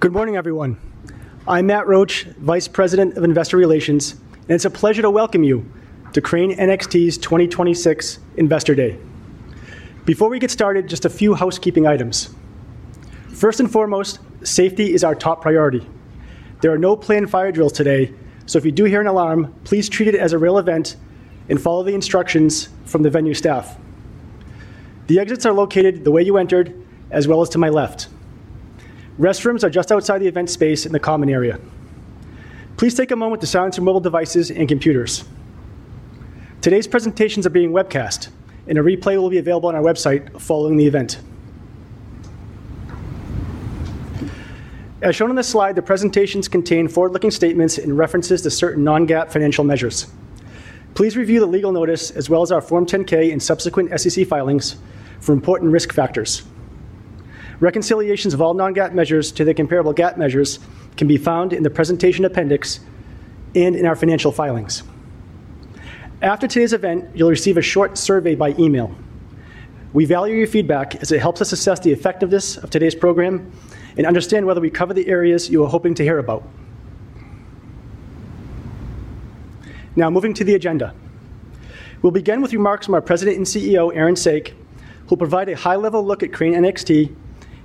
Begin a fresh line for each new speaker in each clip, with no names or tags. Good morning, everyone. I'm Matt Roache, Vice President of Investor Relations, and it's a pleasure to welcome you to Crane NXT's 2026 Investor Day. Before we get started, just a few housekeeping items. First and foremost, safety is our top priority. There are no planned fire drills today, so if you do hear an alarm, please treat it as a real event and follow the instructions from the venue staff. The exits are located the way you entered, as well as to my left. Restrooms are just outside the event space in the common area. Please take a moment to silence your mobile devices and computers. Today's presentations are being webcast, and a replay will be available on our website following the event. As shown on this slide, the presentations contain forward-looking statements and references to certain non-GAAP financial measures. Please review the legal notice, as well as our Form 10-K and subsequent SEC filings for important risk factors. Reconciliations of all non-GAAP measures to their comparable GAAP measures can be found in the presentation appendix and in our financial filings. After today's event, you'll receive a short survey by email. We value your feedback as it helps us assess the effectiveness of today's program and understand whether we covered the areas you were hoping to hear about. Moving to the agenda. We'll begin with remarks from our President and CEO, Aaron W. Saak, who'll provide a high-level look at Crane NXT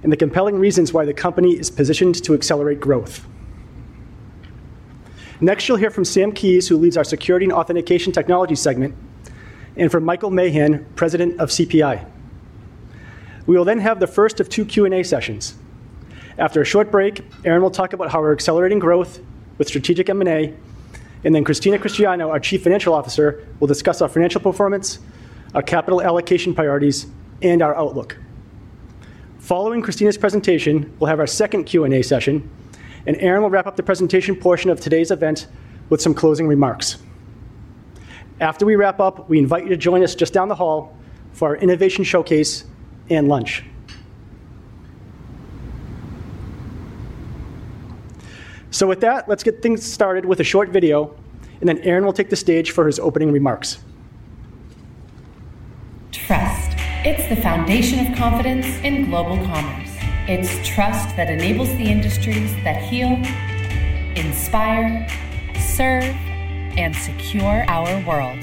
and the compelling reasons why the company is positioned to accelerate growth. You'll hear from Sam Keayes, who leads our Security and Authentication Technologies segment, and from Michael Mahan, President of CPI. We will have the first of two Q&A sessions. After a short break, Aaron will talk about how we're accelerating growth with strategic M&A, and then Christina Cristiano, our Chief Financial Officer, will discuss our financial performance, our capital allocation priorities, and our outlook. Following Christina's presentation, we'll have our second Q&A session, and Aaron will wrap up the presentation portion of today's event with some closing remarks. After we wrap up, we invite you to join us just down the hall for our innovation showcase and lunch. With that, let's get things started with a short video, and then Aaron will take the stage for his opening remarks.
Trust. It's the foundation of confidence in global commerce. It's trust that enables the industries that heal, inspire, serve, and secure our world.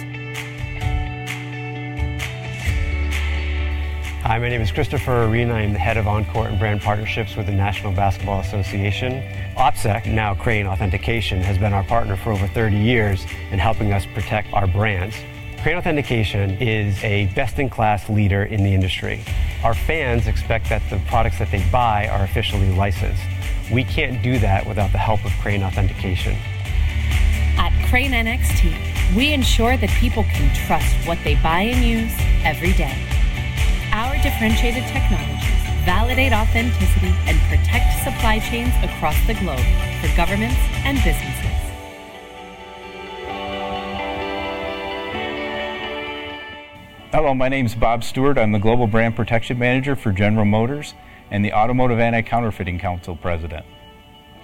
Hi, my name is Christopher Arena. I'm the Head of On-Court and Brand Partnerships with the National Basketball Association. OPSEC, now Crane Authentication, has been our partner for over 30 years in helping us protect our brands. Crane Authentication is a best-in-class leader in the industry. Our fans expect that the products that they buy are officially licensed. We can't do that without the help of Crane Authentication.
At Crane NXT, we ensure that people can trust what they buy and use every day. Our differentiated technologies validate authenticity and protect supply chains across the globe for governments and businesses.
Hello, my name is Bob Stewart. I'm the Global Brand Protection Manager for General Motors and the Automotive Anti-Counterfeiting Council President.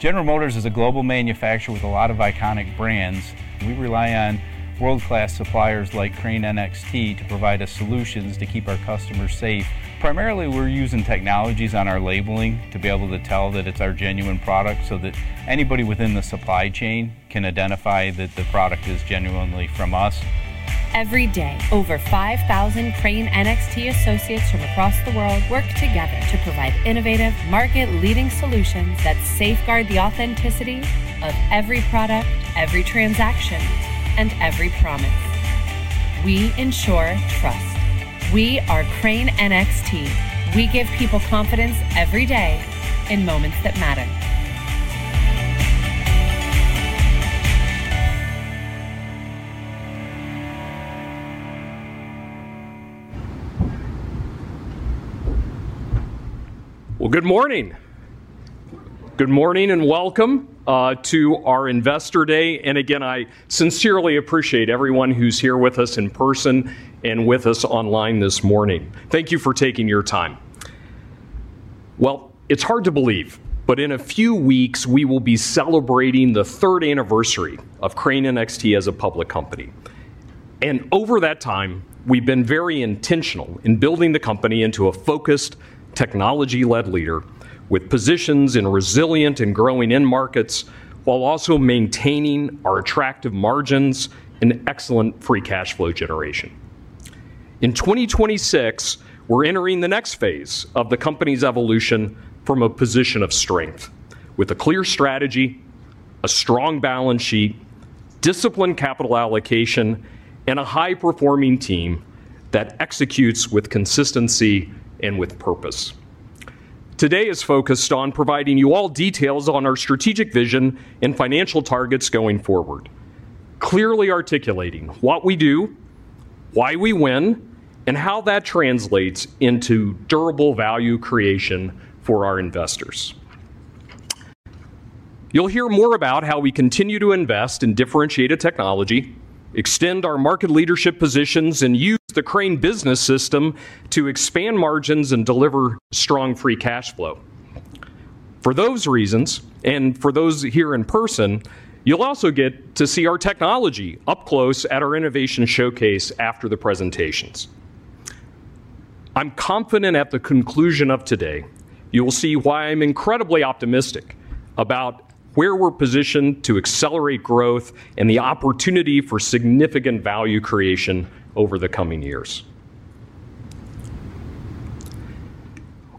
General Motors is a global manufacturer with a lot of iconic brands. We rely on world-class suppliers like Crane NXT to provide us solutions to keep our customers safe. Primarily, we're using technologies on our labeling to be able to tell that it's our genuine product, so that anybody within the supply chain can identify that the product is genuinely from us.
Every day, over 5,000 Crane NXT associates from across the world work together to provide innovative, market-leading solutions that safeguard the authenticity of every product, every transaction, and every promise. We ensure trust. We are Crane NXT. We give people confidence every day in moments that matter.
Well, good morning. Good morning, welcome to our Investor Day. Again, I sincerely appreciate everyone who's here with us in person and with us online this morning. Thank you for taking your time. Well, it's hard to believe, but in a few weeks, we will be celebrating the third anniversary of Crane NXT as a public company. Over that time, we've been very intentional in building the company into a focused, technology-led leader with positions in resilient and growing end markets, while also maintaining our attractive margins and excellent free cash flow generation. In 2026, we're entering the next phase of the company's evolution from a position of strength, with a clear strategy, a strong balance sheet, disciplined capital allocation, and a high-performing team that executes with consistency and with purpose. Today is focused on providing you all details on our strategic vision and financial targets going forward, clearly articulating what we do, why we win, and how that translates into durable value creation for our investors. You'll hear more about how we continue to invest in differentiated technology, extend our market leadership positions, and use the Crane Business System to expand margins and deliver strong free cash flow. For those reasons, and for those here in person, you'll also get to see our technology up close at our innovation showcase after the presentations. I'm confident at the conclusion of today, you will see why I'm incredibly optimistic about where we're positioned to accelerate growth and the opportunity for significant value creation over the coming years.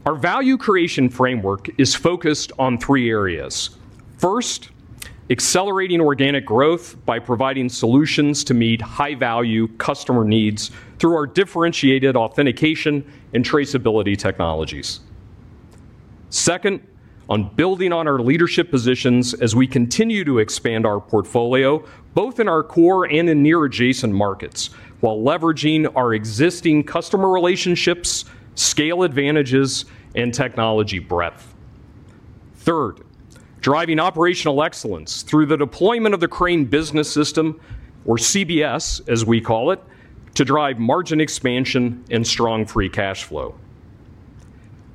Our value creation framework is focused on three areas. First, accelerating organic growth by providing solutions to meet high-value customer needs through our differentiated authentication and traceability technologies. Second, on building on our leadership positions as we continue to expand our portfolio, both in our core and in near adjacent markets, while leveraging our existing customer relationships, scale advantages, and technology breadth. Third, driving operational excellence through the deployment of the Crane Business System, or CBS, as we call it, to drive margin expansion and strong free cash flow.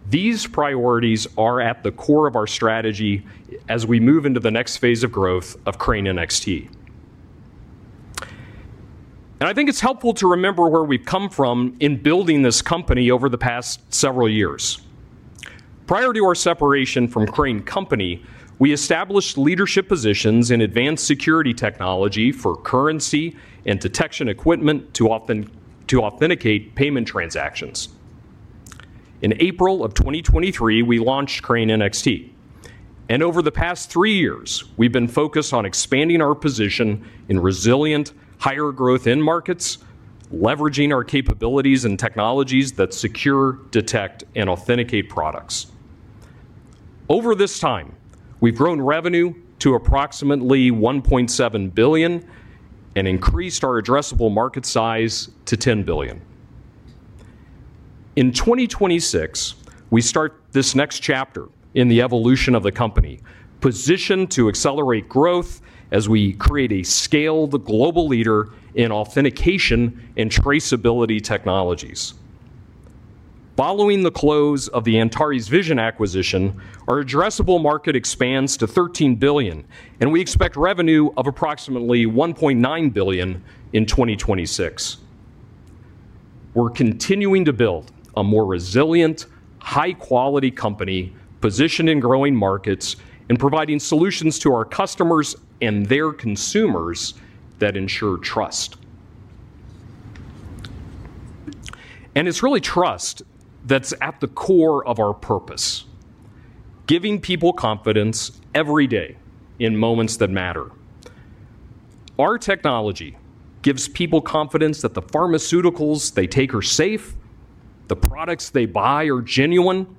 These priorities are at the core of our strategy as we move into the next phase of growth of Crane NXT. I think it's helpful to remember where we've come from in building this company over the past several years. Prior to our separation from Crane Company, we established leadership positions in advanced security technology for currency and detection equipment to authenticate payment transactions. In April of 2023, we launched Crane NXT. Over the past three years, we've been focused on expanding our position in resilient, higher growth end markets, leveraging our capabilities and technologies that secure, detect, and authenticate products. Over this time, we've grown revenue to approximately $1.7 billion and increased our addressable market size to $10 billion. In 2026, we start this next chapter in the evolution of the company, positioned to accelerate growth as we create a scaled global leader in authentication and traceability technologies. Following the close of the Antares Vision acquisition, our addressable market expands to $13 billion, and we expect revenue of approximately $1.9 billion in 2026. We're continuing to build a more resilient, high-quality company, positioned in growing markets and providing solutions to our customers and their consumers that ensure trust. It's really trust that's at the core of our purpose, giving people confidence every day in moments that matter. Our technology gives people confidence that the pharmaceuticals they take are safe, the products they buy are genuine,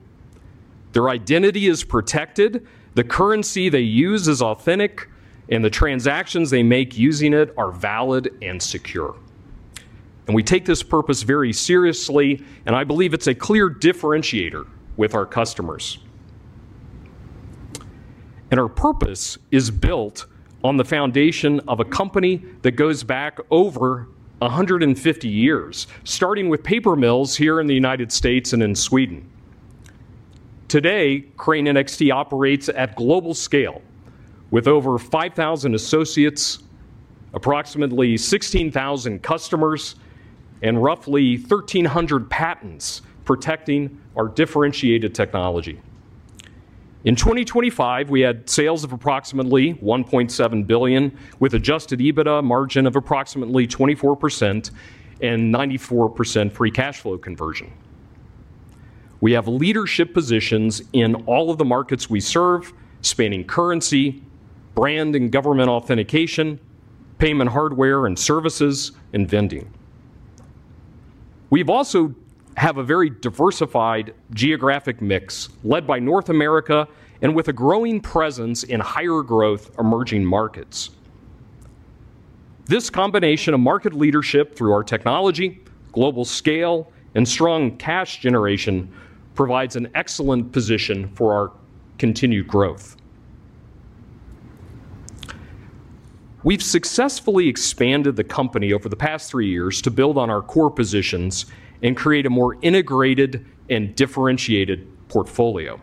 their identity is protected, the currency they use is authentic, and the transactions they make using it are valid and secure. We take this purpose very seriously, and I believe it's a clear differentiator with our customers. Our purpose is built on the foundation of a company that goes back over 150 years, starting with paper mills here in the United States and in Sweden. Today, Crane NXT operates at global scale with over 5,000 associates, approximately 16,000 customers, and roughly 1,300 patents protecting our differentiated technology. In 2025, we had sales of approximately $1.7 billion, with adjusted EBITDA margin of approximately 24% and 94% free cash flow conversion. We have leadership positions in all of the markets we serve, spanning currency, brand and government authentication, payment hardware and services, and vending. We've also have a very diversified geographic mix, led by North America and with a growing presence in higher growth emerging markets. This combination of market leadership through our technology, global scale, and strong cash generation provides an excellent position for our continued growth. We've successfully expanded the company over the past 3 years to build on our core positions and create a more integrated and differentiated portfolio.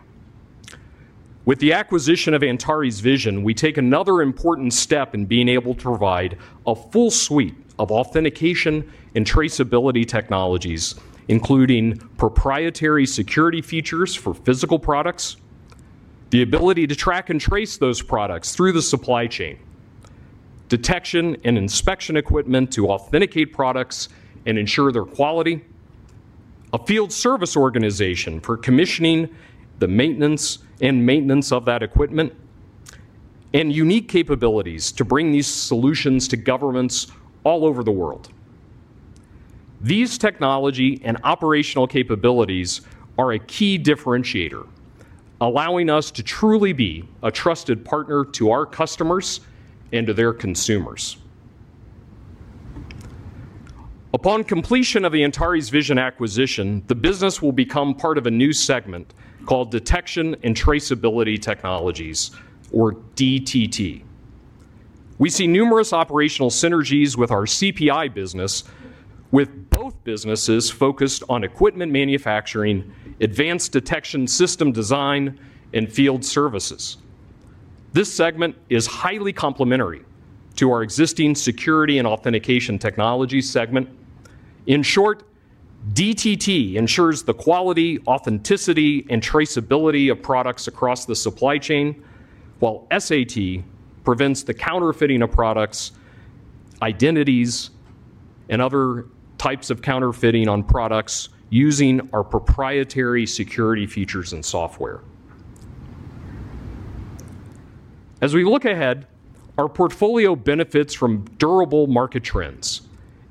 With the acquisition of Antares Vision, we take another important step in being able to provide a full suite of authentication and traceability technologies, including proprietary security features for physical products, the ability to track and trace those products through the supply chain, detection and inspection equipment to authenticate products and ensure their quality, a field service organization for commissioning the maintenance of that equipment, and unique capabilities to bring these solutions to governments all over the world. These technology and operational capabilities are a key differentiator, allowing us to truly be a trusted partner to our customers and to their consumers. Upon completion of the Antares Vision acquisition, the business will become part of a new segment called Detection and Traceability Technologies, or DTT. We see numerous operational synergies with our CPI business, with both businesses focused on equipment manufacturing, advanced detection system design, and field services. This segment is highly complementary to our existing Security and Authentication Technologies segment. In short, DTT ensures the quality, authenticity, and traceability of products across the supply chain, while SAT prevents the counterfeiting of products, identities, and other types of counterfeiting on products using our proprietary security features and software. As we look ahead, our portfolio benefits from durable market trends,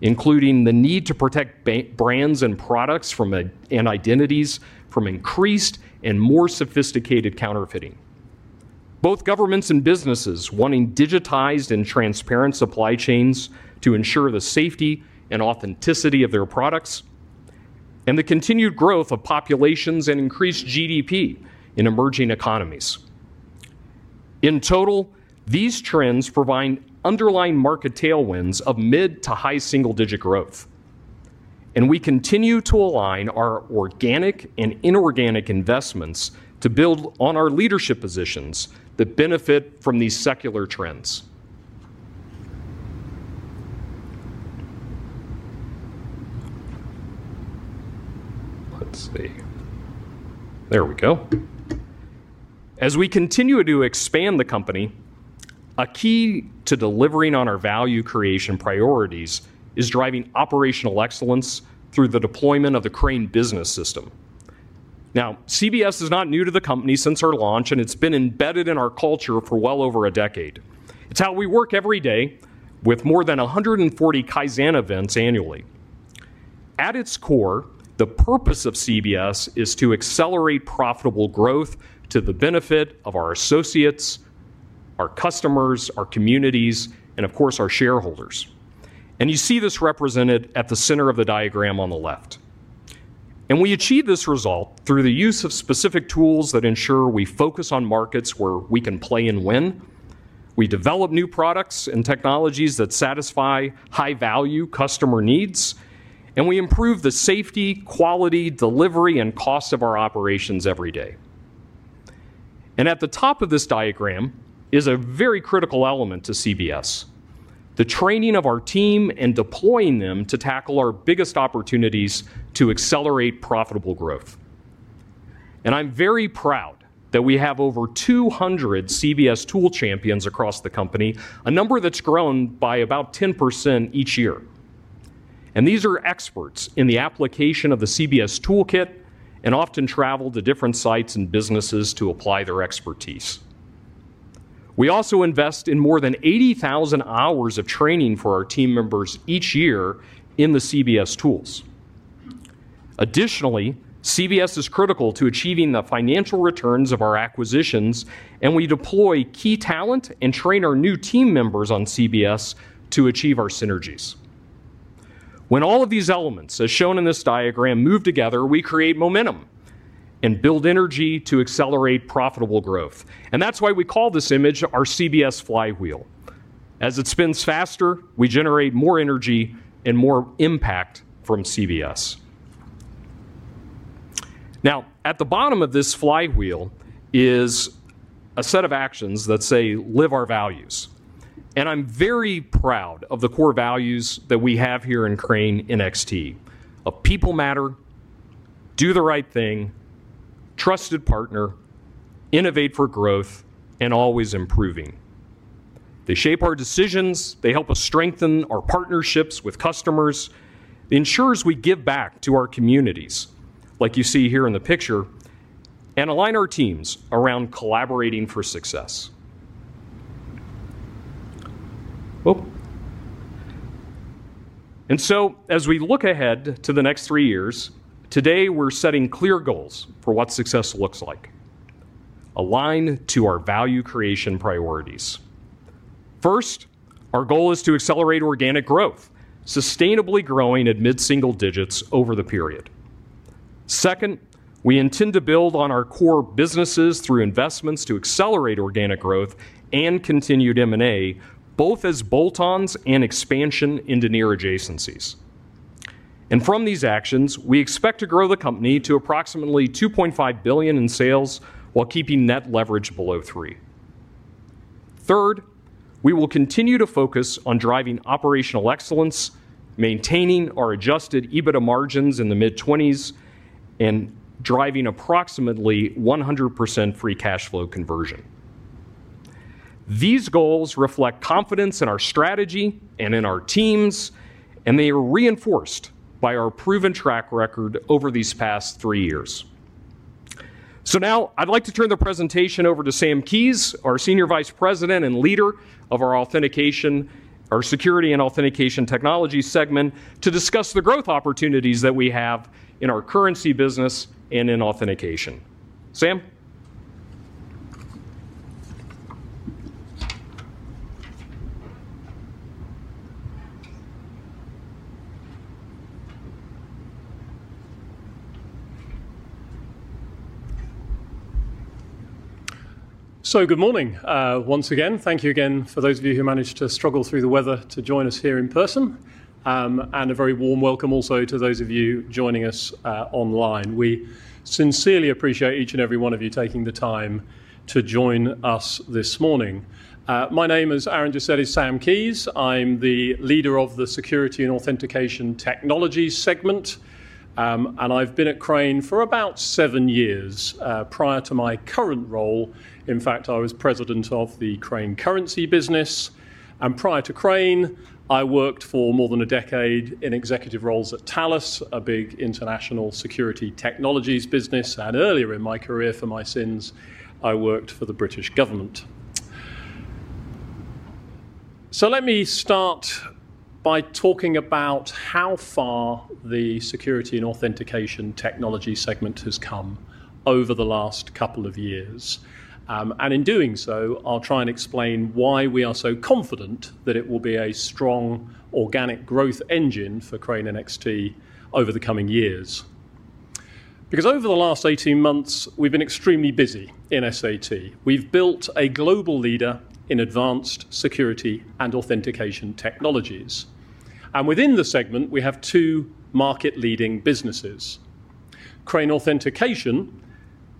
including the need to protect brands and products from and identities from increased and more sophisticated counterfeiting. Both governments and businesses wanting digitized and transparent supply chains to ensure the safety and authenticity of their products, and the continued growth of populations and increased GDP in emerging economies. In total, these trends provide underlying market tailwinds of mid to high single-digit growth, and we continue to align our organic and inorganic investments to build on our leadership positions that benefit from these secular trends. Let's see. There we go. As we continue to expand the company, a key to delivering on our value creation priorities is driving operational excellence through the deployment of the Crane Business System. Now, CBS is not new to the company since our launch, and it's been embedded in our culture for well over a decade. It's how we work every day with more than 140 Kaizen events annually. At its core, the purpose of CBS is to accelerate profitable growth to the benefit of our associates, our customers, our communities, and of course, our shareholders, and you see this represented at the center of the diagram on the left. We achieve this result through the use of specific tools that ensure we focus on markets where we can play and win. We develop new products and technologies that satisfy high-value customer needs, and we improve the safety, quality, delivery, and cost of our operations every day. At the top of this diagram is a very critical element to CBS, the training of our team and deploying them to tackle our biggest opportunities to accelerate profitable growth. I'm very proud that we have over 200 CBS tool champions across the company, a number that's grown by about 10% each year. These are experts in the application of the CBS toolkit and often travel to different sites and businesses to apply their expertise. We also invest in more than 80,000 hours of training for our team members each year in the CBS tools. Additionally, CBS is critical to achieving the financial returns of our acquisitions, and we deploy key talent and train our new team members on CBS to achieve our synergies. When all of these elements, as shown in this diagram, move together, we create momentum and build energy to accelerate profitable growth, and that's why we call this image our CBS flywheel. As it spins faster, we generate more energy and more impact from CBS. Now, at the bottom of this flywheel is a set of actions that say, "Live our values," and I'm very proud of the core values that we have here in Crane NXT. People matter, do the right thing, trusted partner, innovate for growth, and always improving. They shape our decisions, they help us strengthen our partnerships with customers, ensures we give back to our communities, like you see here in the picture, and align our teams around collaborating for success. Oh! As we look ahead to the next 3 years, today, we're setting clear goals for what success looks like, aligned to our value creation priorities. First, our goal is to accelerate organic growth, sustainably growing at mid-single digits over the period. Second, we intend to build on our core businesses through investments to accelerate organic growth and continued M&A, both as bolt-ons and expansion into near adjacencies. From these actions, we expect to grow the company to approximately $2.5 billion in sales while keeping net leverage below 3. Third, we will continue to focus on driving operational excellence, maintaining our adjusted EBITDA margins in the mid-twenties, and driving approximately 100% free cash flow conversion. These goals reflect confidence in our strategy and in our teams, they are reinforced by our proven track record over these past three years. Now I'd like to turn the presentation over to Sam Keayes, our Senior Vice President and leader of our Security and Authentication Technologies segment, to discuss the growth opportunities that we have in our currency business and in authentication. Sam?
Good morning, once again. Thank you again for those of you who managed to struggle through the weather to join us here in person, and a very warm welcome also to those of you joining us online. We sincerely appreciate each and every one of you taking the time to join us this morning. My name is Aaron Gissetti Sam Keayes. I'm the leader of the Security and Authentication Technologies segment, and I've been at Crane for about seven years. Prior to my current role, in fact, I was president of the Crane Currency business, and prior to Crane, I worked for more than a decade in executive roles at Thales, a big international security technologies business, and earlier in my career, for my sins, I worked for the British government. Let me start by talking about how far the Security and Authentication Technologies segment has come over the last couple of years. In doing so, I'll try and explain why we are so confident that it will be a strong organic growth engine for Crane NXT over the coming years. Over the last 18 months, we've been extremely busy in SAT. We've built a global leader in advanced security and authentication technologies, and within the segment, we have two market-leading businesses. Crane Authentication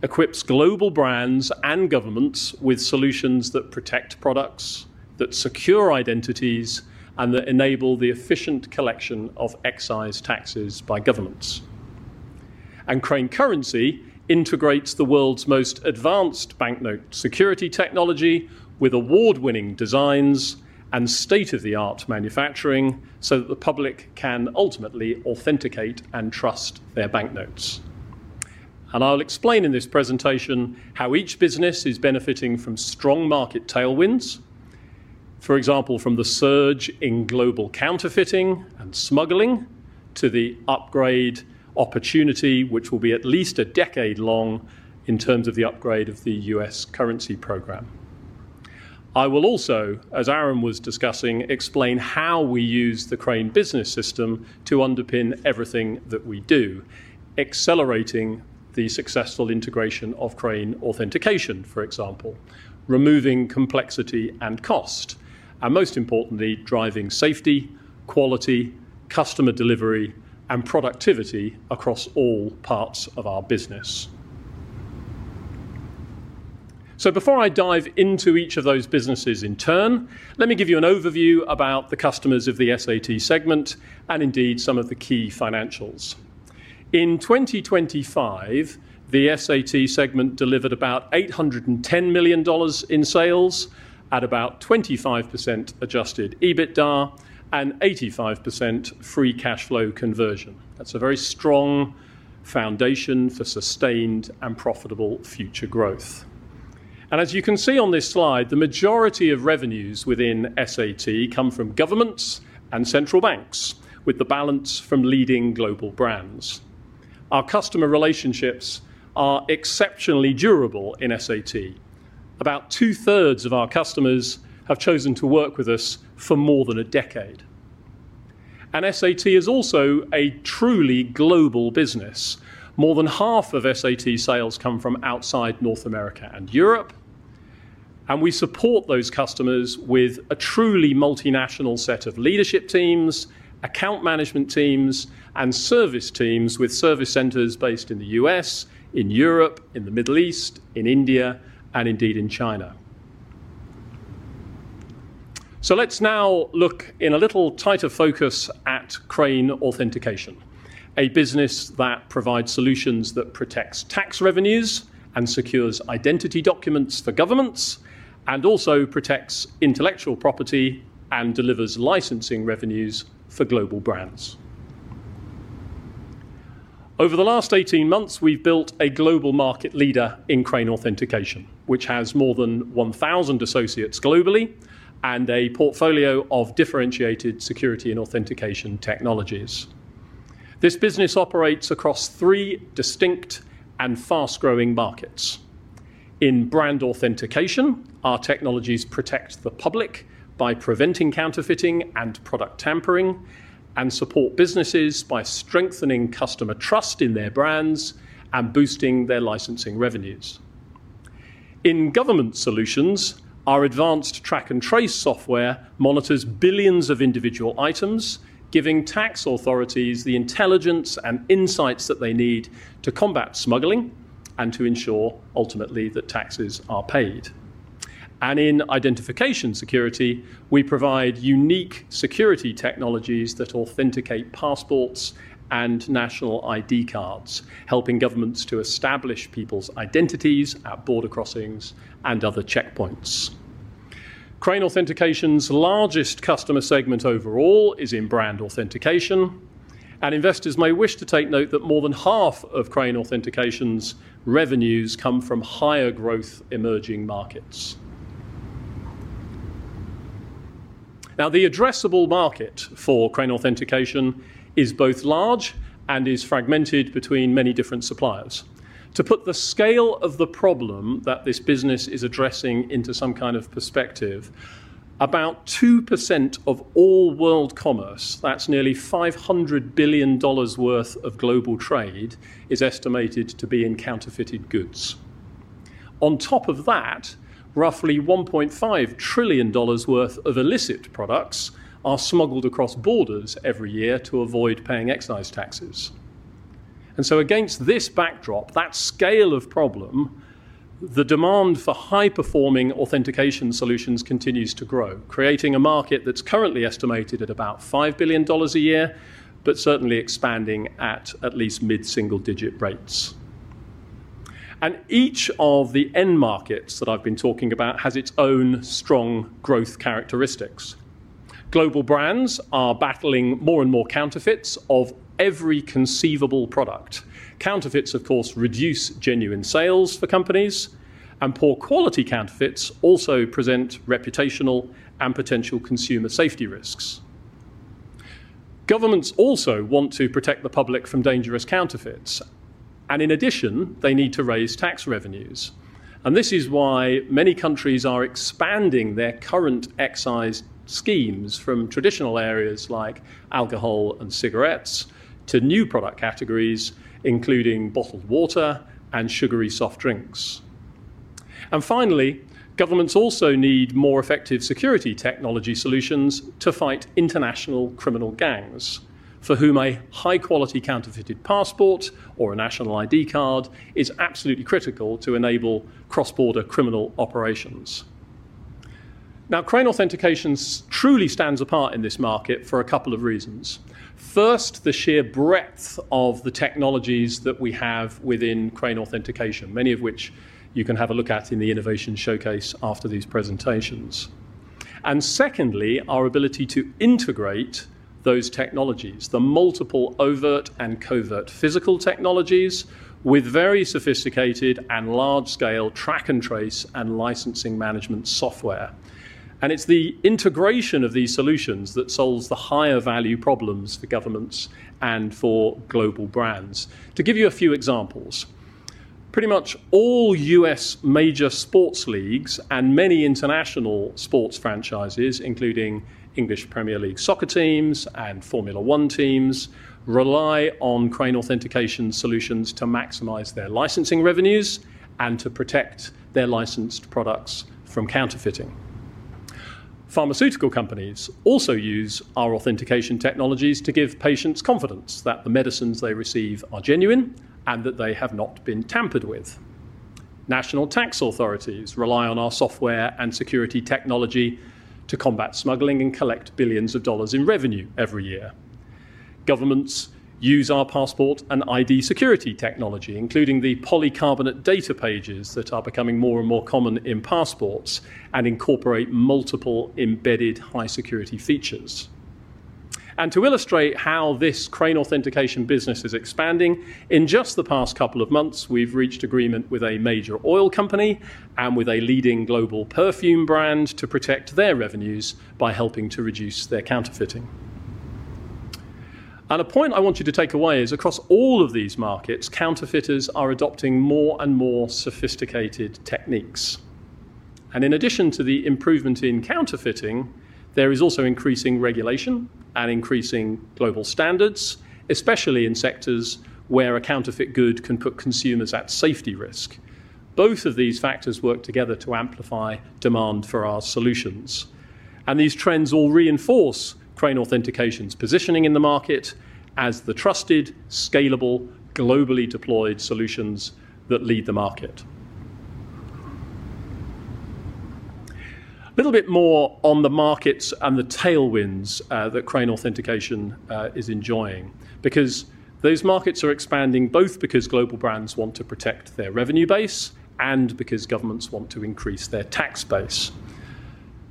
equips global brands and governments with solutions that protect products, that secure identities, and that enable the efficient collection of excise taxes by governments. Crane Currency integrates the world's most advanced banknote security technology with award-winning designs and state-of-the-art manufacturing so that the public can ultimately authenticate and trust their banknotes. I'll explain in this presentation how each business is benefiting from strong market tailwinds. For example, from the surge in global counterfeiting and smuggling to the upgrade opportunity, which will be at least a decade long in terms of the upgrade of the U.S. currency program. I will also, as Aaron was discussing, explain how we use the Crane Business System to underpin everything that we do, accelerating the successful integration of Crane Authentication, for example, removing complexity and cost, and most importantly, driving safety, quality, customer delivery, and productivity across all parts of our business. Before I dive into each of those businesses in turn, let me give you an overview about the customers of the SAT segment and indeed some of the key financials. In 2025, the SAT segment delivered about $810 million in sales at about 25% adjusted EBITDA and 85% free cash flow conversion. That's a very strong foundation for sustained and profitable future growth. As you can see on this slide, the majority of revenues within SAT come from governments and central banks, with the balance from leading global brands. Our customer relationships are exceptionally durable in SAT. About two-thirds of our customers have chosen to work with us for more than a decade. SAT is also a truly global business. More than half of SAT sales come from outside North America and Europe, and we support those customers with a truly multinational set of leadership teams, account management teams, and service teams with service centers based in the U.S., in Europe, in the Middle East, in India, and indeed in China. Let's now look in a little tighter focus at Crane Authentication, a business that provides solutions that protects tax revenues and secures identity documents for governments, and also protects intellectual property and delivers licensing revenues for global brands. Over the last 18 months, we've built a global market leader in Crane Authentication, which has more than 1,000 associates globally and a portfolio of differentiated security and authentication technologies. This business operates across 3 distinct and fast-growing markets. In brand authentication, our technologies protect the public by preventing counterfeiting and product tampering, and support businesses by strengthening customer trust in their brands and boosting their licensing revenues. In government solutions, our advanced track and trace software monitors billions of individual items, giving tax authorities the intelligence and insights that they need to combat smuggling and to ensure, ultimately, that taxes are paid. In identification security, we provide unique security technologies that authenticate passports and national ID cards, helping governments to establish people's identities at border crossings and other checkpoints. Crane Authentication's largest customer segment overall is in brand authentication, and investors may wish to take note that more than half of Crane Authentication's revenues come from higher growth emerging markets. The addressable market for Crane Authentication is both large and is fragmented between many different suppliers. To put the scale of the problem that this business is addressing into some kind of perspective. About 2% of all world commerce, that's nearly $500 billion worth of global trade, is estimated to be in counterfeited goods. On top of that, roughly $1.5 trillion worth of illicit products are smuggled across borders every year to avoid paying excise taxes. Against this backdrop, that scale of problem, the demand for high-performing authentication solutions continues to grow, creating a market that's currently estimated at about $5 billion a year, but certainly expanding at least mid-single-digit rates. Each of the end markets that I've been talking about has its own strong growth characteristics. Global brands are battling more and more counterfeits of every conceivable product. Counterfeits, of course, reduce genuine sales for companies, and poor quality counterfeits also present reputational and potential consumer safety risks. Governments also want to protect the public from dangerous counterfeits, and in addition, they need to raise tax revenues. This is why many countries are expanding their current excise schemes from traditional areas like alcohol and cigarettes to new product categories, including bottled water and sugary soft drinks. Finally, governments also need more effective security technology solutions to fight international criminal gangs, for whom a high-quality counterfeited passport or a national ID card is absolutely critical to enable cross-border criminal operations. Now, Crane Authentication truly stands apart in this market for a couple of reasons. First, the sheer breadth of the technologies that we have within Crane Authentication, many of which you can have a look at in the innovation showcase after these presentations. Secondly, our ability to integrate those technologies, the multiple overt and covert physical technologies, with very sophisticated and large-scale track and trace and licensing management software. It's the integration of these solutions that solves the higher value problems for governments and for global brands. To give you a few examples, pretty much all U.S. major sports leagues and many international sports franchises, including English Premier League soccer teams and Formula One teams, rely on Crane Authentication solutions to maximize their licensing revenues and to protect their licensed products from counterfeiting. Pharmaceutical companies also use our authentication technologies to give patients confidence that the medicines they receive are genuine, and that they have not been tampered with. National tax authorities rely on our software and security technology to combat smuggling and collect billions of dollars in revenue every year. Governments use our passport and ID security technology, including the polycarbonate data pages that are becoming more and more common in passports and incorporate multiple embedded high-security features. To illustrate how this Crane Authentication business is expanding, in just the past couple of months, we've reached agreement with a major oil company and with a leading global perfume brand to protect their revenues by helping to reduce their counterfeiting. A point I want you to take away is, across all of these markets, counterfeiters are adopting more and more sophisticated techniques. In addition to the improvement in counterfeiting, there is also increasing regulation and increasing global standards, especially in sectors where a counterfeit good can put consumers at safety risk. Both of these factors work together to amplify demand for our solutions, and these trends will reinforce Crane Authentication's positioning in the market as the trusted, scalable, globally deployed solutions that lead the market. A little bit more on the markets and the tailwinds that Crane Authentication is enjoying, because those markets are expanding, both because global brands want to protect their revenue base and because governments want to increase their tax base.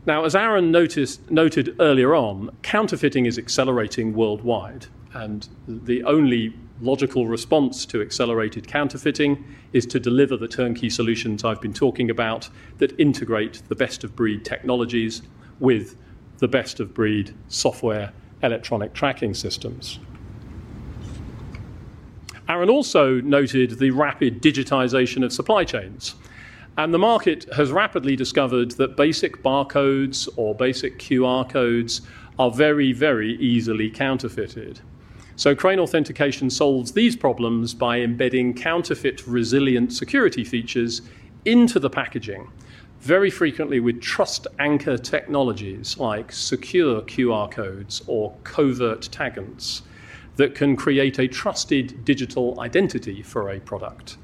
As Aaron noted earlier on, counterfeiting is accelerating worldwide, and the only logical response to accelerated counterfeiting is to deliver the turnkey solutions I've been talking about that integrate the best-of-breed technologies with the best-of-breed software electronic tracking systems. Aaron also noted the rapid digitization of supply chains, the market has rapidly discovered that basic barcodes or basic QR codes are very easily counterfeited. Crane Authentication solves these problems by embedding counterfeit-resilient security features into the packaging, very frequently with trust anchor technologies like secure QR codes or covert taggants that can create a trusted digital identity for a product,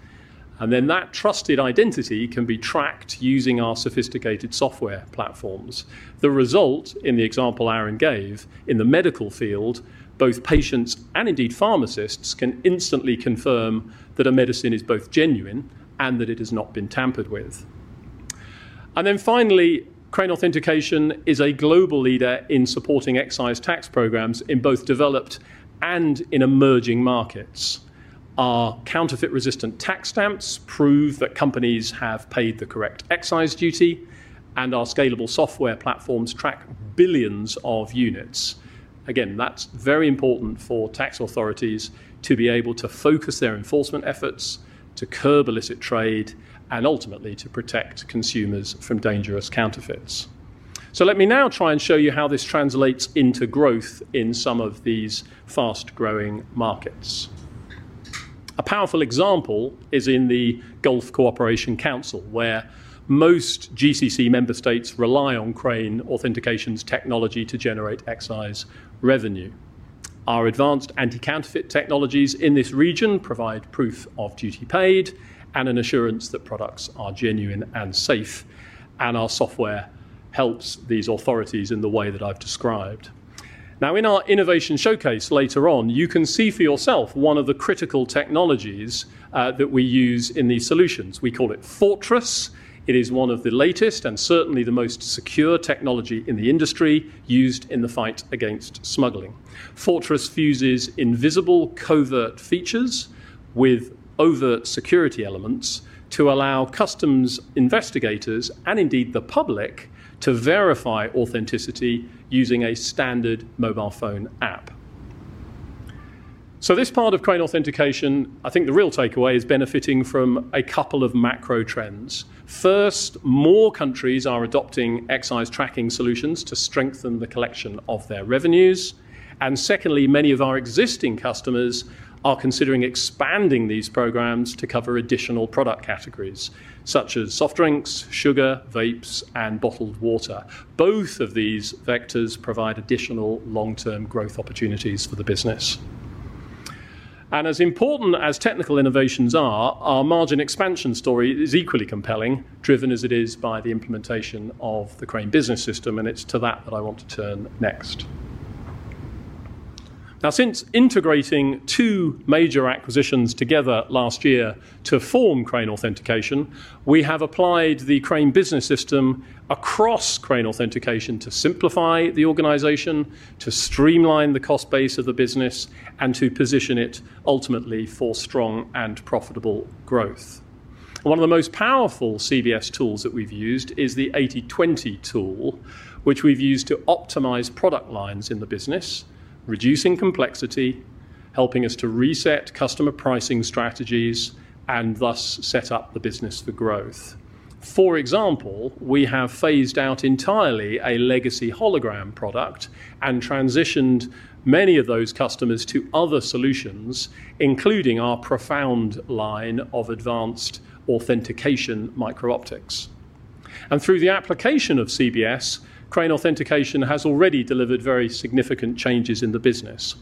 and then that trusted identity can be tracked using our sophisticated software platforms. The result, in the example Aaron gave, in the medical field, both patients and indeed pharmacists can instantly confirm that a medicine is both genuine and that it has not been tampered with. Finally, Crane Authentication is a global leader in supporting excise tax programs in both developed and in emerging markets. Our counterfeit-resistant tax stamps prove that companies have paid the correct excise duty, and our scalable software platforms track billions of units. Again, that's very important for tax authorities to be able to focus their enforcement efforts, to curb illicit trade, and ultimately, to protect consumers from dangerous counterfeits. Let me now try and show you how this translates into growth in some of these fast-growing markets. A powerful example is in the Gulf Cooperation Council, where most GCC member states rely on Crane Authentication's technology to generate excise revenue. Our advanced anti-counterfeit technologies in this region provide proof of duty paid and an assurance that products are genuine and safe, and our software helps these authorities in the way that I've described. In our innovation showcase later on, you can see for yourself one of the critical technologies that we use in these solutions. We call it Fortress. It is one of the latest and certainly the most secure technology in the industry used in the fight against smuggling. Fortress fuses invisible covert features with overt security elements to allow customs investigators, and indeed the public, to verify authenticity using a standard mobile phone app. This part of Crane Authentication, I think the real takeaway is benefiting from a couple of macro trends. First, more countries are adopting excise tracking solutions to strengthen the collection of their revenues, and secondly, many of our existing customers are considering expanding these programs to cover additional product categories, such as soft drinks, sugar, vapes, and bottled water. Both of these vectors provide additional long-term growth opportunities for the business. As important as technical innovations are, our margin expansion story is equally compelling, driven as it is by the implementation of the Crane Business System, and it's to that that I want to turn next. Now, since integrating two major acquisitions together last year to form Crane Authentication, we have applied the Crane Business System across Crane Authentication to simplify the organization, to streamline the cost base of the business, and to position it ultimately for strong and profitable growth. One of the most powerful CBS tools that we've used is the 80/20 tool, which we've used to optimize product lines in the business, reducing complexity, helping us to reset customer pricing strategies, and thus set up the business for growth. For example, we have phased out entirely a legacy hologram product and transitioned many of those customers to other solutions, including our Profound line of advanced authentication micro-optics. Through the application of CBS, Crane Authentication has already delivered very significant changes in the business.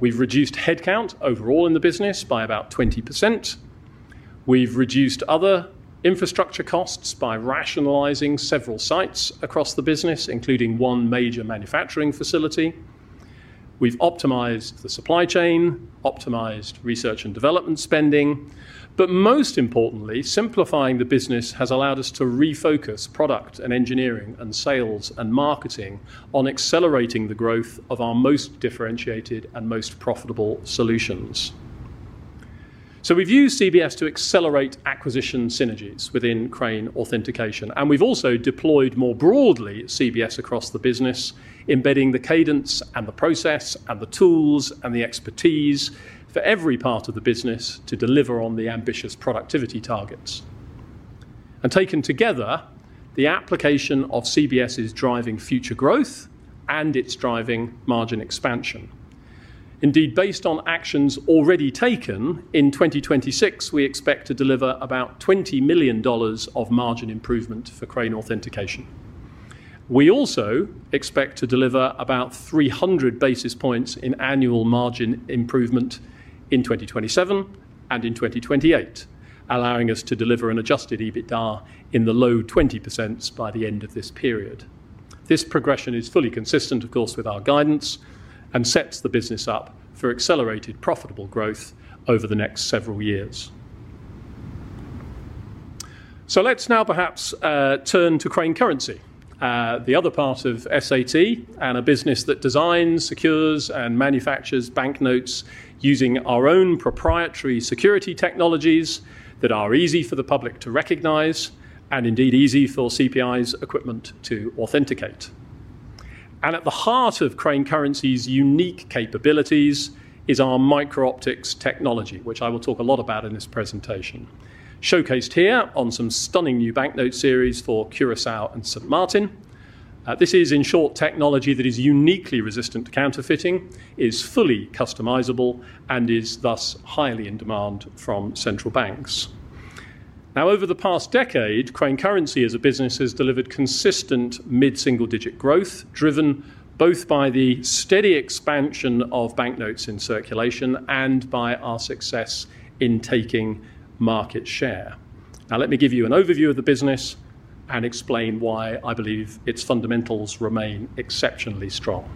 We've reduced headcount overall in the business by about 20%. We've reduced other infrastructure costs by rationalizing several sites across the business, including one major manufacturing facility. We've optimized the supply chain, optimized research and development spending, but most importantly, simplifying the business has allowed us to refocus product and engineering and sales and marketing on accelerating the growth of our most differentiated and most profitable solutions. We've used CBS to accelerate acquisition synergies within Crane Authentication, and we've also deployed more broadly CBS across the business, embedding the cadence and the process and the tools and the expertise for every part of the business to deliver on the ambitious productivity targets. Taken together, the application of CBS is driving future growth, and it's driving margin expansion. Indeed, based on actions already taken, in 2026, we expect to deliver about $20 million of margin improvement for Crane Authentication. We also expect to deliver about 300 basis points in annual margin improvement in 2027 and in 2028, allowing us to deliver an adjusted EBITDA in the low 20% by the end of this period. This progression is fully consistent, of course, with our guidance and sets the business up for accelerated profitable growth over the next several years. Let's now perhaps turn to Crane Currency, the other part of SAT and a business that designs, secures, and manufactures banknotes using our own proprietary security technologies that are easy for the public to recognize and indeed easy for CPI's equipment to authenticate. At the heart of Crane Currency's unique capabilities is our micro-optics technology, which I will talk a lot about in this presentation. Showcased here on some stunning new banknote series for Curaçao and Sint Maarten. This is, in short, technology that is uniquely resistant to counterfeiting, is fully customizable, and is thus highly in demand from central banks. Over the past decade, Crane Currency as a business, has delivered consistent mid-single-digit growth, driven both by the steady expansion of banknotes in circulation and by our success in taking market share. Let me give you an overview of the business and explain why I believe its fundamentals remain exceptionally strong.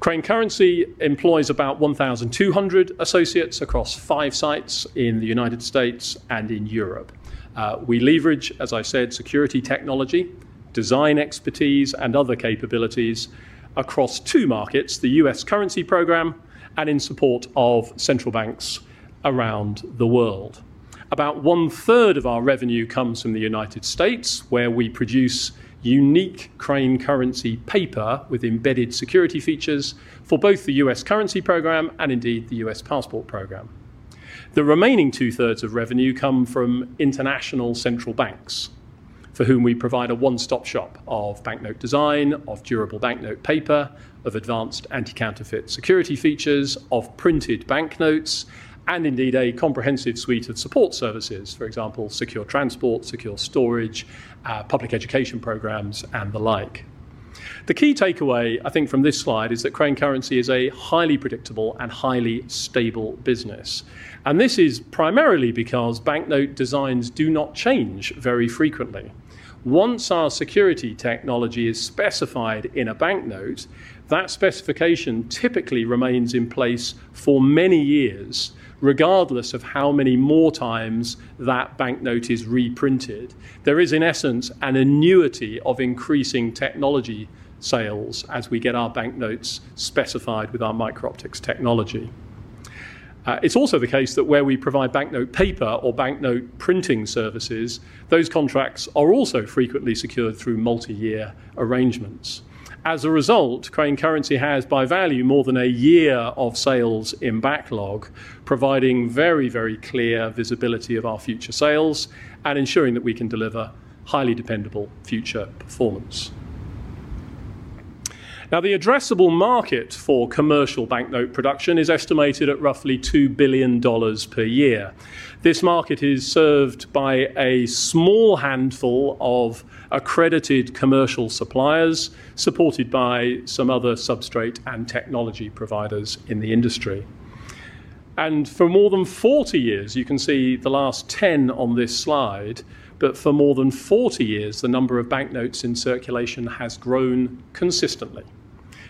Crane Currency employs about 1,200 associates across five sites in the United States and in Europe. We leverage, as I said, security technology, design expertise, and other capabilities across two markets, the U.S. currency program and in support of central banks around the world. About one-third of our revenue comes from the United States, where we produce unique Crane Currency paper with embedded security features for both the U.S. currency program and indeed, the U.S. passport program. The remaining two-thirds of revenue come from international central banks for whom we provide a one-stop shop of banknote design, of durable banknote paper, of advanced anti-counterfeit security features, of printed banknotes, and indeed, a comprehensive suite of support services, for example, secure transport, secure storage, public education programs, and the like. The key takeaway, I think, from this slide is that Crane Currency is a highly predictable and highly stable business, and this is primarily because banknote designs do not change very frequently. Once our security technology is specified in a banknote, that specification typically remains in place for many years, regardless of how many more times that banknote is reprinted. There is, in essence, an annuity of increasing technology sales as we get our banknotes specified with our micro-optics technology. It's also the case that where we provide banknote paper or banknote printing services, those contracts are also frequently secured through multi-year arrangements. As a result, Crane Currency has, by value, more than a year of sales in backlog, providing very, very clear visibility of our future sales and ensuring that we can deliver highly dependable future performance. The addressable market for commercial banknote production is estimated at roughly $2 billion per year. This market is served by a small handful of accredited commercial suppliers, supported by some other substrate and technology providers in the industry. For more than 40 years, you can see the last 10 on this slide, but for more than 40 years, the number of banknotes in circulation has grown consistently.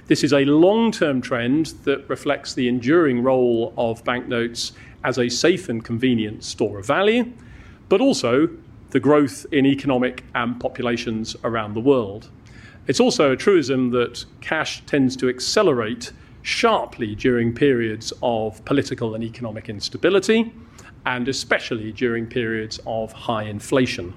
This is a long-term trend that reflects the enduring role of banknotes as a safe and convenient store of value, but also the growth in economic and populations around the world. It's also a truism that cash tends to accelerate sharply during periods of political and economic instability, and especially during periods of high inflation.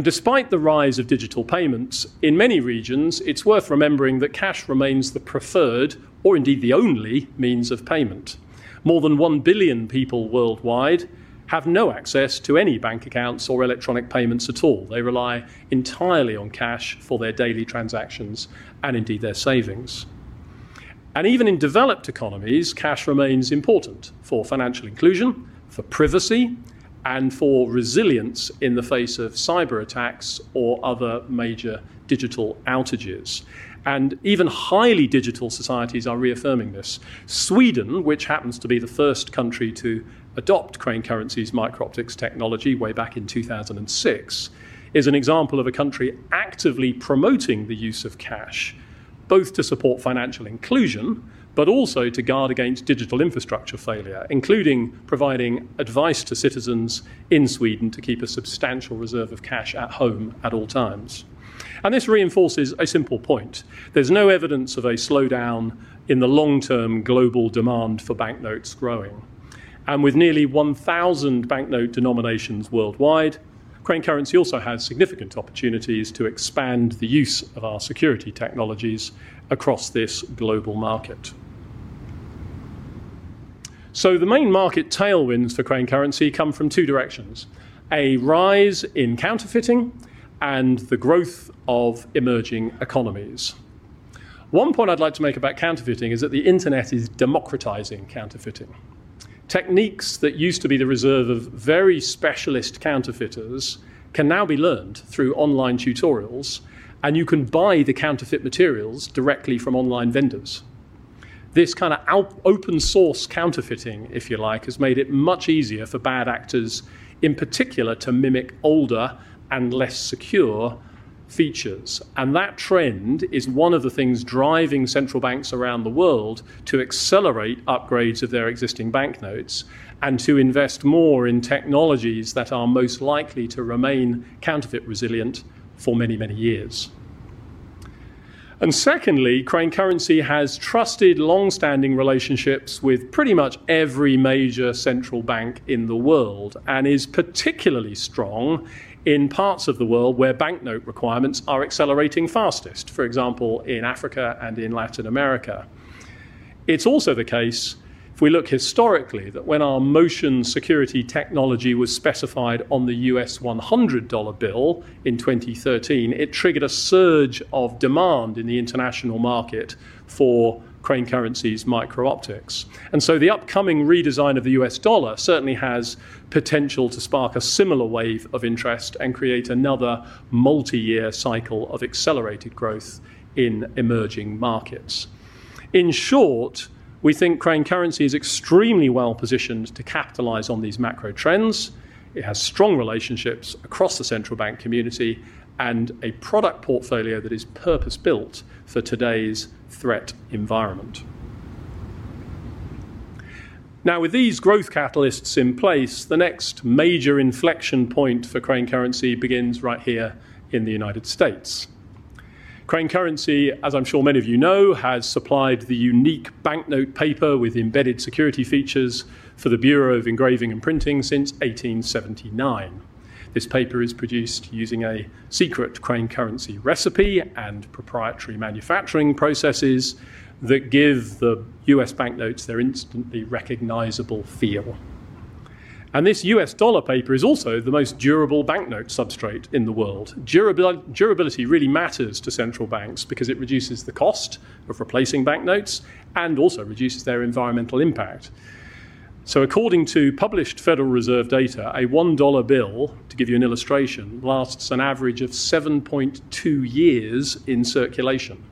Despite the rise of digital payments, in many regions, it's worth remembering that cash remains the preferred or indeed the only means of payment. More than 1 billion people worldwide have no access to any bank accounts or electronic payments at all. They rely entirely on cash for their daily transactions and indeed their savings. Even in developed economies, cash remains important for financial inclusion, for privacy, and for resilience in the face of cyberattacks or other major digital outages. Even highly digital societies are reaffirming this. Sweden, which happens to be the first country to adopt Crane Currency's micro-optics technology way back in 2006, is an example of a country actively promoting the use of cash, both to support financial inclusion, but also to guard against digital infrastructure failure, including providing advice to citizens in Sweden to keep a substantial reserve of cash at home at all times. This reinforces a simple point. There's no evidence of a slowdown in the long-term global demand for banknotes growing. With nearly 1,000 banknote denominations worldwide, Crane Currency also has significant opportunities to expand the use of our security technologies across this global market. The main market tailwinds for Crane Currency come from two directions: a rise in counterfeiting and the growth of emerging economies. One point I'd like to make about counterfeiting is that the internet is democratizing counterfeiting. Techniques that used to be the reserve of very specialist counterfeiters can now be learned through online tutorials, and you can buy the counterfeit materials directly from online vendors. This kind of open source counterfeiting, if you like, has made it much easier for bad actors, in particular, to mimic older and less secure features. That trend is one of the things driving central banks around the world to accelerate upgrades of their existing banknotes and to invest more in technologies that are most likely to remain counterfeit resilient for many, many years. Secondly, Crane Currency has trusted long-standing relationships with pretty much every major central bank in the world and is particularly strong in parts of the world where banknote requirements are accelerating fastest, for example, in Africa and in Latin America. It's also the case, if we look historically, that when our motion security technology was specified on the US $100 bill in 2013, it triggered a surge of demand in the international market for Crane Currency's micro-optics. The upcoming redesign of the US dollar certainly has potential to spark a similar wave of interest and create another multi-year cycle of accelerated growth in emerging markets. In short, we think Crane Currency is extremely well-positioned to capitalize on these macro trends. It has strong relationships across the central bank community and a product portfolio that is purpose-built for today's threat environment. Now, with these growth catalysts in place, the next major inflection point for Crane Currency begins right here in the United States. Crane Currency, as I'm sure many of you know, has supplied the unique banknote paper with embedded security features for the Bureau of Engraving and Printing since 1879. This paper is produced using a secret Crane Currency recipe and proprietary manufacturing processes that give the US banknotes their instantly recognizable feel. This US dollar paper is also the most durable banknote substrate in the world. Durability really matters to central banks because it reduces the cost of replacing banknotes and also reduces their environmental impact. According to published Federal Reserve data, a $1 bill, to give you an illustration, lasts an average of 7.2 years in circulation,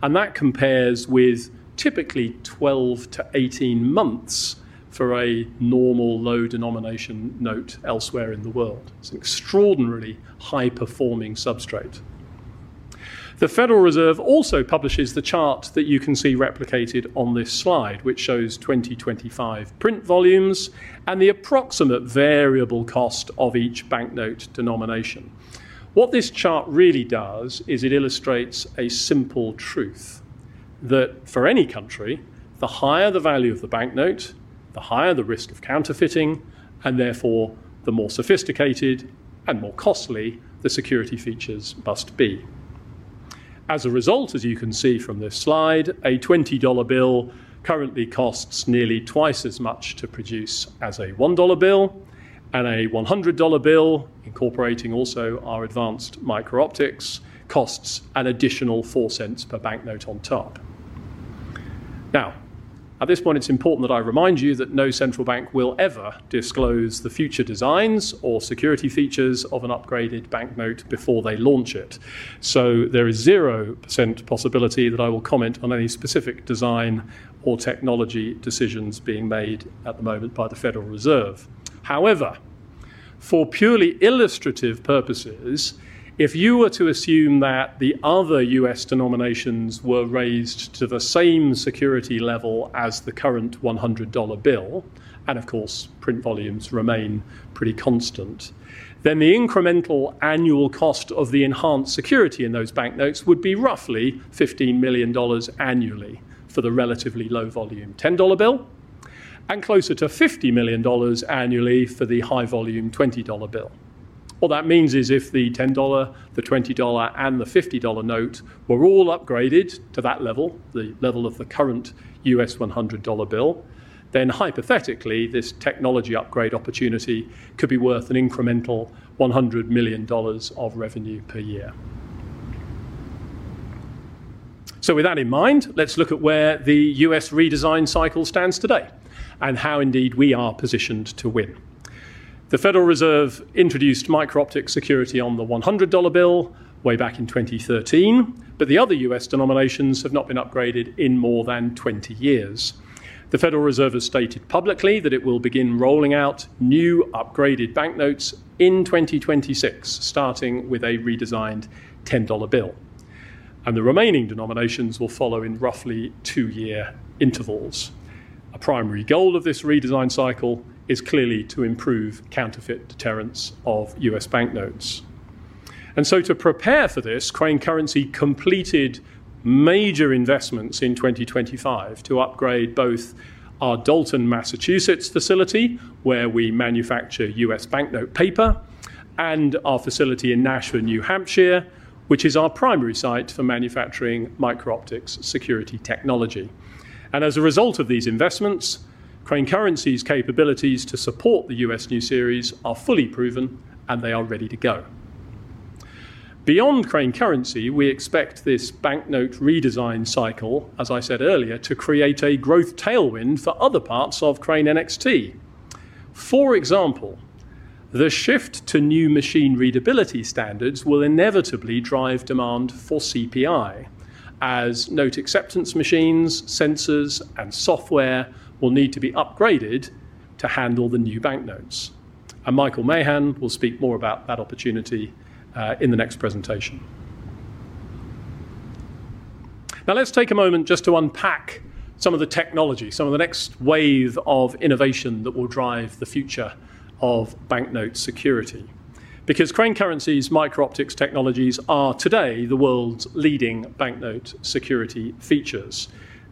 and that compares with typically 12-18 months for a normal low-denomination note elsewhere in the world. It's an extraordinarily high-performing substrate. The Federal Reserve also publishes the chart that you can see replicated on this slide, which shows 2025 print volumes and the approximate variable cost of each banknote denomination. What this chart really does is it illustrates a simple truth, that for any country, the higher the value of the banknote, the higher the risk of counterfeiting, and therefore, the more sophisticated and more costly the security features must be. As you can see from this slide, a $20 bill currently costs nearly twice as much to produce as a $1 bill, a $100 bill, incorporating also our advanced micro-optics, costs an additional $0.04 per banknote on top. At this point, it's important that I remind you that no central bank will ever disclose the future designs or security features of an upgraded banknote before they launch it. There is 0% possibility that I will comment on any specific design or technology decisions being made at the moment by the Federal Reserve. For purely illustrative purposes, if you were to assume that the other U.S. denominations were raised to the same security level as the current 100 dollar bill, and of course, print volumes remain pretty constant, then the incremental annual cost of the enhanced security in those banknotes would be roughly $15 million annually for the relatively low-volume 10 dollar bill, and closer to $50 million annually for the high-volume 20 dollar bill. What that means is if the 10 dollar, the 20 dollar, and the 50 dollar note were all upgraded to that level, the level of the current U.S. 100 dollar bill, then hypothetically, this technology upgrade opportunity could be worth an incremental $100 million of revenue per year. With that in mind, let's look at where the U.S. redesign cycle stands today and how indeed we are positioned to win. The Federal Reserve introduced micro-optic security on the $100 bill way back in 2013. The other U.S. denominations have not been upgraded in more than 20 years. The Federal Reserve has stated publicly that it will begin rolling out new upgraded banknotes in 2026, starting with a redesigned $10 bill. The remaining denominations will follow in roughly 2-year intervals. A primary goal of this redesign cycle is clearly to improve counterfeit deterrence of U.S. banknotes. To prepare for this, Crane Currency completed major investments in 2025 to upgrade both our Dalton, Massachusetts facility, where we manufacture U.S. banknote paper, and our facility in Nashua, New Hampshire, which is our primary site for manufacturing micro-optics security technology. As a result of these investments, Crane Currency's capabilities to support the U.S. new series are fully proven, and they are ready to go. Beyond Crane Currency, we expect this banknote redesign cycle, as I said earlier, to create a growth tailwind for other parts of Crane NXT. For example, the shift to new machine readability standards will inevitably drive demand for CPI, as note acceptance machines, sensors, and software will need to be upgraded to handle the new banknotes. Michael Mahan will speak more about that opportunity in the next presentation. Now, let's take a moment just to unpack some of the technology, some of the next wave of innovation that will drive the future of banknote security. Crane Currency's micro-optics technologies are today the world's leading banknote security features.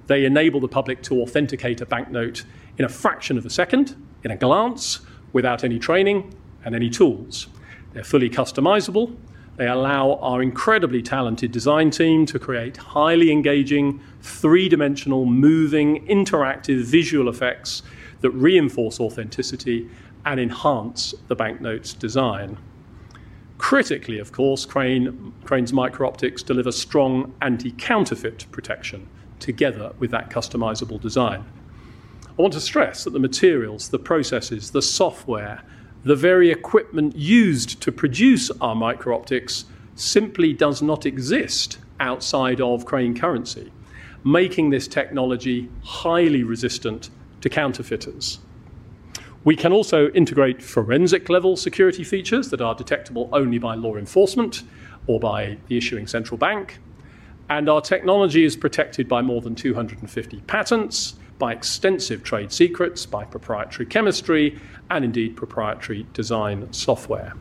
They enable the public to authenticate a banknote in a fraction of a second, in a glance, without any training and any tools. They're fully customizable. They allow our incredibly talented design team to create highly engaging, three-dimensional, moving, interactive visual effects that reinforce authenticity and enhance the banknote's design. Critically, of course, Crane's micro-optics deliver strong anti-counterfeit protection together with that customizable design. I want to stress that the materials, the processes, the software, the very equipment used to produce our micro-optics simply does not exist outside of Crane Currency, making this technology highly resistant to counterfeiters. We can also integrate forensic-level security features that are detectable only by law enforcement or by the issuing central bank. Our technology is protected by more than 250 patents, by extensive trade secrets, by proprietary chemistry, and indeed, proprietary design software.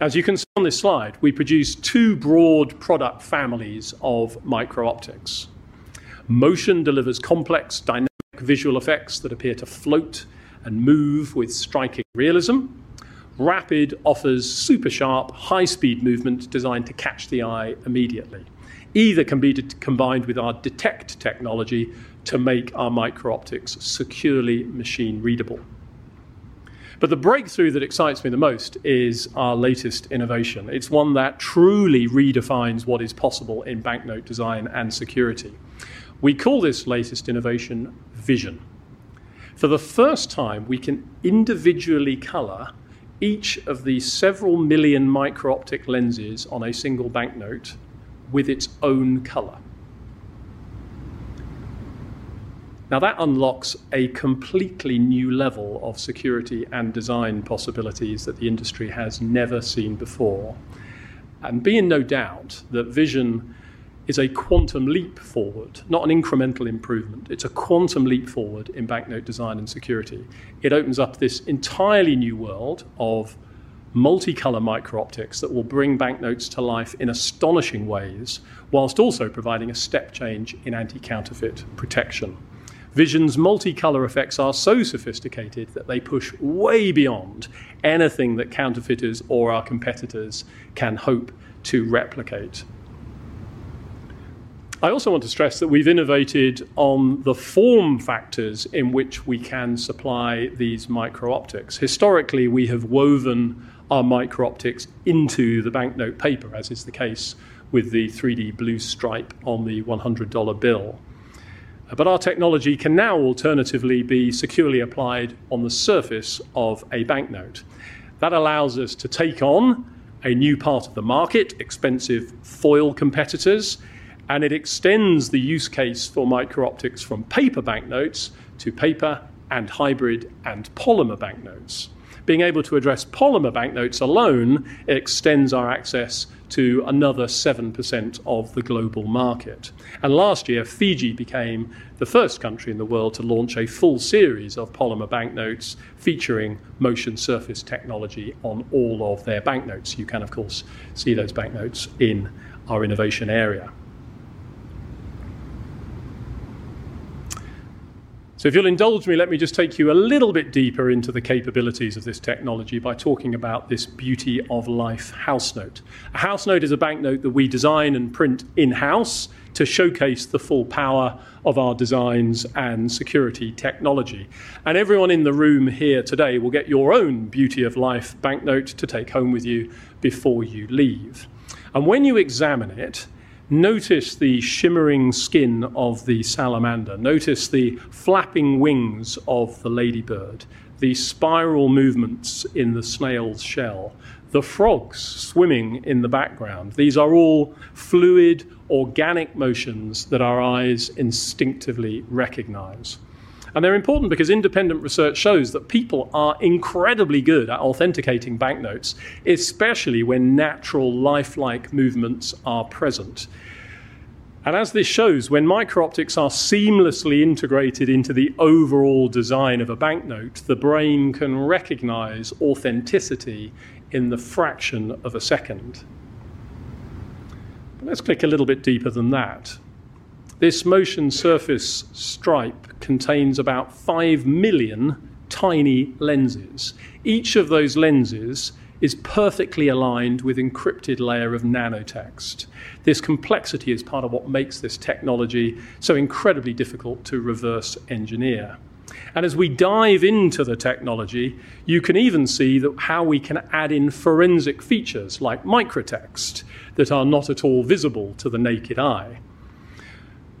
As you can see on this slide, we produce two broad product families of micro-optics. MOTION delivers complex, dynamic visual effects that appear to float and move with striking realism. RAPID offers super sharp, high-speed movement designed to catch the eye immediately. Either can be combined with our Detect technology to make our micro-optics securely machine-readable. The breakthrough that excites me the most is our latest innovation. It's one that truly redefines what is possible in banknote design and security. We call this latest innovation Vision. For the first time, we can individually color each of the several million micro-optic lenses on a single banknote with its own color. That unlocks a completely new level of security and design possibilities that the industry has never seen before. Be in no doubt that Vision is a quantum leap forward, not an incremental improvement. It's a quantum leap forward in banknote design and security. It opens up this entirely new world of multicolor micro-optics that will bring banknotes to life in astonishing ways, whilst also providing a step change in anti-counterfeit protection. Vision's multicolor effects are so sophisticated that they push way beyond anything that counterfeiters or our competitors can hope to replicate. I also want to stress that we've innovated on the form factors in which we can supply these micro-optics. Historically, we have woven our micro-optics into the banknote paper, as is the case with the 3D blue stripe on the $100 bill. Our technology can now alternatively be securely applied on the surface of a banknote. That allows us to take on a new part of the market, expensive foil competitors, and it extends the use case for micro-optics from paper banknotes to paper, and hybrid, and polymer banknotes. Being able to address polymer banknotes alone extends our access to another 7% of the global market. Last year, Fiji became the first country in the world to launch a full series of polymer banknotes, featuring MOTION SURFACE technology on all of their banknotes. You can, of course, see those banknotes in our innovation area. If you'll indulge me, let me just take you a little bit deeper into the capabilities of this technology by talking about this The Beauty of Life house note. A house note is a banknote that we design and print in-house to showcase the full power of our designs and security technology. Everyone in the room here today will get your own Beauty of Life banknote to take home with you before you leave. When you examine it, notice the shimmering skin of the salamander. Notice the flapping wings of the ladybird, the spiral movements in the snail's shell, the frogs swimming in the background. These are all fluid, organic motions that our eyes instinctively recognize. They're important because independent research shows that people are incredibly good at authenticating banknotes, especially when natural lifelike movements are present. As this shows, when micro-optics are seamlessly integrated into the overall design of a banknote, the brain can recognize authenticity in the fraction of a second. Let's click a little bit deeper than that. This MOTION SURFACE stripe contains about 5 million tiny lenses. Each of those lenses is perfectly aligned with encrypted layer of nano text. This complexity is part of what makes this technology so incredibly difficult to reverse engineer. As we dive into the technology, you can even see that how we can add in forensic features, like microtext, that are not at all visible to the naked eye.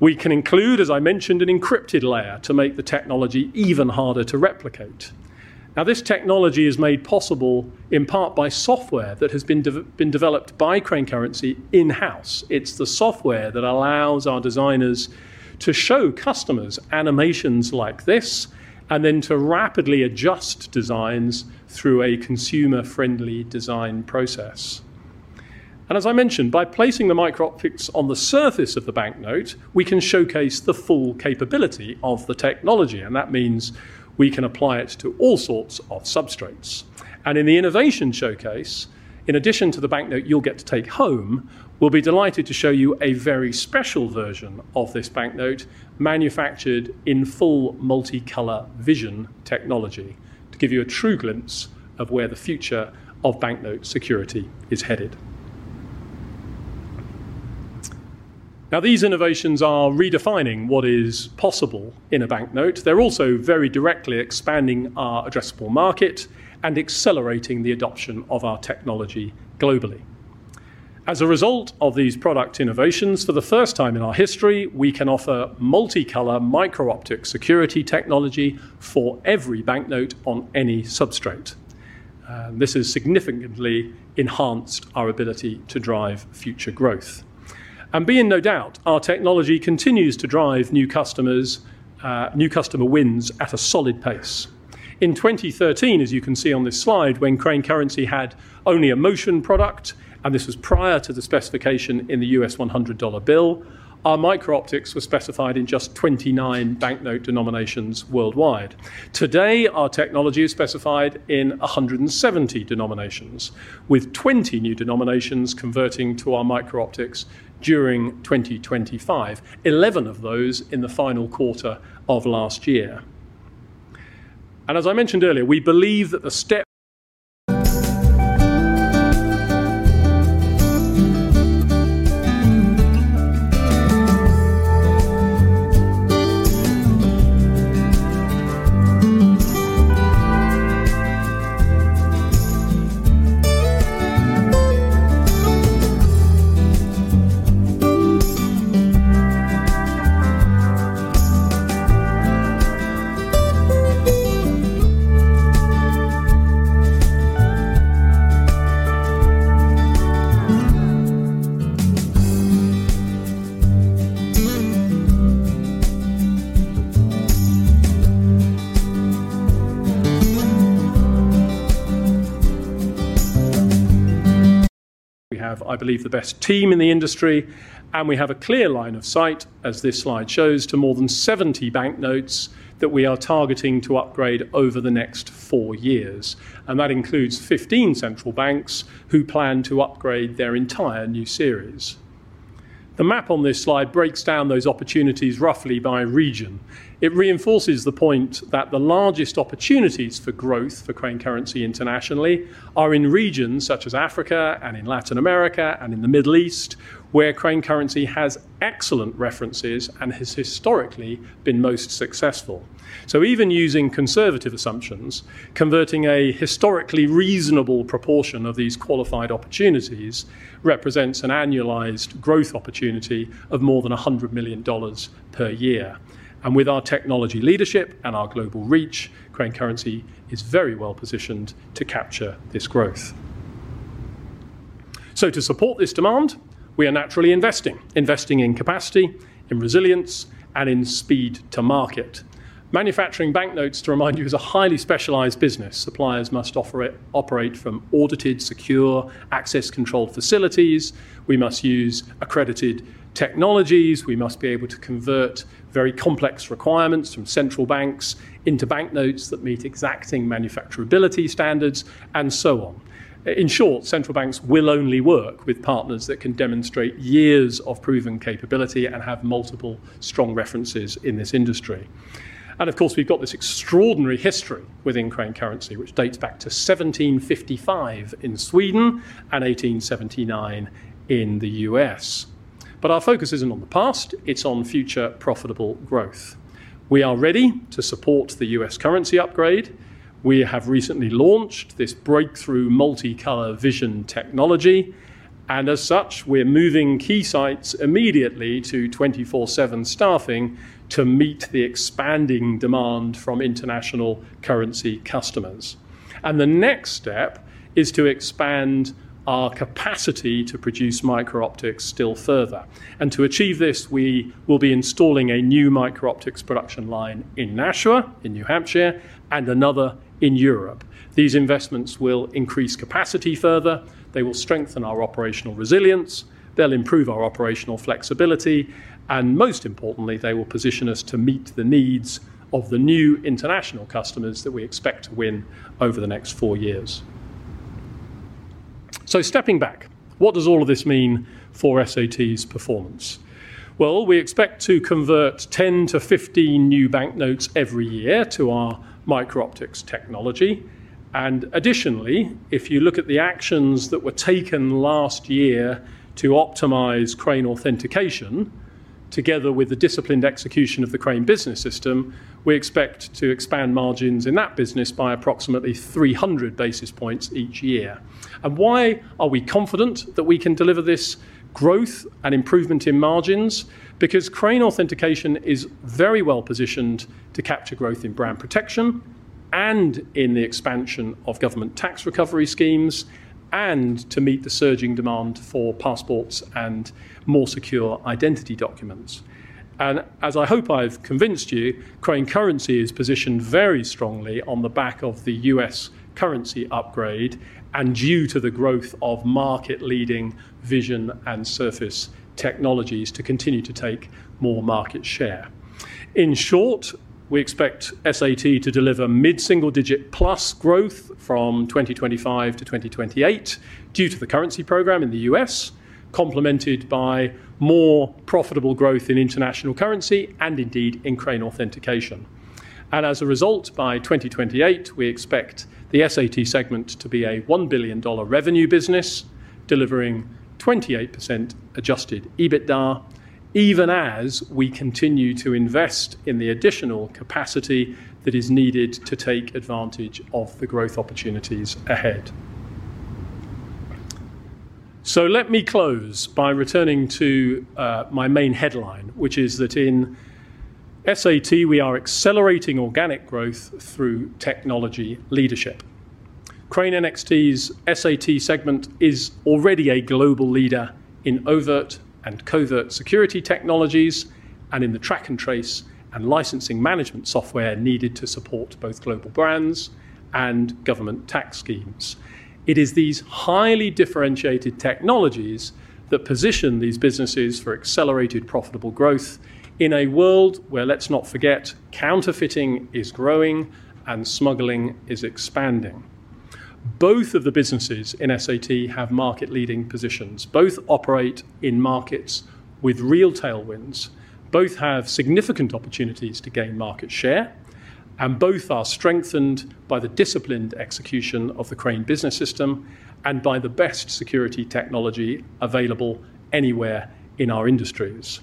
We can include, as I mentioned, an encrypted layer to make the technology even harder to replicate. Now, this technology is made possible in part by software that has been developed by Crane Currency in-house. It's the software that allows our designers to show customers animations like this, and then to rapidly adjust designs through a consumer-friendly design process. As I mentioned, by placing the micro-optics on the surface of the banknote, we can showcase the full capability of the technology, and that means we can apply it to all sorts of substrates. In the innovation showcase, in addition to the banknote you'll get to take home, we'll be delighted to show you a very special version of this banknote, manufactured in full multicolor Vision technology, to give you a true glimpse of where the future of banknote security is headed. Now, these innovations are redefining what is possible in a banknote. They're also very directly expanding our addressable market and accelerating the adoption of our technology globally. As a result of these product innovations, for the first time in our history, we can offer multicolor micro-optic security technology for every banknote on any substrate. This has significantly enhanced our ability to drive future growth. Be in no doubt, our technology continues to drive new customers, new customer wins at a solid pace. In 2013, as you can see on this slide, when Crane Currency had only a MOTION product, and this was prior to the specification in the U.S. 100 dollar bill, our micro-optics were specified in just 29 banknote denominations worldwide. Today, our technology is specified in 170 denominations, with 20 new denominations converting to our micro-optics during 2025, 11 of those in the final quarter of last year. As I mentioned earlier, We have, I believe, the best team in the industry, and we have a clear line of sight, as this slide shows, to more than 70 banknotes that we are targeting to upgrade over the next 4 years, and that includes 15 central banks who plan to upgrade their entire new series. The map on this slide breaks down those opportunities roughly by region. It reinforces the point that the largest opportunities for growth for Crane Currency internationally are in regions such as Africa and in Latin America and in the Middle East, where Crane Currency has excellent references and has historically been most successful. Even using conservative assumptions, converting a historically reasonable proportion of these qualified opportunities represents an annualized growth opportunity of more than $100 million per year. With our technology leadership and our global reach, Crane Currency is very well positioned to capture this growth. To support this demand, we are naturally investing in capacity, in resilience, and in speed to market. Manufacturing banknotes, to remind you, is a highly specialized business. Suppliers must operate from audited, secure, access-controlled facilities. We must use accredited technologies. We must be able to convert very complex requirements from central banks into banknotes that meet exacting manufacturability standards, and so on. In short, central banks will only work with partners that can demonstrate years of proven capability and have multiple strong references in this industry. Of course, we've got this extraordinary history within Crane Currency, which dates back to 1755 in Sweden and 1879 in the U.S. Our focus isn't on the past, it's on future profitable growth. We are ready to support the U.S. currency upgrade. We have recently launched this breakthrough multicolor VISION technology, and as such, we're moving key sites immediately to 24/7 staffing to meet the expanding demand from international currency customers. The next step is to expand our capacity to produce micro-optics still further. To achieve this, we will be installing a new micro-optics production line in Nashua, in New Hampshire, and another in Europe. These investments will increase capacity further, they will strengthen our operational resilience, they'll improve our operational flexibility, and most importantly, they will position us to meet the needs of the new international customers that we expect to win over the next four years. Stepping back, what does all of this mean for SAT's performance? Well, we expect to convert 10-15 new banknotes every year to our micro-optics technology. Additionally, if you look at the actions that were taken last year to optimize Crane Authentication, together with the disciplined execution of the Crane Business System, we expect to expand margins in that business by approximately 300 basis points each year. Why are we confident that we can deliver this growth and improvement in margins? Because Crane Authentication is very well positioned to capture growth in brand protection and in the expansion of government tax recovery schemes, and to meet the surging demand for passports and more secure identity documents. As I hope I've convinced you, Crane Currency is positioned very strongly on the back of the U.S. currency upgrade and due to the growth of market-leading VISION and surface technologies to continue to take more market share. In short, we expect SAT to deliver mid-single-digit plus growth from 2025 to 2028 due to the currency program in the U.S., complemented by more profitable growth in international currency and indeed in Crane Authentication. As a result, by 2028, we expect the SAT segment to be a $1 billion revenue business, delivering 28% adjusted EBITDA, even as we continue to invest in the additional capacity that is needed to take advantage of the growth opportunities ahead. Let me close by returning to my main headline, which is that in SAT, we are accelerating organic growth through technology leadership. Crane NXT's SAT segment is already a global leader in overt and covert security technologies and in the track and trace and licensing management software needed to support both global brands and government tax schemes. It is these highly differentiated technologies that position these businesses for accelerated profitable growth in a world where, let's not forget, counterfeiting is growing and smuggling is expanding. Both of the businesses in SAT have market-leading positions. Both operate in markets with real tailwinds, both have significant opportunities to gain market share, and both are strengthened by the disciplined execution of the Crane Business System and by the best security technology available anywhere in our industries.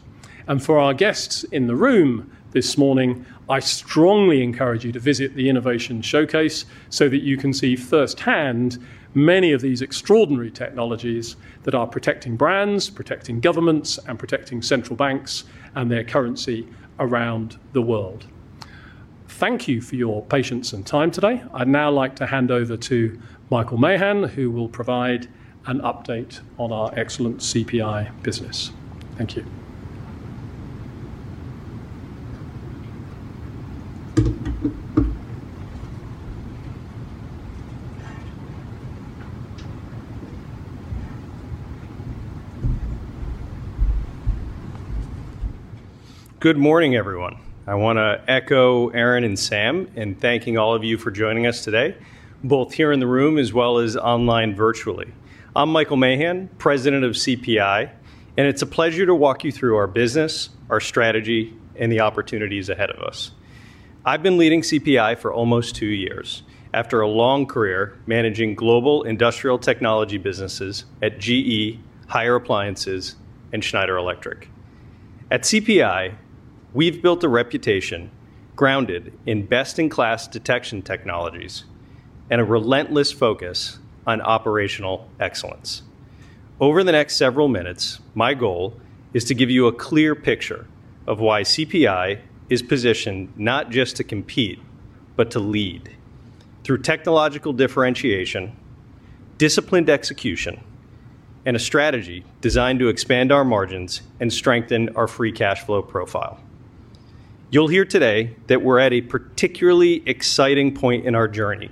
For our guests in the room this morning, I strongly encourage you to visit the innovation showcase so that you can see firsthand many of these extraordinary technologies that are protecting brands, protecting governments, and protecting central banks and their currency around the world. Thank you for your patience and time today. I'd now like to hand over to Michael Mahan, who will provide an update on our excellent CPI business. Thank you.
Good morning, everyone. I want to echo Aaron and Sam in thanking all of you for joining us today, both here in the room as well as online virtually. I'm Michael Mahan, President of CPI. It's a pleasure to walk you through our business, our strategy, and the opportunities ahead of us. I've been leading CPI for almost 2 years, after a long career managing global industrial technology businesses at GE, Haier Appliances, and Schneider Electric. At CPI, we've built a reputation grounded in best-in-class detection technologies and a relentless focus on operational excellence. Over the next several minutes, my goal is to give you a clear picture of why CPI is positioned not just to compete, but to lead through technological differentiation, disciplined execution, and a strategy designed to expand our margins and strengthen our free cash flow profile. You'll hear today that we're at a particularly exciting point in our journey.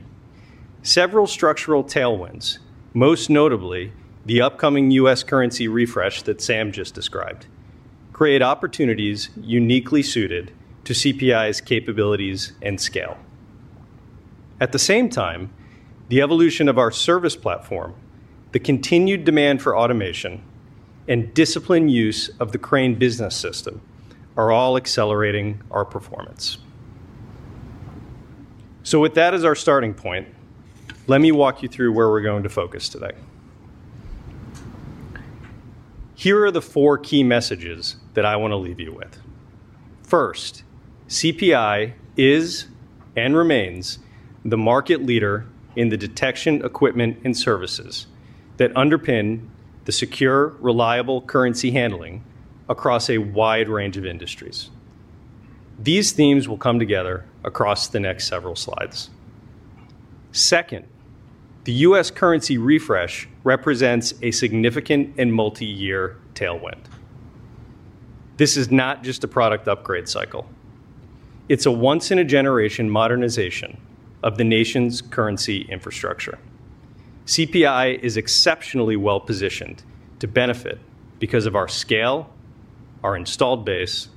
Several structural tailwinds, most notably the upcoming U.S. currency refresh that Sam just described, create opportunities uniquely suited to CPI's capabilities and scale. At the same time, the evolution of our service platform, the continued demand for automation, and disciplined use of the Crane Business System are all accelerating our performance. With that as our starting point, let me walk you through where we're going to focus today. Here are the four key messages that I want to leave you with. First, CPI is and remains the market leader in the detection equipment and services that underpin the secure, reliable currency handling across a wide range of industries. These themes will come together across the next several slides. Second, the U.S. currency refresh represents a significant and multi-year tailwind. This is not just a product upgrade cycle; it's a once-in-a-generation modernization of the nation's currency infrastructure. CPI is exceptionally well-positioned to benefit because of our scale, our installed base,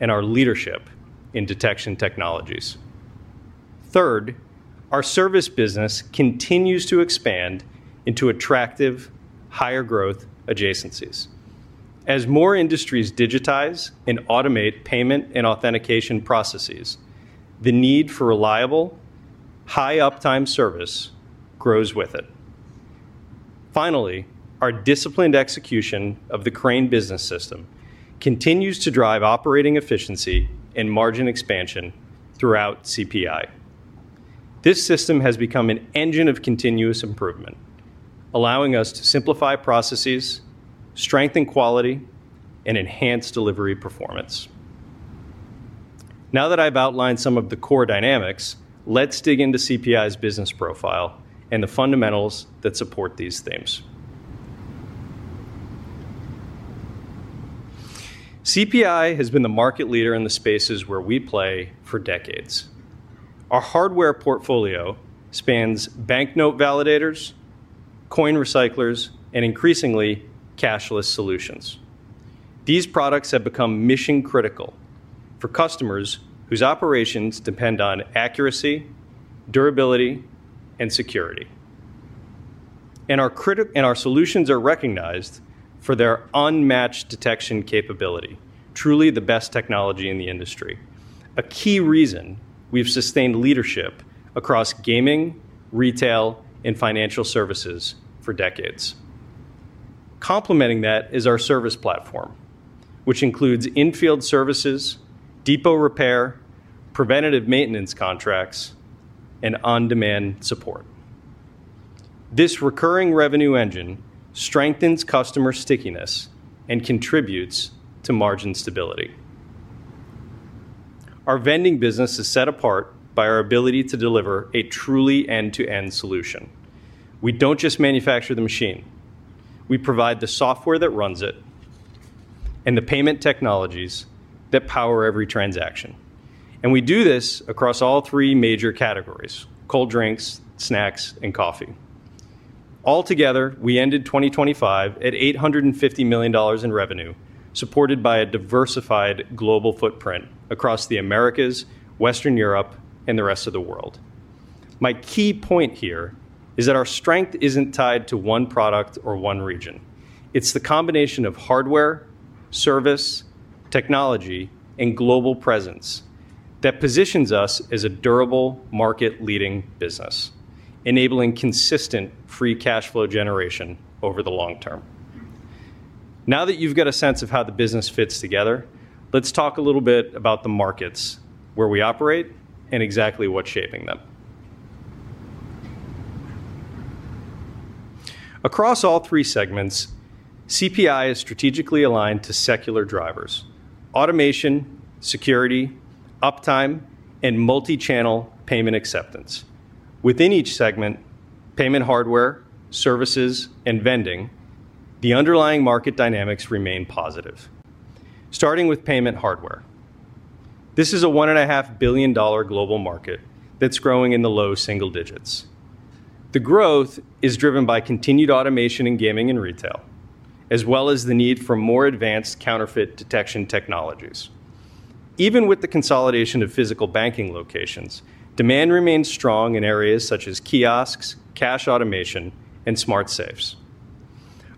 and our leadership in detection technologies. Third, our service business continues to expand into attractive, higher-growth adjacencies. As more industries digitize and automate payment and authentication processes, the need for reliable, high-uptime service grows with it. Finally, our disciplined execution of the Crane Business System continues to drive operating efficiency and margin expansion throughout CPI. This system has become an engine of continuous improvement, allowing us to simplify processes, strengthen quality, and enhance delivery performance. Now that I've outlined some of the core dynamics, let's dig into CPI's business profile and the fundamentals that support these themes. CPI has been the market leader in the spaces where we play for decades. Our hardware portfolio spans banknote validators, coin recyclers, and increasingly, cashless solutions. These products have become mission-critical for customers whose operations depend on accuracy, durability, and security. Our solutions are recognized for their unmatched detection capability, truly the best technology in the industry, a key reason we've sustained leadership across gaming, retail, and financial services for decades. Complementing that is our service platform, which includes infield services, depot repair, preventative maintenance contracts, and on-demand support. This recurring revenue engine strengthens customer stickiness and contributes to margin stability. Our vending business is set apart by our ability to deliver a truly end-to-end solution. We don't just manufacture the machine; we provide the software that runs it and the payment technologies that power every transaction. We do this across all three major categories: cold drinks, snacks, and coffee. Altogether, we ended 2025 at $850 million in revenue, supported by a diversified global footprint across the Americas, Western Europe, and the rest of the world. My key point here is that our strength isn't tied to one product or one region. It's the combination of hardware, service, technology, and global presence that positions us as a durable, market-leading business, enabling consistent free cash flow generation over the long term. Now that you've got a sense of how the business fits together, let's talk a little bit about the markets where we operate and exactly what's shaping them. Across all three segments, CPI is strategically aligned to secular drivers: automation, security, uptime, and multi-channel payment acceptance. Within each segment, payment hardware, services, and vending, the underlying market dynamics remain positive. Starting with payment hardware, this is a $1.5 billion global market that's growing in the low single digits. The growth is driven by continued automation in gaming and retail, as well as the need for more advanced counterfeit detection technologies. Even with the consolidation of physical banking locations, demand remains strong in areas such as kiosks, cash automation, and smart safes.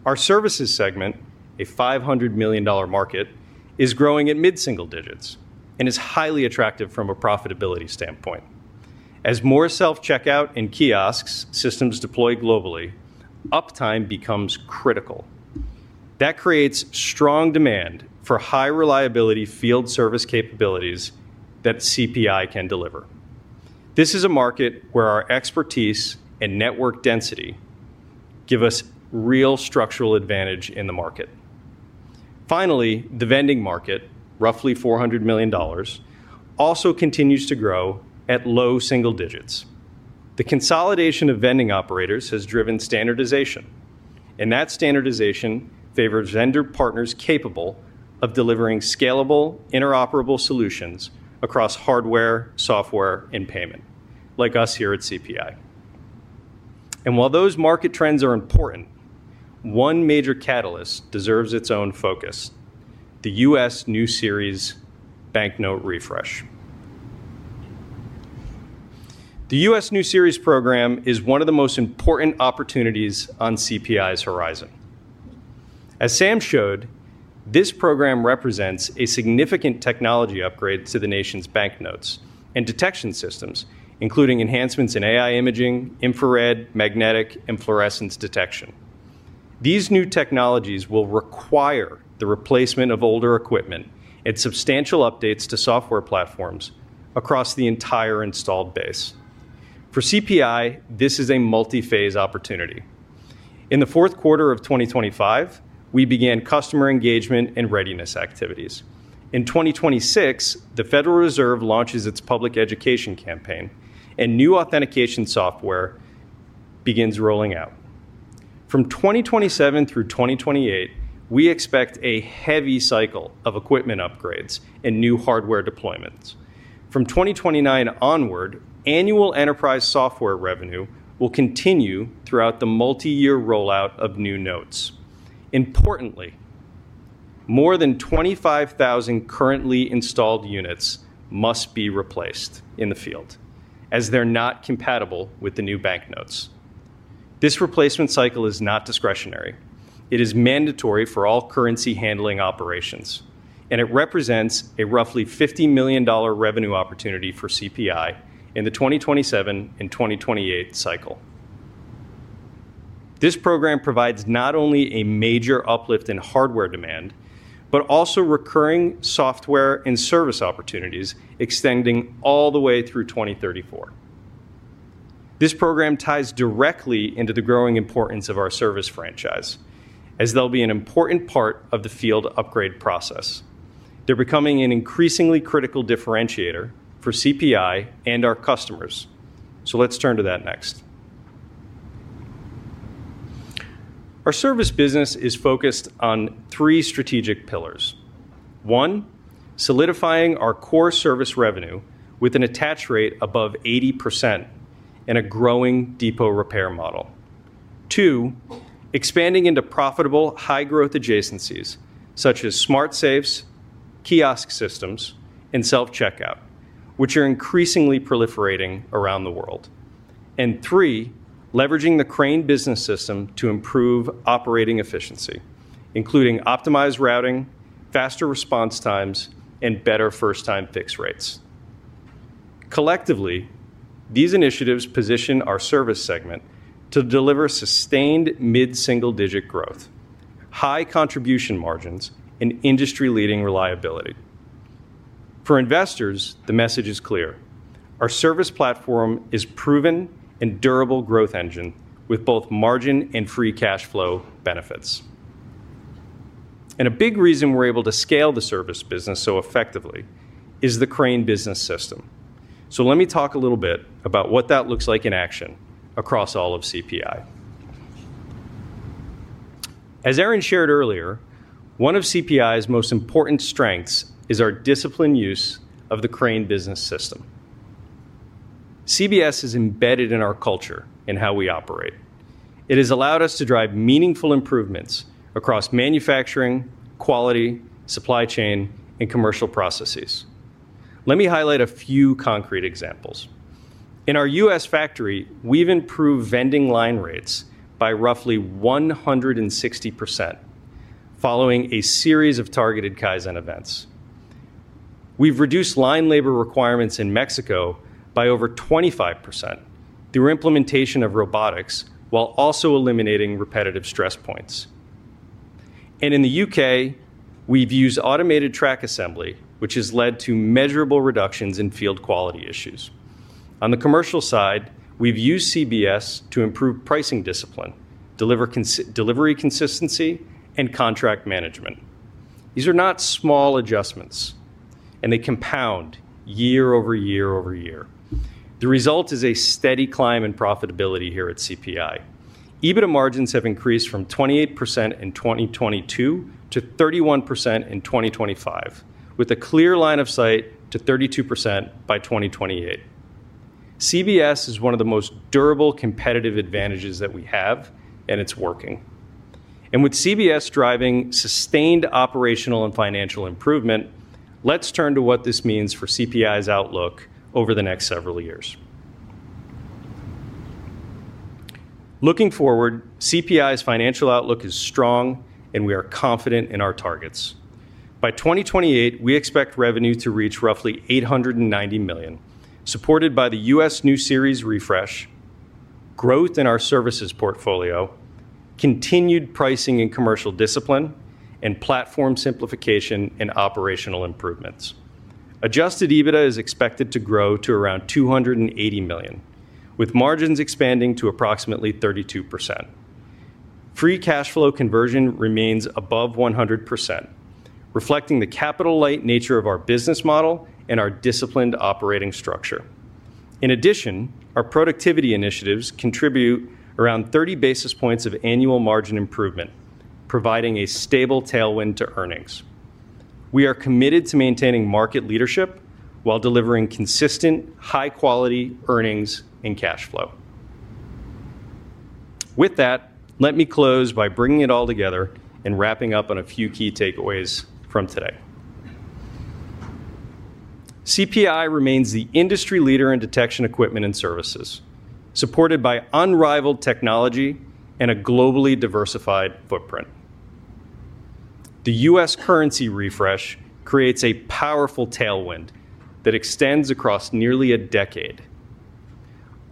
Our services segment, a $500 million market, is growing at mid-single digits and is highly attractive from a profitability standpoint. As more self-checkout and kiosks systems deploy globally, uptime becomes critical. That creates strong demand for high-reliability field service capabilities that CPI can deliver. This is a market where our expertise and network density give us real structural advantage in the market. Finally, the vending market, roughly $400 million, also continues to grow at low single digits. The consolidation of vending operators has driven standardization. That standardization favors vendor partners capable of delivering scalable, interoperable solutions across hardware, software, and payment, like us here at CPI. While those market trends are important, one major catalyst deserves its own focus: the U.S. New Series Bank Note Refresh. The U.S. New Series program is one of the most important opportunities on CPI's horizon. As Sam showed, this program represents a significant technology upgrade to the nation's banknotes and detection systems, including enhancements in AI imaging, infrared, magnetic, and fluorescence detection. These new technologies will require the replacement of older equipment and substantial updates to software platforms across the entire installed base. For CPI, this is a multi-phase opportunity. In the fourth quarter of 2025, we began customer engagement and readiness activities. In 2026, the Federal Reserve launches its public education campaign. New authentication software begins rolling out. From 2027 through 2028, we expect a heavy cycle of equipment upgrades and new hardware deployments. From 2029 onward, annual enterprise software revenue will continue throughout the multi-year rollout of new notes. Importantly, more than 25,000 currently installed units must be replaced in the field, as they're not compatible with the new banknotes. This replacement cycle is not discretionary. It is mandatory for all currency-handling operations. It represents a roughly $50 million revenue opportunity for CPI in the 2027 and 2028 cycle. This program provides not only a major uplift in hardware demand, but also recurring software and service opportunities extending all the way through 2034. This program ties directly into the growing importance of our service franchise, as they'll be an important part of the field upgrade process. They're becoming an increasingly critical differentiator for CPI and our customers. Let's turn to that next. Our service business is focused on three strategic pillars. One, solidifying our core service revenue with an attach rate above 80% and a growing depot repair model. Two, expanding into profitable, high-growth adjacencies such as smart safes, kiosk systems, and self-checkout, which are increasingly proliferating around the world. Three, leveraging the Crane Business System to improve operating efficiency, including optimized routing, faster response times, and better first-time fix rates. Collectively, these initiatives position our service segment to deliver sustained mid-single-digit growth, high contribution margins, and industry-leading reliability. For investors, the message is clear: Our service platform is proven and durable growth engine with both margin and free cash flow benefits. A big reason we're able to scale the service business so effectively is the Crane Business System. Let me talk a little bit about what that looks like in action across all of CPI. As Aaron shared earlier, one of CPI's most important strengths is our disciplined use of the Crane Business System. CBS is embedded in our culture and how we operate. It has allowed us to drive meaningful improvements across manufacturing, quality, supply chain, and commercial processes. Let me highlight a few concrete examples. In our U.S. factory, we've improved vending line rates by roughly 160% following a series of targeted Kaizen events. We've reduced line labor requirements in Mexico by over 25% through implementation of robotics, while also eliminating repetitive stress points. In the UK, we've used automated track assembly, which has led to measurable reductions in field quality issues. On the commercial side, we've used CBS to improve pricing discipline, deliver delivery consistency, and contract management. These are not small adjustments, and they compound year over year over year. The result is a steady climb in profitability here at CPI. EBITDA margins have increased from 28% in 2022 to 31% in 2025, with a clear line of sight to 32% by 2028. CBS is one of the most durable competitive advantages that we have, and it's working. With CBS driving sustained operational and financial improvement, let's turn to what this means for CPI's outlook over the next several years. Looking forward, CPI's financial outlook is strong, and we are confident in our targets. By 2028, we expect revenue to reach roughly $890 million, supported by the U.S. new series refresh, growth in our services portfolio, continued pricing and commercial discipline, and platform simplification and operational improvements. Adjusted EBITDA is expected to grow to around $280 million, with margins expanding to approximately 32%. Free cash flow conversion remains above 100%, reflecting the capital-light nature of our business model and our disciplined operating structure. Our productivity initiatives contribute around 30 basis points of annual margin improvement, providing a stable tailwind to earnings. We are committed to maintaining market leadership while delivering consistent, high-quality earnings and cash flow. Let me close by bringing it all together and wrapping up on a few key takeaways from today. CPI remains the industry leader in detection equipment and services, supported by unrivaled technology and a globally diversified footprint. The U.S. currency refresh creates a powerful tailwind that extends across nearly a decade.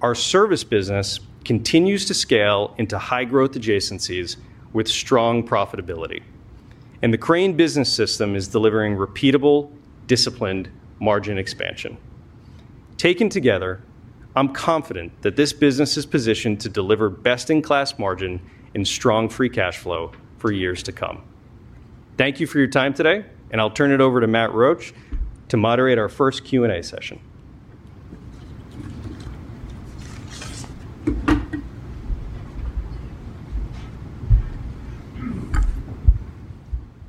Our service business continues to scale into high-growth adjacencies with strong profitability. The Crane Business System is delivering repeatable, disciplined margin expansion. Taken together, I'm confident that this business is positioned to deliver best-in-class margin and strong free cash flow for years to come. Thank you for your time today. I'll turn it over to Matt Roache to moderate our first Q&A session.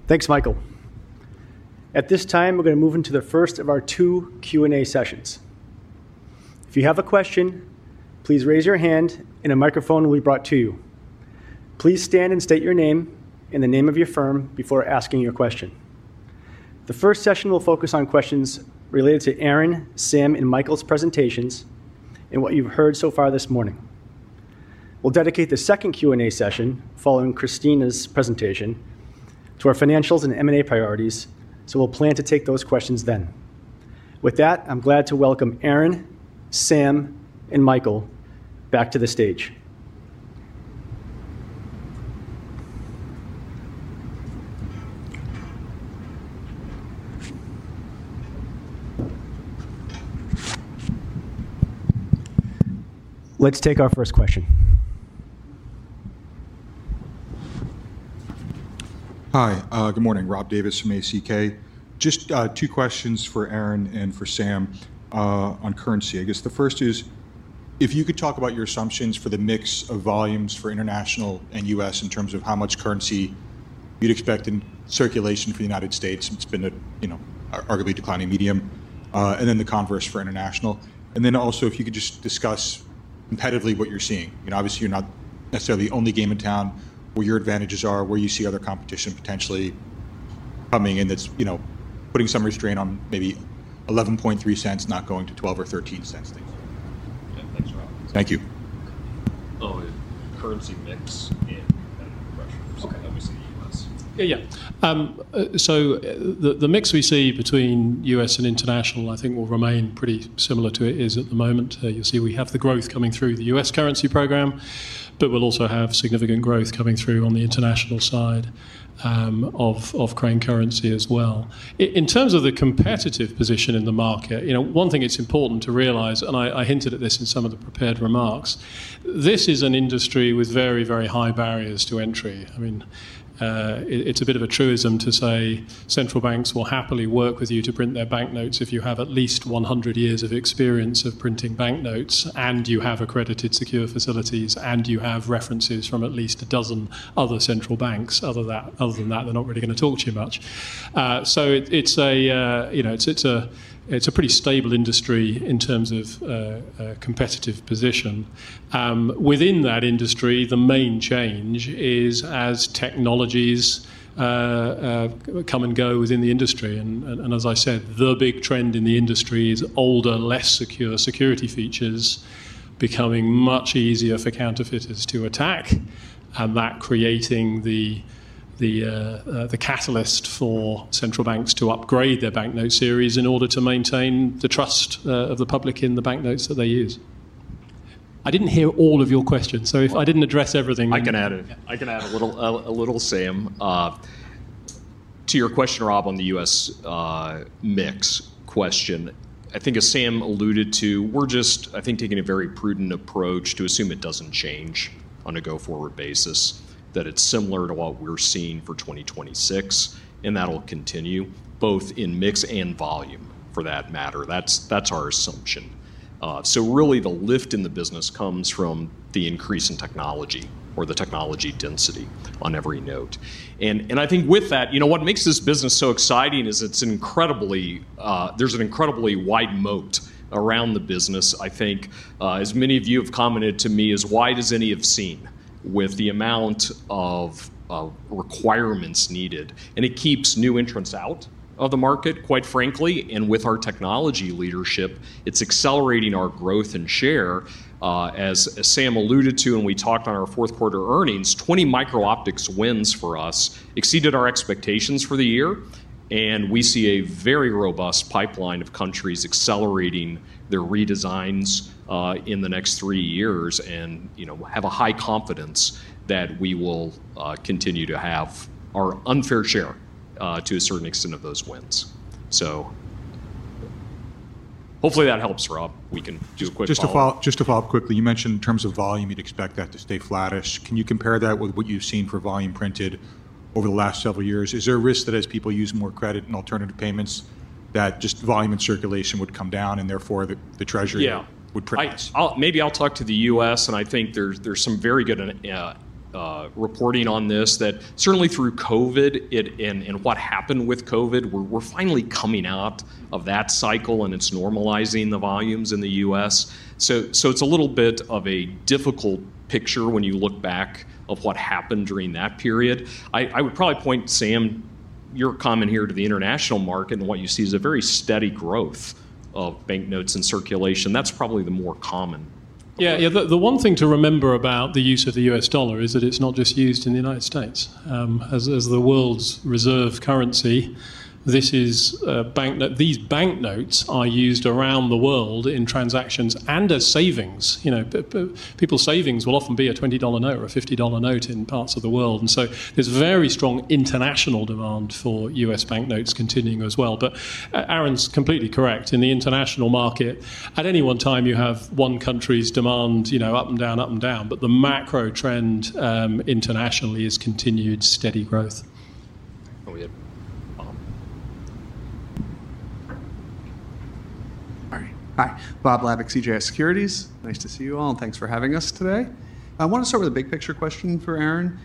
Thanks, Michael. At this time, we're going to move into the first of our two Q&A sessions. If you have a question, please raise your hand and a microphone will be brought to you. Please stand and state your name and the name of your firm before asking your question. The first session will focus on questions related to Aaron, Sam, and Michael's presentations and what you've heard so far this morning. We'll dedicate the second Q&A session, following Christina's presentation, to our financials and M&A priorities, so we'll plan to take those questions then. With that, I'm glad to welcome Aaron, Sam, and Michael back to the stage. Let's take our first question.
Hi, good morning. Rob Davis from ACK. Just, two questions for Aaron and for Sam, on currency. I guess the first is, if you could talk about your assumptions for the mix of volumes for international and U.S. in terms of how much currency you'd expect in circulation for the United States. It's been a, you know, arguably declining medium, and then the converse for international. Also, if you could just discuss competitively what you're seeing. You know, obviously, you're not necessarily the only game in town, where your advantages are, where you see other competition potentially coming in that's, you know, putting some restraint on maybe $0.113, not going to $0.12 or $0.13. Thank you.
Yeah, thanks, Rob.
Thank you.
Currency mix and pressure. Okay.
Let me see. ...
Yeah, yeah. The, the mix we see between US and international, I think, will remain pretty similar to it is at the moment. You'll see we have the growth coming through the US currency program, but we'll also have significant growth coming through on the international side, of Crane Currency as well. In terms of the competitive position in the market, you know, one thing it's important to realize, and I hinted at this in some of the prepared remarks, this is an industry with very, very high barriers to entry. I mean, it's a bit of a truism to say central banks will happily work with you to print their banknotes if you have at least 100 years of experience of printing banknotes, and you have accredited secure facilities, and you have references from at least a dozen other central banks. Other than that, they're not really going to talk to you much. So it's a, you know, it's a pretty stable industry in terms of competitive position. Within that industry, the main change is as technologies come and go within the industry, and as I said, the big trend in the industry is older, less secure security features becoming much easier for counterfeiters to attack, and that creating the catalyst for central banks to upgrade their banknote series in order to maintain the trust of the public in the banknotes that they use. I didn't hear all of your question, so if I didn't address everything...
I can add a little, Sam. To your question, Rob, on the U.S. mix question, as Sam alluded to, we're just taking a very prudent approach to assume it doesn't change on a go-forward basis, that it's similar to what we're seeing for 2026, and that'll continue both in mix and volume, for that matter. That's our assumption. Really, the lift in the business comes from the increase in technology or the technology density on every note. I think with that, you know, what makes this business so exciting is it's incredibly, there's an incredibly wide moat around the business. I think, as many of you have commented to me, as wide as any I've seen, with the amount of requirements needed. It keeps new entrants out of the market, quite frankly, and with our technology leadership, it's accelerating our growth and share. As Sam alluded to, we talked on our fourth quarter earnings, 20 micro-optics wins for us exceeded our expectations for the year. We see a very robust pipeline of countries accelerating their redesigns in the next 3 years and, you know, have a high confidence that we will continue to have our unfair share to a certain extent, of those wins. Hopefully, that helps, Rob. We can do a quick follow-up.
Just to follow up quickly, you mentioned in terms of volume, you'd expect that to stay flattish. Can you compare that with what you've seen for volume printed over the last several years? Is there a risk that as people use more credit and alternative payments, that just volume and circulation would come down, and therefore, the Treasury-
Yeah
would print less?
Maybe I'll talk to the U.S. I think there's some very good reporting on this that certainly through COVID, it, and what happened with COVID, we're finally coming out of that cycle, and it's normalizing the volumes in the U.S. It's a little bit of a difficult picture when you look back of what happened during that period. I would probably point, Sam, your comment here to the international market, what you see is a very steady growth of banknotes in circulation. That's probably the more common.
Yeah. Yeah, the one thing to remember about the use of the US dollar is that it's not just used in the United States. As the world's reserve currency, these banknotes are used around the world in transactions and as savings. You know, people's savings will often be a $20 note or a $50 note in parts of the world, and so there's very strong international demand for US banknotes continuing as well. Aaron's completely correct. In the international market, at any one time, you have one country's demand, you know, up and down, up and down, but the macro trend internationally is continued steady growth.
We have...
All right. Hi, Bob Labick, CJS Securities. Nice to see you all. Thanks for having us today. I want to start with a big-picture question for Aaron.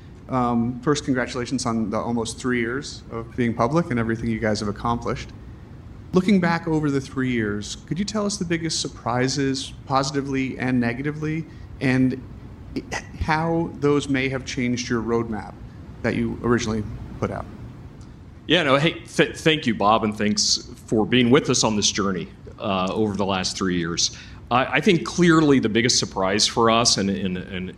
First, congratulations on the almost 3 years of being public and everything you guys have accomplished. Looking back over the 3 years, could you tell us the biggest surprises, positively and negatively, and how those may have changed your roadmap that you originally put out?
Yeah, no, hey, thank you, Bob, and thanks for being with us on this journey, over the last 3 years. I think clearly the biggest surprise for us and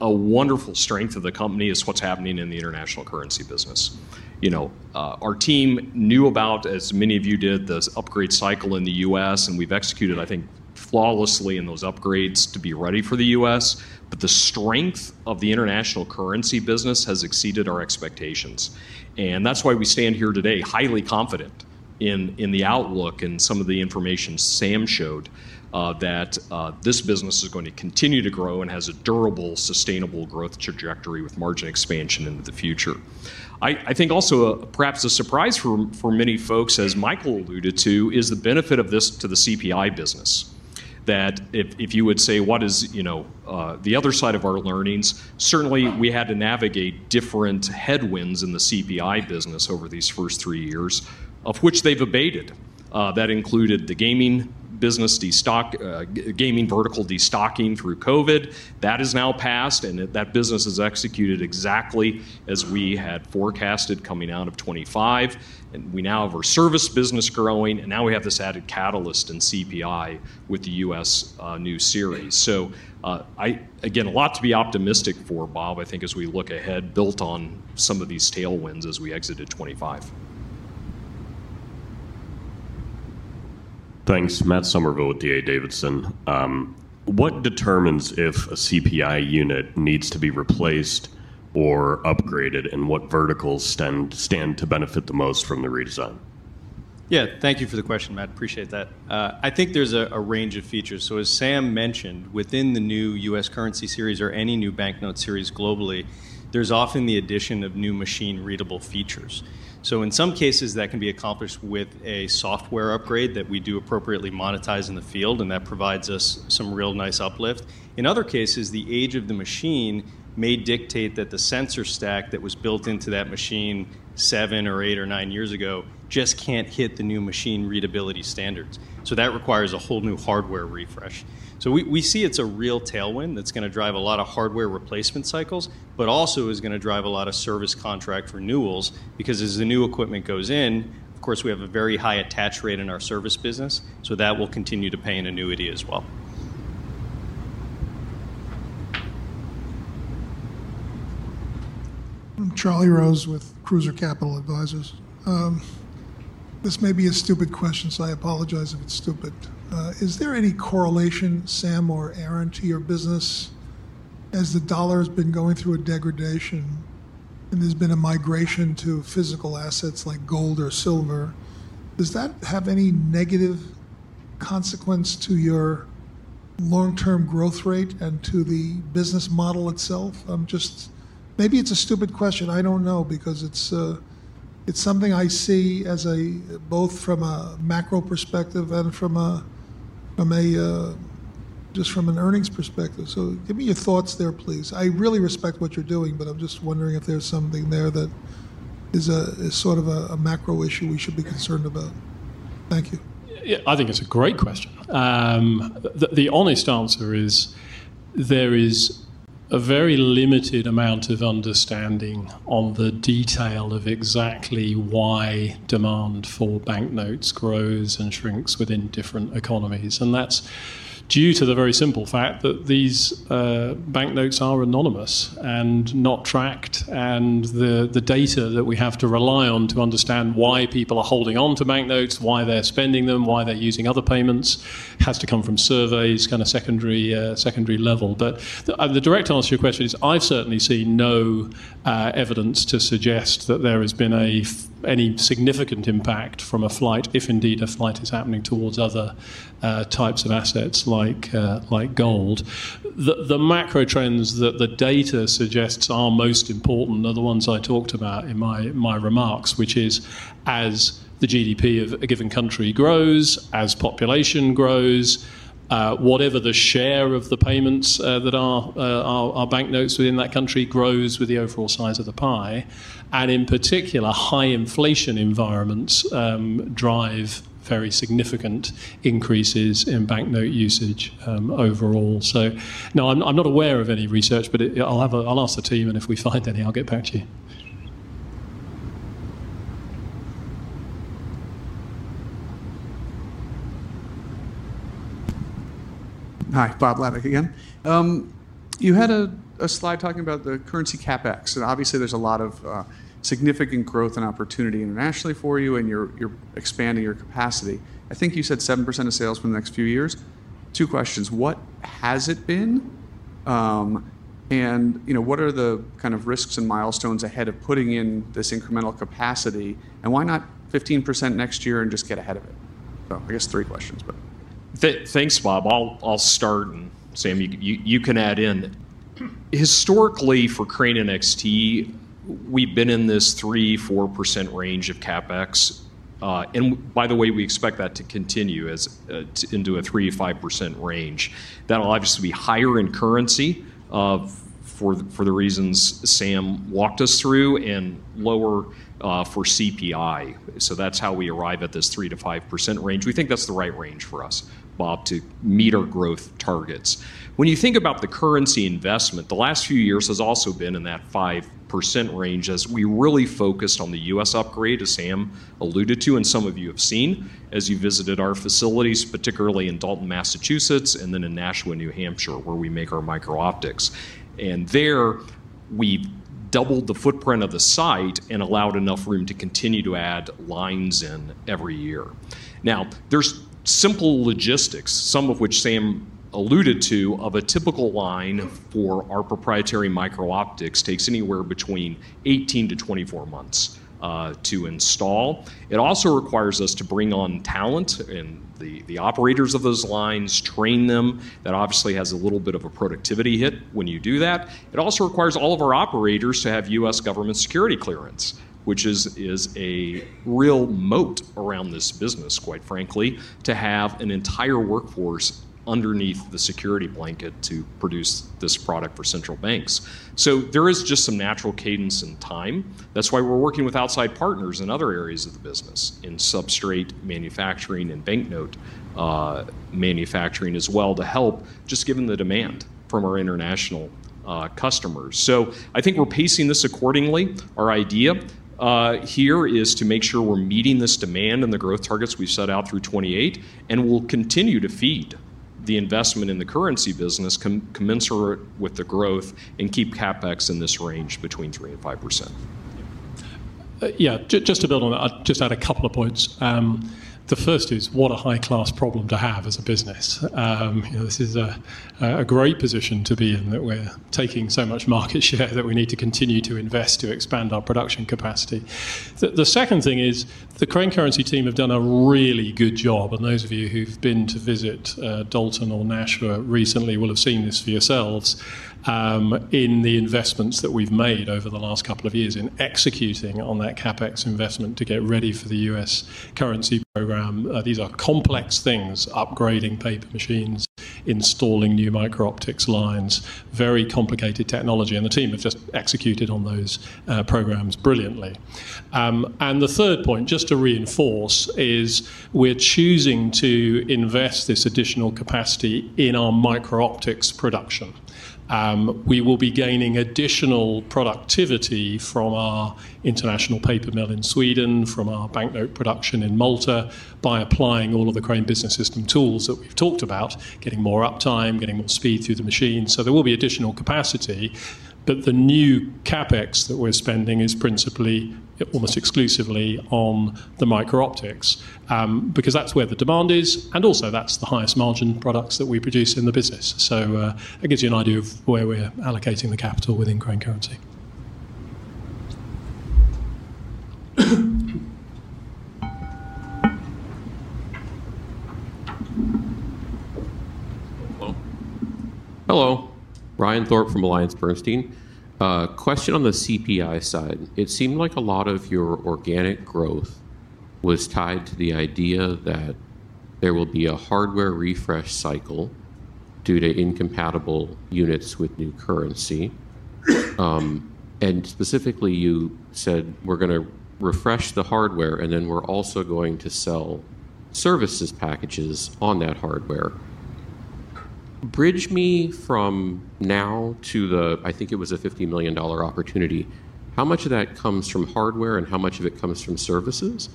a wonderful strength of the company is what's happening in the international currency business. You know, our team knew about, as many of you did, this upgrade cycle in the U.S., and we've executed, I think, flawlessly in those upgrades to be ready for the U.S., but the strength of the international currency business has exceeded our expectations. That's why we stand here today highly confident in the outlook and some of the information Sam showed, that this business is going to continue to grow and has a durable, sustainable growth trajectory with margin expansion into the future. I think also perhaps a surprise for many folks, as Michael alluded to, is the benefit of this to the CPI business, that if you would say, what is, you know, the other side of our learnings, certainly we had to navigate different headwinds in the CPI business over these first three years, of which they've abated. That included the gaming business gaming vertical destocking through COVID. That has now passed, that business is executed exactly as we had forecasted coming out of 25, we now have our service business growing, we now have this added catalyst in CPI with the U.S. new series. Again, a lot to be optimistic for, Bob, I think, as we look ahead, built on some of these tailwinds as we exited 25.
Thanks. Matt Summerville with D.A. Davidson. What determines if a CPI unit needs to be replaced or upgraded, and what verticals stand to benefit the most from the redesign?
Thank you for the question, Matt. Appreciate that. I think there's a range of features. As Sam mentioned, within the new U.S. currency series or any new banknote series globally, there's often the addition of new machine-readable features. In some cases, that can be accomplished with a software upgrade that we do appropriately monetize in the field, and that provides us some real nice uplift. In other cases, the age of the machine may dictate that the sensor stack that was built into that machine seven or eight or nine years ago just can't hit the new machine readability standards. That requires a whole new hardware refresh. We see it's a real tailwind that's gonna drive a lot of hardware replacement cycles, but also is gonna drive a lot of service contract renewals, because as the new equipment goes in, of course, we have a very high attach rate in our service business, so that will continue to pay an annuity as well.
I'm Charlie Rose with Cruiser Capital Advisors. This may be a stupid question, so I apologize if it's stupid. Is there any correlation, Sam or Aaron, to your business as the dollar has been going through a degradation, and there's been a migration to physical assets like gold or silver, does that have any negative consequence to your long-term growth rate and to the business model itself? Just maybe it's a stupid question. I don't know, because it's something I see as both from a macro perspective and from a just from an earnings perspective. Give me your thoughts there, please. I really respect what you're doing, but I'm just wondering if there's something there that is a sort of a macro issue we should be concerned about. Thank you.
Yeah, I think it's a great question. The honest answer is, there is a very limited amount of understanding on the detail of exactly why demand for banknotes grows and shrinks within different economies, and that's due to the very simple fact that these banknotes are anonymous and not tracked, and the data that we have to rely on to understand why people are holding on to banknotes, why they're spending them, why they're using other payments, has to come from surveys, kind of secondary level. The direct answer to your question is, I've certainly seen no evidence to suggest that there has been any significant impact from a flight, if indeed a flight is happening towards other types of assets like gold. The macro trends that the data suggests are most important are the ones I talked about in my remarks, which is, as the GDP of a given country grows, as population grows, whatever the share of the payments that are banknotes within that country grows with the overall size of the pie, and in particular, high inflation environments drive very significant increases in banknote usage overall. No, I'm not aware of any research, but I'll ask the team, and if we find any, I'll get back to you.
Hi, Bob Labick again. You had a slide talking about the currency CapEx, and obviously there's a lot of significant growth and opportunity internationally for you, and you're expanding your capacity. I think you said 7% of sales for the next few years. Two questions: What has it been? You know, what are the kind of risks and milestones ahead of putting in this incremental capacity, and why not 15% next year and just get ahead of it? I guess three questions, but.
Thanks, Bob. I'll start, Sam, you can add in. Historically, for Crane NXT, we've been in this 3, 4% range of CapEx. By the way, we expect that to continue as into a 3%-5% range. That'll obviously be higher in currency for the reasons Sam walked us through, lower for CPI. That's how we arrive at this 3%-5% range. We think that's the right range for us, Bob, to meet our growth targets. When you think about the currency investment, the last few years has also been in that 5% range as we really focused on the U.S. upgrade, as Sam alluded to, and some of you have seen as you visited our facilities, particularly in Dalton, Massachusetts, and then in Nashua, New Hampshire, where we make our micro-optics. There, we've doubled the footprint of the site and allowed enough room to continue to add lines in every year. There's simple logistics, some of which Sam alluded to, of a typical line for our proprietary micro-optics, takes anywhere between 18-24 months to install. It also requires us to bring on talent and the operators of those lines, train them. That obviously has a little bit of a productivity hit when you do that. It also requires all of our operators to have U.S. government security clearance, which is a real moat around this business, quite frankly, to have an entire workforce underneath the security blanket to produce this product for central banks. There is just some natural cadence and time. That's why we're working with outside partners in other areas of the business, in substrate manufacturing and banknote manufacturing as well, to help just given the demand from our international customers. I think we're pacing this accordingly. Our idea here is to make sure we're meeting this demand and the growth targets we've set out through 2028, and we'll continue to feed the investment in the currency business commensurate with the growth and keep CapEx in this range between 3% and 5%.
Yeah, just to build on that, I'll just add 2 points. The first is, what a high-class problem to have as a business. You know, this is a great position to be in, that we're taking so much market share that we need to continue to invest to expand our production capacity. The second thing is the Crane Currency team have done a really good job, and those of you who've been to visit Dalton or Nashua recently will have seen this for yourselves, in the investments that we've made over the last 2 years in executing on that CapEx investment to get ready for the U.S. currency program. These are complex things, upgrading paper machines, installing new micro-optics lines, very complicated technology, and the team have just executed on those programs brilliantly. The third point, just to reinforce, is we're choosing to invest this additional capacity in our micro-optics production. We will be gaining additional productivity from our international paper mill in Sweden, from our banknote production in Malta, by applying all of the Crane Business System tools that we've talked about, getting more uptime, getting more speed through the machine. There will be additional capacity, but the new CapEx that we're spending is principally, almost exclusively on the micro-optics, because that's where the demand is, and also that's the highest margin products that we produce in the business. That gives you an idea of where we're allocating the capital within Crane Currency.
Hello. Hello, Ryan Thorpe from AllianceBernstein. Question on the CPI side. It seemed like a lot of your organic growth was tied to the idea that there will be a hardware refresh cycle due to incompatible units with new currency. Specifically, you said we're gonna refresh the hardware, and then we're also going to sell services packages on that hardware. Bridge me from now to the I think it was a $50 million opportunity. How much of that comes from hardware, and how much of it comes from services?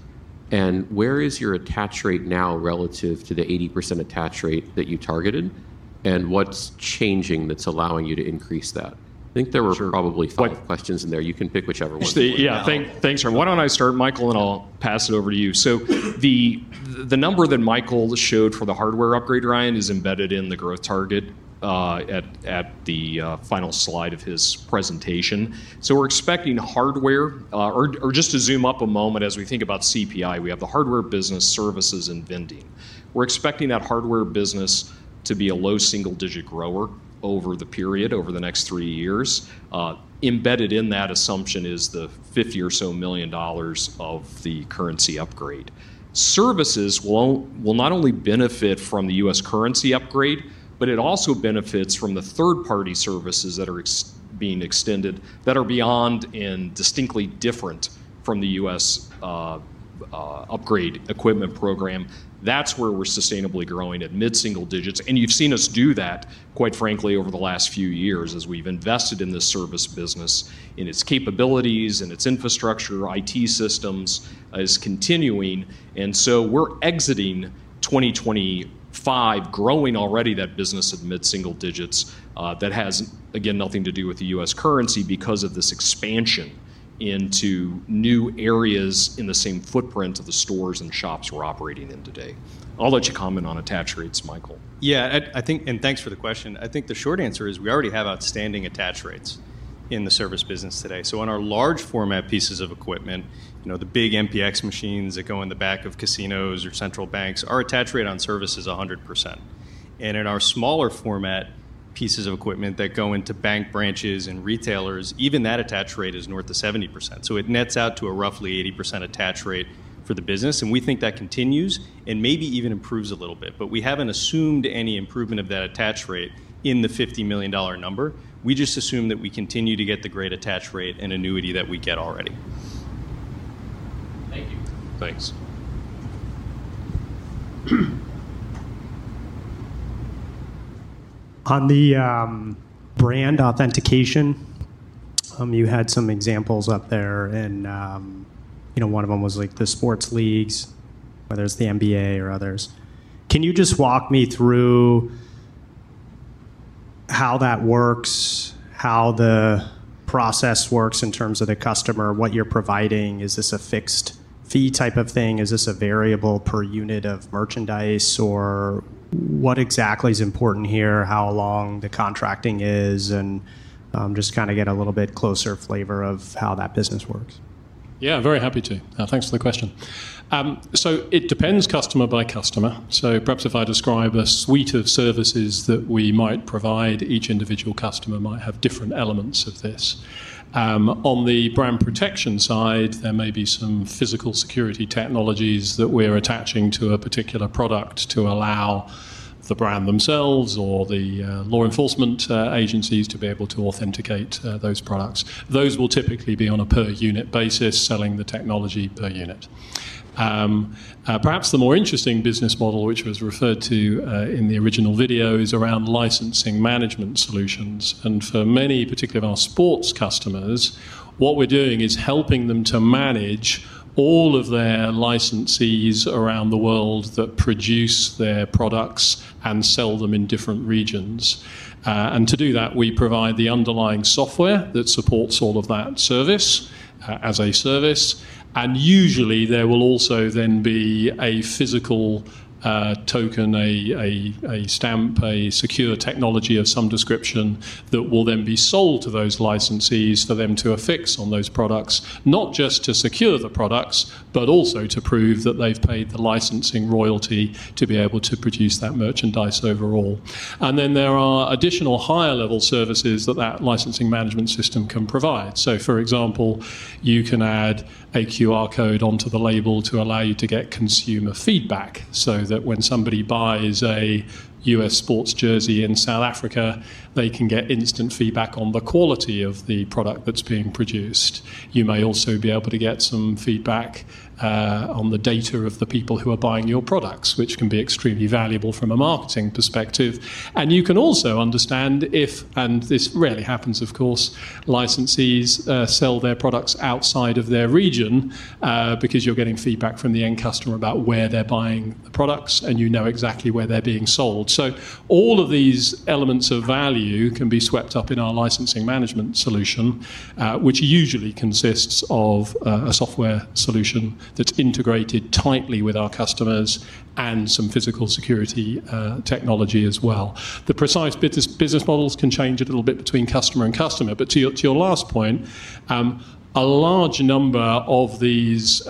Where is your attach rate now relative to the 80% attach rate that you targeted? What's changing that's allowing you to increase that? I think there were.
Sure.
probably five questions in there. You can pick whichever one you like.
Yeah, thanks, Ryan. Why don't I start, Michael, and I'll pass it over to you. The number that Michael showed for the hardware upgrade, Ryan, is embedded in the growth target at the final slide of his presentation. We're expecting hardware, or just to zoom up a moment as we think about CPI, we have the hardware business services and vending. We're expecting that hardware business to be a low single-digit grower over the period, over the next 3 years. Embedded in that assumption is the $50 million or so of the currency upgrade. Services will not only benefit from the U.S. currency upgrade, but it also benefits from the third-party services that are being extended, that are beyond and distinctly different from the U.S. upgrade equipment program. That's where we're sustainably growing at mid-single digits, and you've seen us do that, quite frankly, over the last few years as we've invested in this service business, in its capabilities and its infrastructure, IT systems, is continuing. We're exiting 2025, growing already that business of mid-single digits, that has, again, nothing to do with the U.S. currency because of this expansion into new areas in the same footprint of the stores and shops we're operating in today. I'll let you comment on attach rates, Michael.
I think. Thanks for the question. I think the short answer is we already have outstanding attach rates in the service business today. On our large format pieces of equipment, you know, the big MPX machines that go in the back of casinos or central banks, our attach rate on service is 100%. In our smaller format pieces of equipment that go into bank branches and retailers, even that attach rate is north of 70%. It nets out to a roughly 80% attach rate for the business, and we think that continues and maybe even improves a little bit. We haven't assumed any improvement of that attach rate in the $50 million number. We just assume that we continue to get the great attach rate and annuity that we get already.
Thank you.
Thanks.
On the brand authentication, you had some examples up there, and, you know, one of them was, like, the sports leagues, whether it's the NBA or others. Can you just walk me through how that works, how the process works in terms of the customer, what you're providing? Is this a fixed fee type of thing? Is this a variable per unit of merchandise, or what exactly is important here, how long the contracting is, and, just kinda get a little bit closer flavor of how that business works.
Yeah, very happy to. Thanks for the question. It depends customer by customer. Perhaps if I describe a suite of services that we might provide, each individual customer might have different elements of this. On the brand protection side, there may be some physical security technologies that we're attaching to a particular product to allow the brand themselves or the law enforcement agencies to be able to authenticate those products. Those will typically be on a per unit basis, selling the technology per unit. Perhaps the more interesting business model, which was referred to in the original video, is around licensing management solutions. For many, particularly of our sports customers, what we're doing is helping them to manage all of their licensees around the world that produce their products and sell them in different regions. To do that, we provide the underlying software that supports all of that service as a service, and usually, there will also then be a physical token, a stamp, a secure technology of some description, that will then be sold to those licensees for them to affix on those products, not just to secure the products, but also to prove that they've paid the licensing royalty to be able to produce that merchandise overall. There are additional higher-level services that that licensing management system can provide. For example, you can add a QR code onto the label to allow you to get consumer feedback, so that when somebody buys a U.S. sports jersey in South Africa, they can get instant feedback on the quality of the product that's being produced. You may also be able to get some feedback on the data of the people who are buying your products, which can be extremely valuable from a marketing perspective. You can also understand if, and this rarely happens of course, licensees sell their products outside of their region, because you're getting feedback from the end customer about where they're buying the products, and you know exactly where they're being sold. All of these elements of value can be swept up in our licensing management solution, which usually consists of a software solution that's integrated tightly with our customers and some physical security technology as well. The precise business models can change a little bit between customer and customer, but to your, to your last point, a large number of these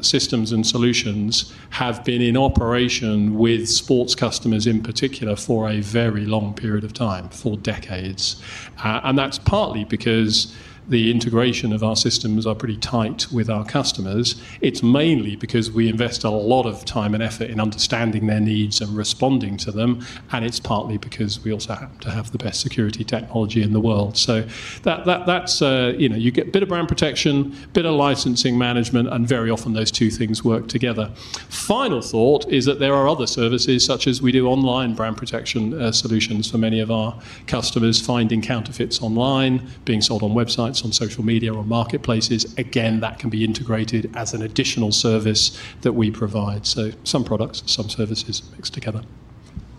systems and solutions have been in operation with sports customers, in particular, for a very long period of time, for decades. That's partly because the integration of our systems are pretty tight with our customers. It's mainly because we invest a lot of time and effort in understanding their needs and responding to them. It's partly because we also happen to have the best security technology in the world. That, that's, you know, you get a bit of brand protection, a bit of licensing management, and very often those two things work together. Final thought is that there are other services, such as we do online brand protection, solutions for many of our customers, finding counterfeits online, being sold on websites, on social media or marketplaces. Again, that can be integrated as an additional service that we provide. Some products, some services mixed together.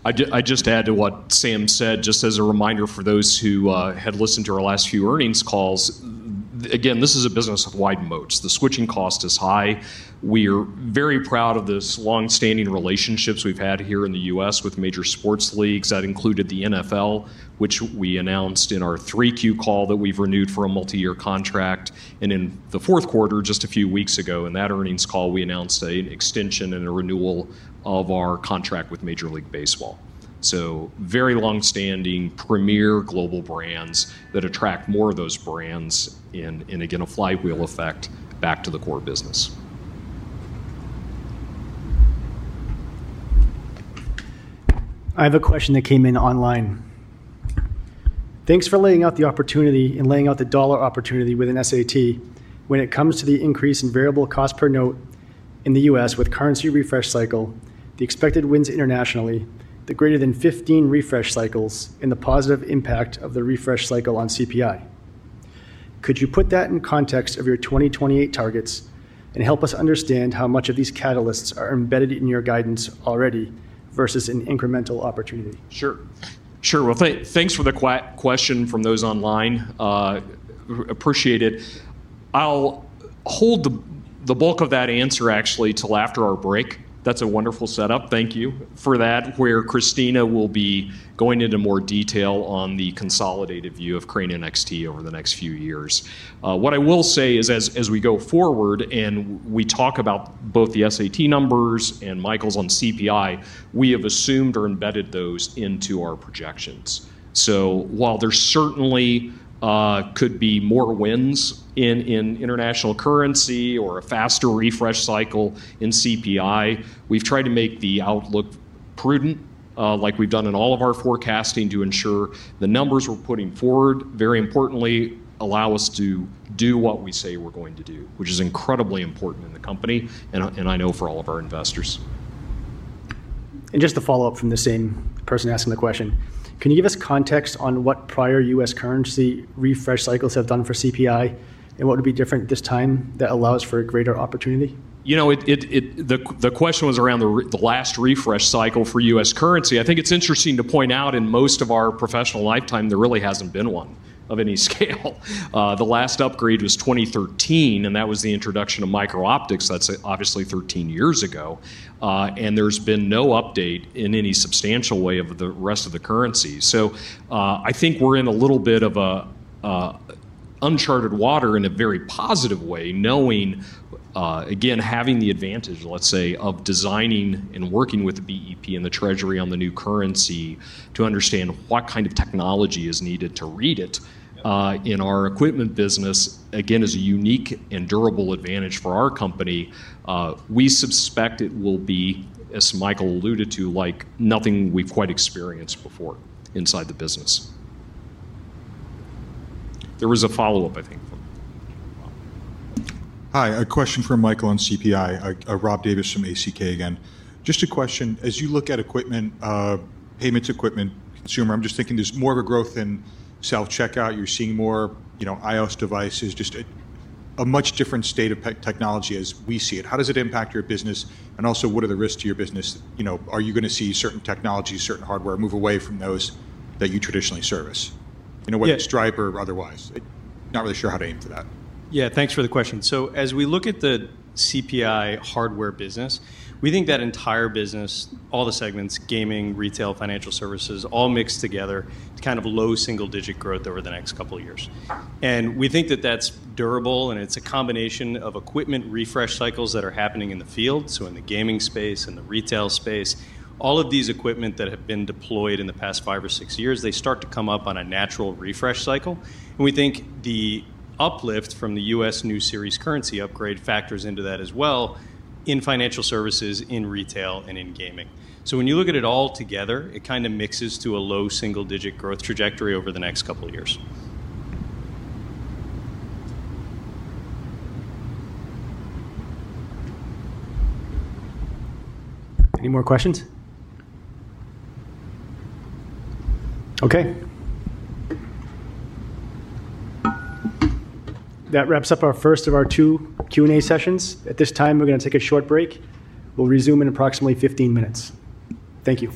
I just add to what Sam said, just as a reminder for those who had listened to our last few earnings calls. Again, this is a business of wide moats. The switching cost is high. We're very proud of this long-standing relationships we've had here in the U.S. with major sports leagues. That included the NFL, which we announced in our 3Q call that we've renewed for a multi-year contract. In the fourth quarter, just a few weeks ago, in that earnings call, we announced a extension and a renewal of our contract with Major League Baseball. Very long-standing, premier global brands that attract more of those brands in, again, a flywheel effect back to the core business.
I have a question that came in online. "Thanks for laying out the opportunity and laying out the $ opportunity with an SAT when it comes to the increase in variable cost per note in the U.S. with currency refresh cycle, the expected wins internationally, the greater than 15 refresh cycles, and the positive impact of the refresh cycle on CPI. Could you put that in context of your 2028 targets and help us understand how much of these catalysts are embedded in your guidance already versus an incremental opportunity?
Sure. Sure. Thanks for the question from those online. Appreciate it. I'll hold the bulk of that answer, actually, till after our break. That's a wonderful setup. Thank you for that, where Christina will be going into more detail on the consolidated view of Crane NXT over the next few years. What I will say is as we go forward and we talk about both the SAT numbers and Michael's on CPI, we have assumed or embedded those into our projections. While there certainly, could be more wins in international currency or a faster refresh cycle in CPI, we've tried to make the outlook prudent, like we've done in all of our forecasting, to ensure the numbers we're putting forward, very importantly, allow us to do what we say we're going to do, which is incredibly important in the company and I know for all of our investors.
Just a follow-up from the same person asking the question: "Can you give us context on what prior U.S. currency refresh cycles have done for CPI, and what would be different this time that allows for a greater opportunity?
You know, it. The question was around the last refresh cycle for U.S. currency. I think it's interesting to point out, in most of our professional lifetime, there really hasn't been one of any scale. The last upgrade was 2013, and that was the introduction of micro-optics. That's obviously 13 years ago. And there's been no update in any substantial way of the rest of the currency. I think we're in a little bit of a uncharted water in a very positive way, knowing, again, having the advantage, let's say, of designing and working with the BEP and the Treasury on the new currency to understand what kind of technology is needed to read it in our equipment business, again, is a unique and durable advantage for our company. We suspect it will be, as Michael alluded to, like nothing we've quite experienced before inside the business.
There was a follow-up, I think.
Hi, a question for Michael Mahan on CPI. I, Robert Wertheimer from ACK again. Just a question, as you look at equipment, payments equipment consumer, I'm just thinking there's more of a growth in self-checkout. You're seeing more, you know, iOS devices, just a much different state of technology as we see it. How does it impact your business? Also, what are the risks to your business? You know, are you gonna see certain technologies, certain hardware, move away from those that you traditionally service, in a way that Stripe or otherwise? Not really sure how to aim for that.
Yeah, thanks for the question. As we look at the CPI hardware business, we think that entire business, all the segments, gaming, retail, financial services, all mixed together, it's kind of low single-digit growth over the next couple of years. We think that that's durable, and it's a combination of equipment refresh cycles that are happening in the field, so in the gaming space and the retail space. All of these equipment that have been deployed in the past five or six years, they start to come up on a natural refresh cycle, we think the uplift from the U.S. new series currency upgrade factors into that as well in financial services, in retail, and in gaming. When you look at it all together, it kinda mixes to a low single-digit growth trajectory over the next couple of years.
Any more questions? Okay. That wraps up our first of our two Q&A sessions. At this time, we're gonna take a short break. We'll resume in approximately 15 minutes. Thank you.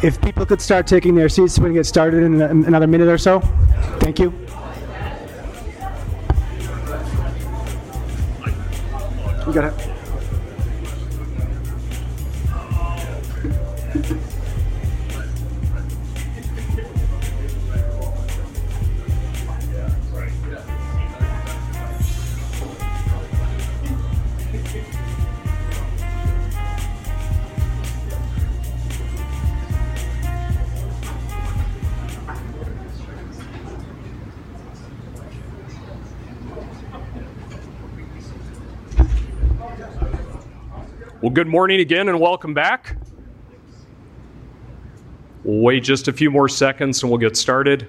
Thank you....
Well, good morning again, and welcome back. We'll wait just a few more seconds, and we'll get started.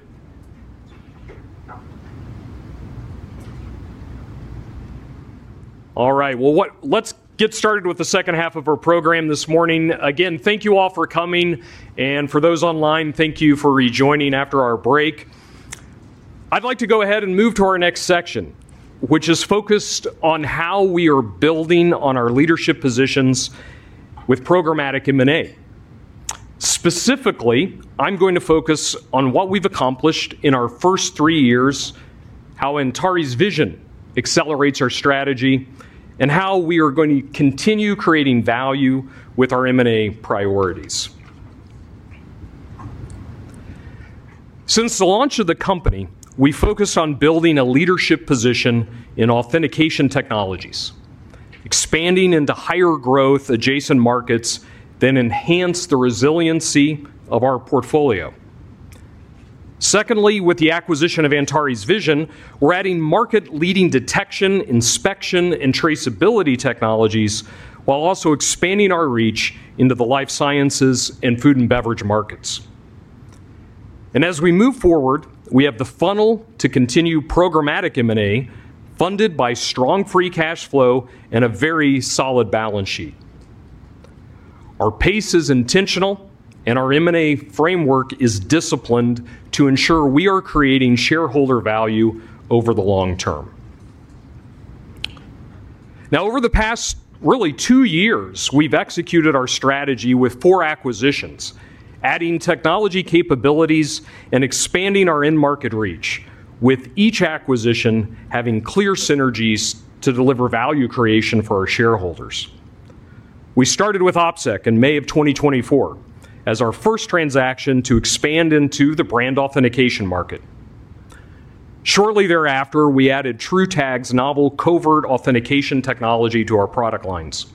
All right, well, let's get started with the second half of our program this morning. Again, thank you all for coming, and for those online, thank you for rejoining after our break. I'd like to go ahead and move to our next section, which is focused on how we are building on our leadership positions with programmatic M&A. Specifically, I'm going to focus on what we've accomplished in our first three years, how Antares Vision accelerates our strategy, and how we are going to continue creating value with our M&A priorities. Since the launch of the company, we focused on building a leadership position in authentication technologies, expanding into higher growth adjacent markets, then enhanced the resiliency of our portfolio. Secondly, with the acquisition of Antares Vision, we're adding market-leading detection, inspection, and traceability technologies, while also expanding our reach into the life sciences and food and beverage markets. As we move forward, we have the funnel to continue programmatic M&A, funded by strong free cash flow and a very solid balance sheet. Our pace is intentional, and our M&A framework is disciplined to ensure we are creating shareholder value over the long term. Now, over the past, really, 2 years, we've executed our strategy with 4 acquisitions, adding technology capabilities and expanding our end market reach, with each acquisition having clear synergies to deliver value creation for our shareholders. We started with OpSec in May of 2024 as our first transaction to expand into the brand authentication market. Shortly thereafter, we added TruTag's novel covert authentication technology to our product lines.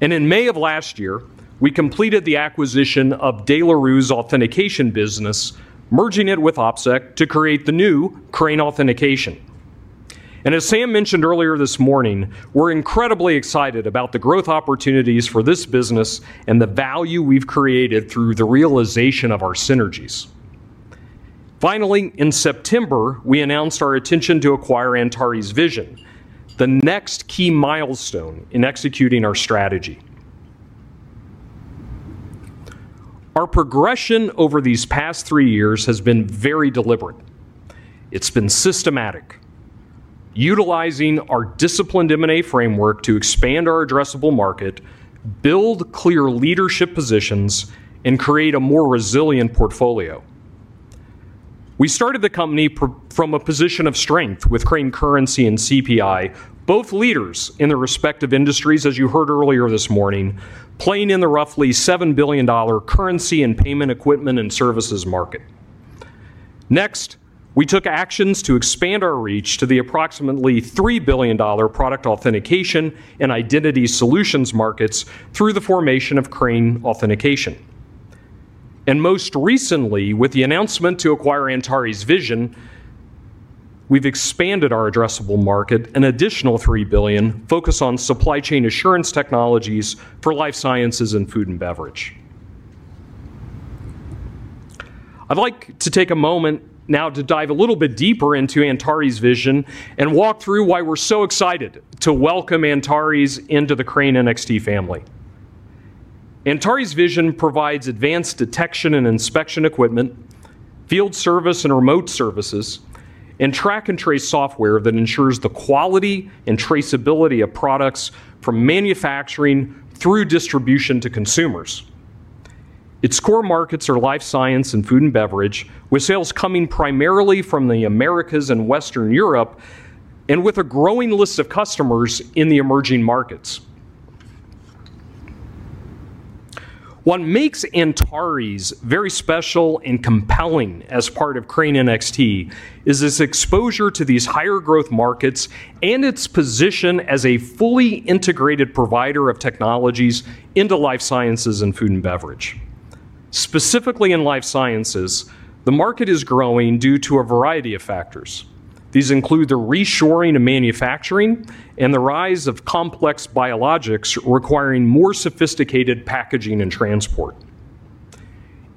In May of last year, we completed the acquisition of De La Rue's authentication business, merging it with OpSec to create the new Crane Authentication. As Sam mentioned earlier this morning, we're incredibly excited about the growth opportunities for this business and the value we've created through the realization of our synergies. Finally, in September, we announced our intention to acquire Antares Vision, the next key milestone in executing our strategy. Our progression over these past 3 years has been very deliberate. It's been systematic, utilizing our disciplined M&A framework to expand our addressable market, build clear leadership positions, and create a more resilient portfolio. We started the company from a position of strength with Crane Currency and CPI, both leaders in their respective industries, as you heard earlier this morning, playing in the roughly $7 billion currency and payment equipment and services market. Next, we took actions to expand our reach to the approximately $3 billion product authentication and identity solutions markets through the formation of Crane Authentication. Most recently, with the announcement to acquire Antares Vision, we've expanded our addressable market, an additional $3 billion, focused on supply chain assurance technologies for life sciences and food and beverage. I'd like to take a moment now to dive a little bit deeper into Antares Vision and walk through why we're so excited to welcome Antares into the Crane NXT family. Antares Vision provides advanced detection and inspection equipment, field service and remote services, and track and trace software that ensures the quality and traceability of products from manufacturing through distribution to consumers. Its core markets are life science and food and beverage, with sales coming primarily from the Americas and Western Europe, with a growing list of customers in the emerging markets. What makes Antares very special and compelling as part of Crane NXT is its exposure to these higher growth markets and its position as a fully integrated provider of technologies into life sciences and food and beverage. Specifically, in life sciences, the market is growing due to a variety of factors. These include the reshoring of manufacturing and the rise of complex biologics, requiring more sophisticated packaging and transport.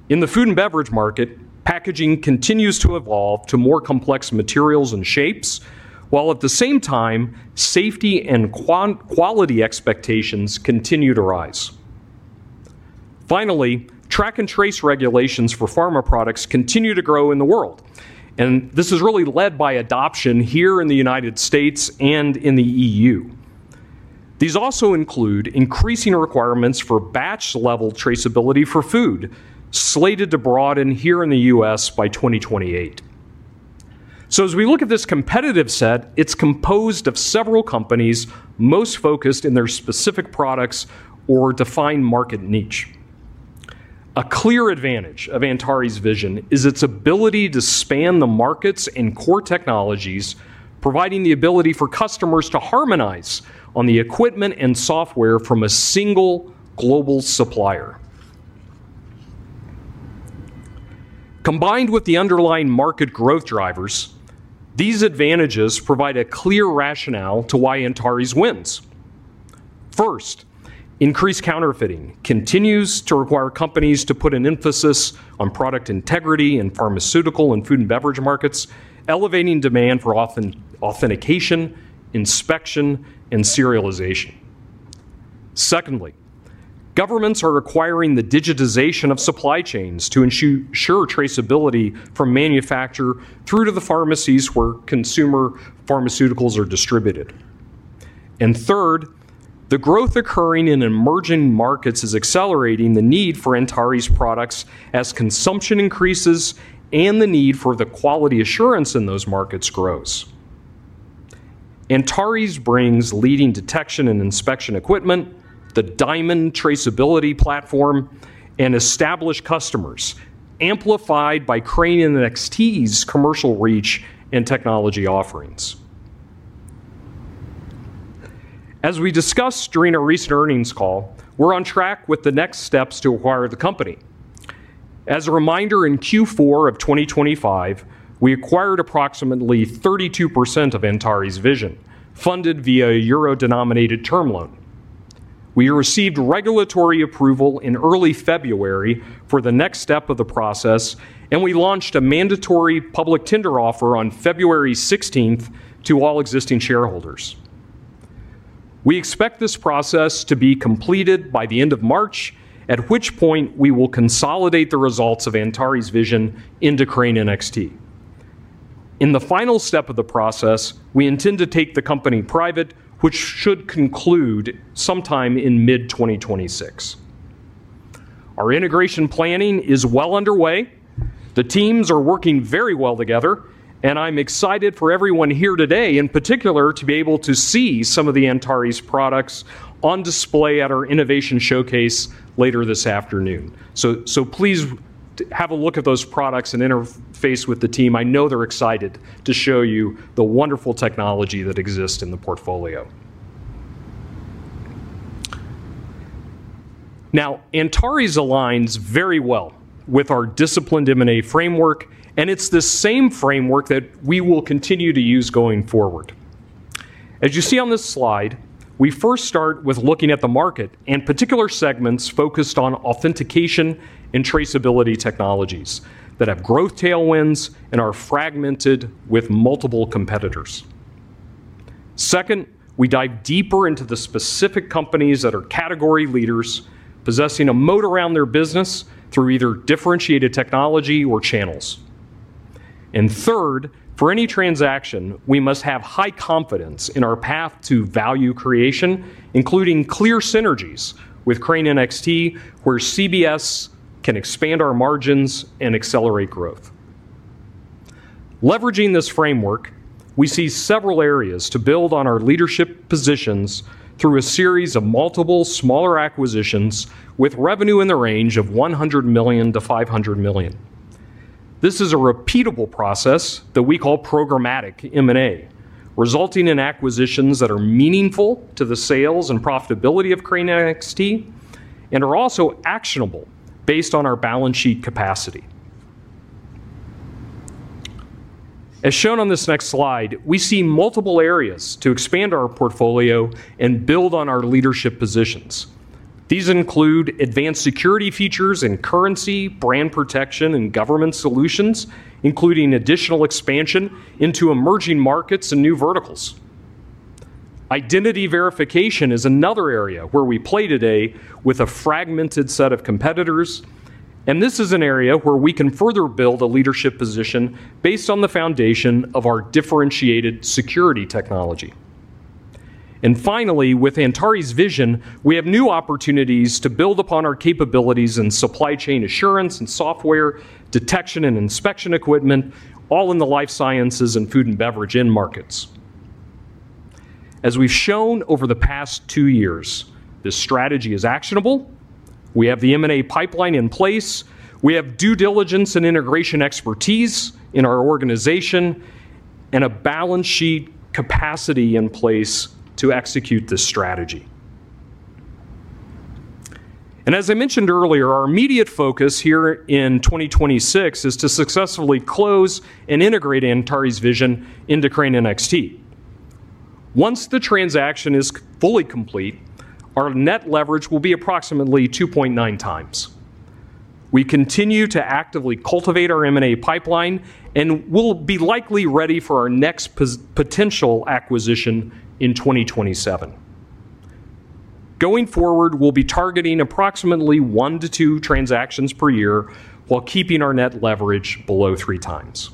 In the food and beverage market, packaging continues to evolve to more complex materials and shapes, while at the same time, safety and quality expectations continue to rise. Finally, track and trace regulations for pharma products continue to grow in the world, and this is really led by adoption here in the United States and in the EU. These also include increasing requirements for batch-level traceability for food, slated to broaden here in the U.S. by 2028. As we look at this competitive set, it's composed of several companies, most focused in their specific products or defined market niche. A clear advantage of Antares Vision is its ability to span the markets and core technologies, providing the ability for customers to harmonize on the equipment and software from a single global supplier. Combined with the underlying market growth drivers, these advantages provide a clear rationale to why Antares wins. First, increased counterfeiting continues to require companies to put an emphasis on product integrity in pharmaceutical and food and beverage markets, elevating demand for authentication, inspection, and serialization. Secondly, governments are requiring the digitization of supply chains to ensure traceability from manufacturer through to the pharmacies where consumer pharmaceuticals are distributed. Third, the growth occurring in emerging markets is accelerating the need for Antares products as consumption increases and the need for the quality assurance in those markets grows. Antares brings leading detection and inspection equipment, the DIAMIND Traceability platform, and established customers, amplified by Crane and NXT's commercial reach and technology offerings. As we discussed during a recent earnings call, we're on track with the next steps to acquire the company. As a reminder, in Q4 of 2025, we acquired approximately 32% of Antares Vision, funded via a euro-denominated term loan. We received regulatory approval in early February for the next step of the process. We launched a mandatory public tender offer on February 16th to all existing shareholders. We expect this process to be completed by the end of March, at which point we will consolidate the results of Antares Vision into Crane NXT. In the final step of the process, we intend to take the company private, which should conclude sometime in mid-2026. Our integration planning is well underway. The teams are working very well together. I'm excited for everyone here today, in particular, to be able to see some of the Antares products on display at our innovation showcase later this afternoon. Please have a look at those products and interface with the team. I know they're excited to show you the wonderful technology that exists in the portfolio. Antares aligns very well with our disciplined M&A framework, it's the same framework that we will continue to use going forward. As you see on this slide, we first start with looking at the market and particular segments focused on authentication and traceability technologies that have growth tailwinds and are fragmented with multiple competitors. Second, we dive deeper into the specific companies that are category leaders, possessing a moat around their business through either differentiated technology or channels. Third, for any transaction, we must have high confidence in our path to value creation, including clear synergies with Crane NXT, where CBS can expand our margins and accelerate growth. Leveraging this framework, we see several areas to build on our leadership positions through a series of multiple smaller acquisitions with revenue in the range of $100 million-$500 million. This is a repeatable process that we call programmatic M&A, resulting in acquisitions that are meaningful to the sales and profitability of Crane NXT and are also actionable based on our balance sheet capacity. As shown on this next slide, we see multiple areas to expand our portfolio and build on our leadership positions. These include advanced security features and currency, brand protection, and government solutions, including additional expansion into emerging markets and new verticals. Identity verification is another area where we play today with a fragmented set of competitors, and this is an area where we can further build a leadership position based on the foundation of our differentiated security technology. Finally, with Antares Vision, we have new opportunities to build upon our capabilities in supply chain assurance and software, detection and inspection equipment, all in the life sciences and food and beverage end markets. As we've shown over the past two years, this strategy is actionable. We have the M&A pipeline in place. We have due diligence and integration expertise in our organization and a balance sheet capacity in place to execute this strategy. As I mentioned earlier, our immediate focus here in 2026 is to successfully close and integrate Antares Vision into Crane NXT. Once the transaction is fully complete, our net leverage will be approximately 2.9 times. We continue to actively cultivate our M&A pipeline and will be likely ready for our next potential acquisition in 2027. Going forward, we'll be targeting approximately one to two transactions per year while keeping our net leverage below 3 times.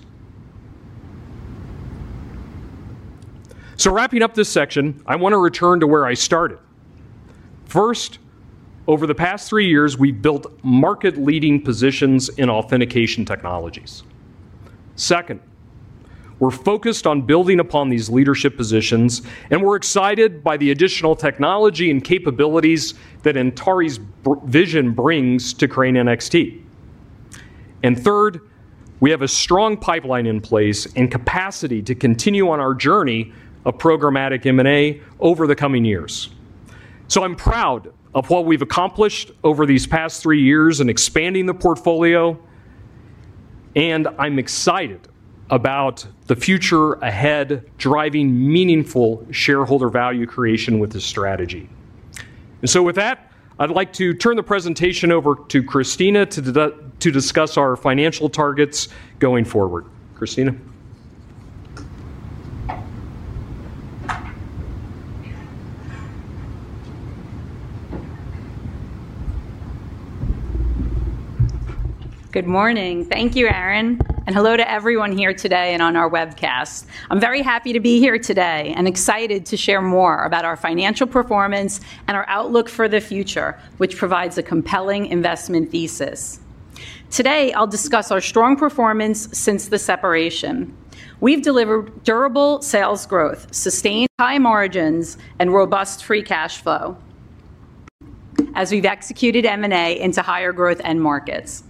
Wrapping up this section, I want to return to where I started. First, over the past three years, we've built market-leading positions in authentication technologies. Second, we're focused on building upon these leadership positions, and we're excited by the additional technology and capabilities that Antares Vision brings to Crane NXT. Third, we have a strong pipeline in place and capacity to continue on our journey of programmatic M&A over the coming years. I'm proud of what we've accomplished over these past three years in expanding the portfolio, and I'm excited about the future ahead, driving meaningful shareholder value creation with this strategy. With that, I'd like to turn the presentation over to Christina to discuss our financial targets going forward. Christina?
Good morning. Thank you, Aaron, and hello to everyone here today and on our webcast. I'm very happy to be here today and excited to share more about our financial performance and our outlook for the future, which provides a compelling investment thesis. Today, I'll discuss our strong performance since the separation. We've delivered durable sales growth, sustained high margins, and robust free cash flow as we've executed M&A into higher growth end markets.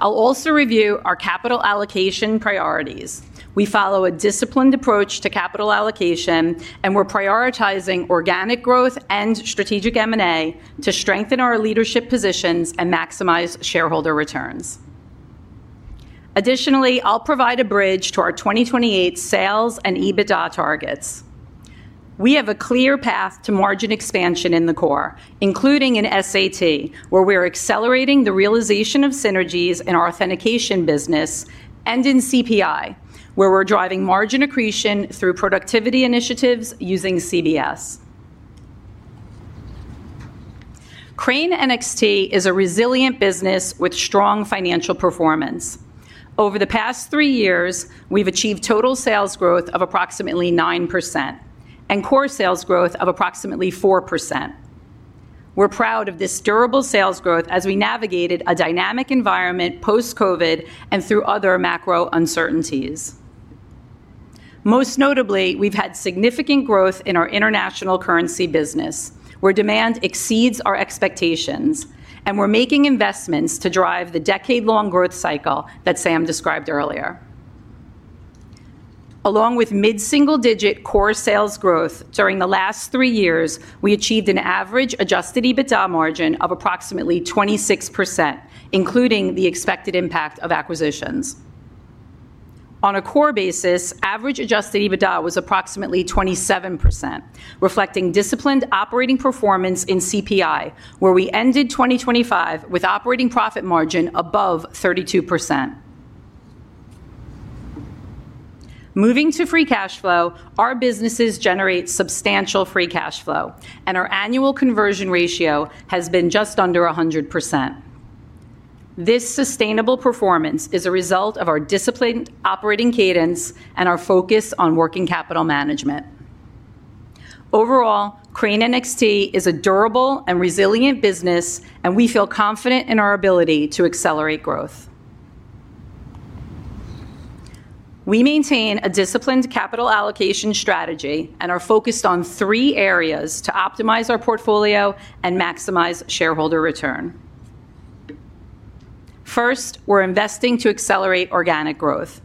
I'll also review our capital allocation priorities. We follow a disciplined approach to capital allocation, and we're prioritizing organic growth and strategic M&A to strengthen our leadership positions and maximize shareholder returns. Additionally, I'll provide a bridge to our 2028 sales and EBITDA targets. We have a clear path to margin expansion in the core, including in SAT, where we are accelerating the realization of synergies in our authentication business, and in CPI, where we're driving margin accretion through productivity initiatives using CBS. Crane NXT is a resilient business with strong financial performance. Over the past 3 years, we've achieved total sales growth of approximately 9% and core sales growth of approximately 4%. We're proud of this durable sales growth as we navigated a dynamic environment post-COVID and through other macro uncertainties. Most notably, we've had significant growth in our international currency business, where demand exceeds our expectations, and we're making investments to drive the decade-long growth cycle that Sam described earlier. Along with mid-single-digit core sales growth during the last 3 years, we achieved an average adjusted EBITDA margin of approximately 26%, including the expected impact of acquisitions. On a core basis, average adjusted EBITDA was approximately 27%, reflecting disciplined operating performance in CPI, where we ended 2025 with operating profit margin above 32%. Moving to free cash flow, our businesses generate substantial free cash flow, and our annual conversion ratio has been just under 100%. This sustainable performance is a result of our disciplined operating cadence and our focus on working capital management. Overall, Crane NXT is a durable and resilient business, and we feel confident in our ability to accelerate growth. We maintain a disciplined capital allocation strategy and are focused on three areas to optimize our portfolio and maximize shareholder return. First, we're investing to accelerate organic growth.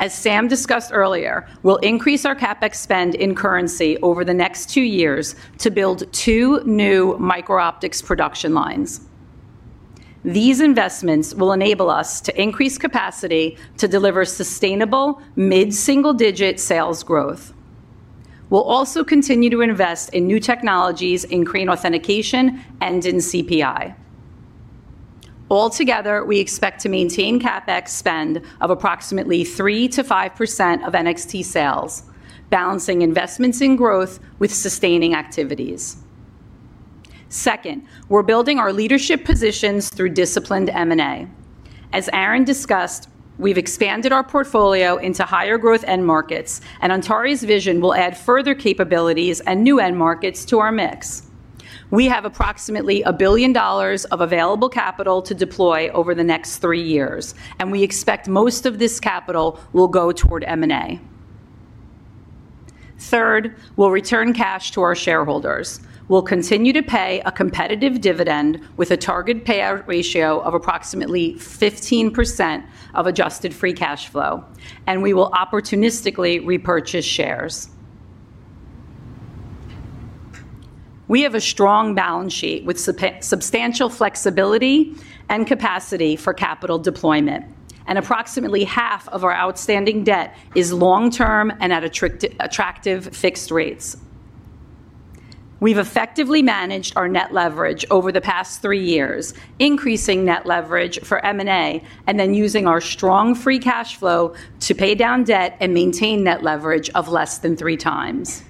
As Sam discussed earlier, we'll increase our CapEx spend in currency over the next 2 years to build 2 new micro-optics production lines. These investments will enable us to increase capacity to deliver sustainable mid-single-digit sales growth. We'll also continue to invest in new technologies in Crane Authentication and in CPI. Altogether, we expect to maintain CapEx spend of approximately 3%-5% of NXT sales, balancing investments in growth with sustaining activities. Second, we're building our leadership positions through disciplined M&A. As Aaron discussed, we've expanded our portfolio into higher growth end markets, and Antares Vision will add further capabilities and new end markets to our mix. We have approximately $1 billion of available capital to deploy over the next 3 years, and we expect most of this capital will go toward M&A. Third, we'll return cash to our shareholders. We'll continue to pay a competitive dividend with a target payout ratio of approximately 15% of adjusted free cash flow, and we will opportunistically repurchase shares. We have a strong balance sheet with substantial flexibility and capacity for capital deployment. Approximately half of our outstanding debt is long-term and at attractive fixed rates. We've effectively managed our net leverage over the past 3 years, increasing net leverage for M&A. Using our strong free cash flow to pay down debt and maintain net leverage of less than 3 times.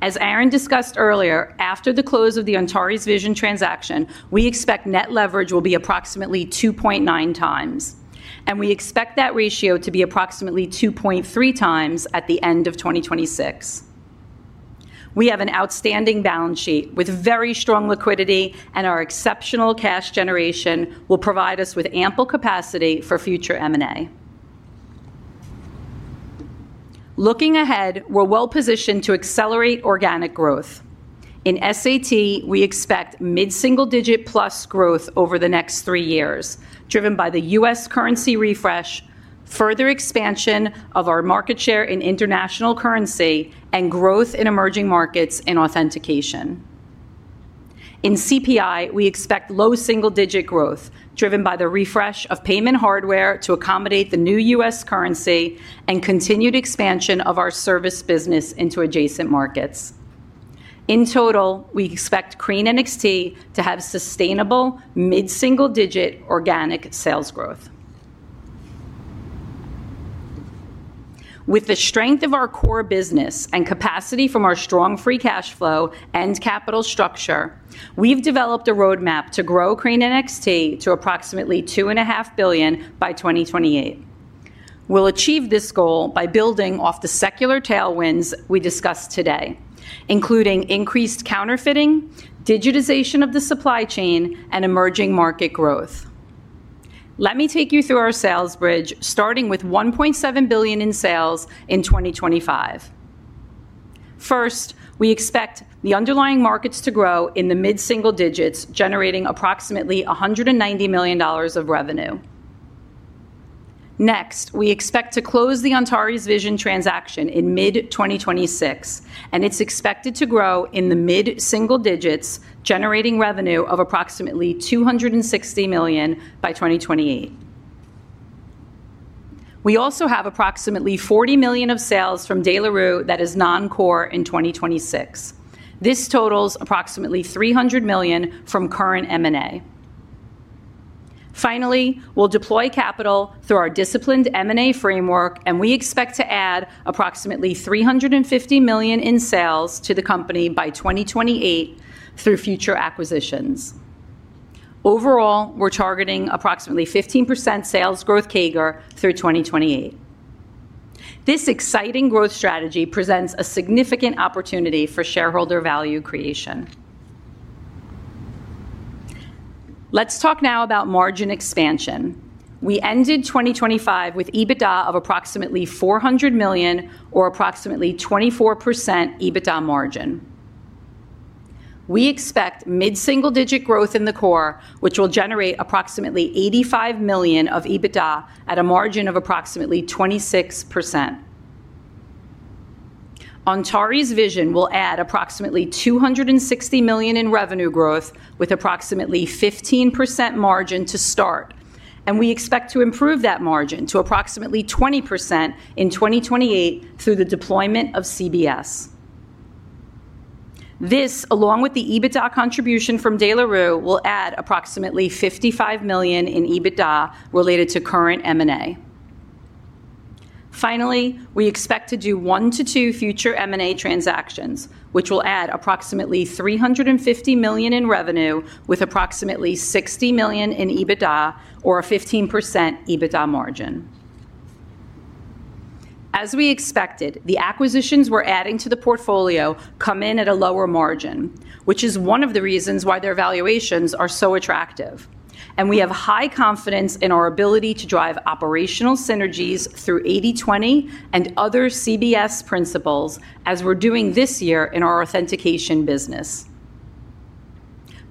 As Aaron Saak discussed earlier, after the close of the Antares Vision transaction, we expect net leverage will be approximately 2.9 times. We expect that ratio to be approximately 2.3 times at the end of 2026. We have an outstanding balance sheet with very strong liquidity. Our exceptional cash generation will provide us with ample capacity for future M&A. Looking ahead, we're well-positioned to accelerate organic growth. In SAT, we expect mid-single-digit plus growth over the next 3 years, driven by the US currency refresh, further expansion of our market share in international currency, and growth in emerging markets in authentication. In CPI, we expect low single-digit growth, driven by the refresh of payment hardware to accommodate the new US currency and continued expansion of our service business into adjacent markets. In total, we expect Crane NXT to have sustainable mid-single-digit organic sales growth. With the strength of our core business and capacity from our strong free cash flow and capital structure, we've developed a roadmap to grow Crane NXT to approximately two and a half billion USD by 2028. We'll achieve this goal by building off the secular tailwinds we discussed today, including increased counterfeiting, digitization of the supply chain, and emerging market growth. Let me take you through our sales bridge, starting with $1.7 billion in sales in 2025. First, we expect the underlying markets to grow in the mid-single digits, generating approximately $190 million of revenue. Next, we expect to close the Antares Vision transaction in mid-2026, and it's expected to grow in the mid-single digits, generating revenue of approximately $260 million by 2028. We also have approximately $40 million of sales from De La Rue that is non-core in 2026. This totals approximately $300 million from current M&A. Finally, we'll deploy capital through our disciplined M&A framework, and we expect to add approximately $350 million in sales to the company by 2028 through future acquisitions. Overall, we're targeting approximately 15% sales growth CAGR through 2028. This exciting growth strategy presents a significant opportunity for shareholder value creation. Let's talk now about margin expansion. We ended 2025 with EBITDA of approximately $400 million or approximately 24% EBITDA margin. We expect mid-single-digit growth in the core, which will generate approximately $85 million of EBITDA at a margin of approximately 26%. Antares Vision will add approximately $260 million in revenue growth with approximately 15% margin to start, and we expect to improve that margin to approximately 20% in 2028 through the deployment of CBS. This, along with the EBITDA contribution from De La Rue, will add approximately $55 million in EBITDA related to current M&A. Finally, we expect to do one to two future M&A transactions, which will add approximately $350 million in revenue with approximately $60 million in EBITDA or a 15% EBITDA margin. As we expected, the acquisitions we're adding to the portfolio come in at a lower margin, which is one of the reasons why their valuations are so attractive. We have high confidence in our ability to drive operational synergies through 80/20 and other CBS principles, as we're doing this year in our authentication business.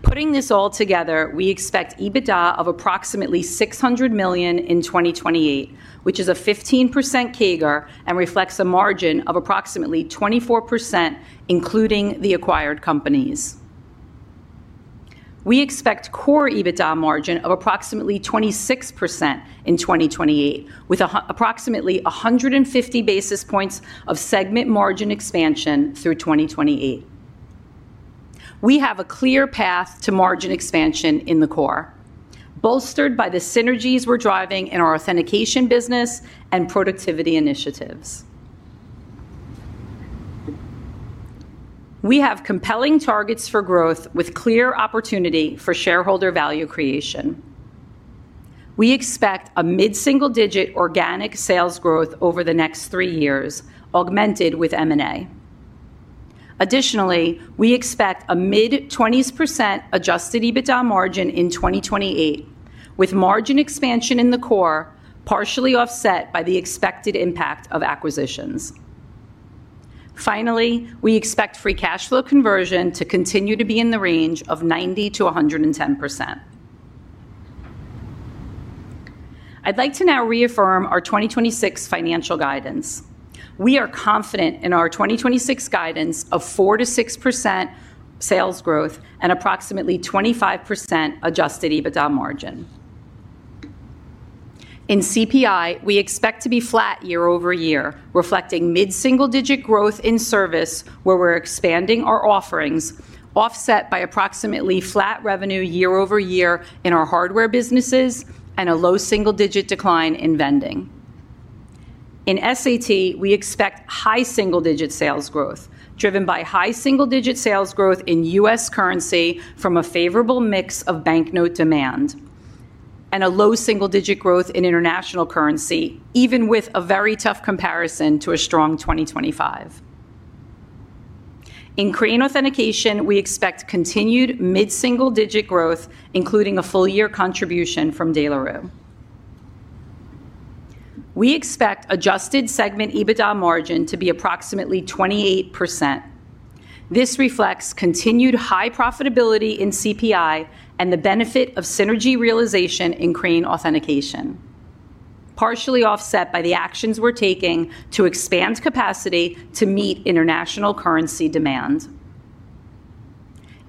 Putting this all together, we expect EBITDA of approximately $600 million in 2028, which is a 15% CAGR and reflects a margin of approximately 24%, including the acquired companies. We expect core EBITDA margin of approximately 26% in 2028, with approximately 150 basis points of segment margin expansion through 2028. We have a clear path to margin expansion in the core, bolstered by the synergies we're driving in our authentication business and productivity initiatives. We have compelling targets for growth with clear opportunity for shareholder value creation. We expect a mid-single-digit organic sales growth over the next 3 years, augmented with M&A. We expect a mid-20s% adjusted EBITDA margin in 2028, with margin expansion in the core partially offset by the expected impact of acquisitions. We expect free cash flow conversion to continue to be in the range of 90%-110%. I'd like to now reaffirm our 2026 financial guidance. We are confident in our 2026 guidance of 4%-6% sales growth and approximately 25% adjusted EBITDA margin. In CPI, we expect to be flat year-over-year, reflecting mid-single-digit growth in service, where we're expanding our offerings, offset by approximately flat revenue year-over-year in our hardware businesses and a low single-digit decline in vending. In SAT, we expect high single-digit sales growth, driven by high single-digit sales growth in U.S. currency from a favorable mix of banknote demand and a low single-digit growth in international currency, even with a very tough comparison to a strong 2025. In Crane Authentication, we expect continued mid-single-digit growth, including a full year contribution from De La Rue. We expect adjusted segment EBITDA margin to be approximately 28%. This reflects continued high profitability in CPI and the benefit of synergy realization in Crane Authentication, partially offset by the actions we're taking to expand capacity to meet international currency demand.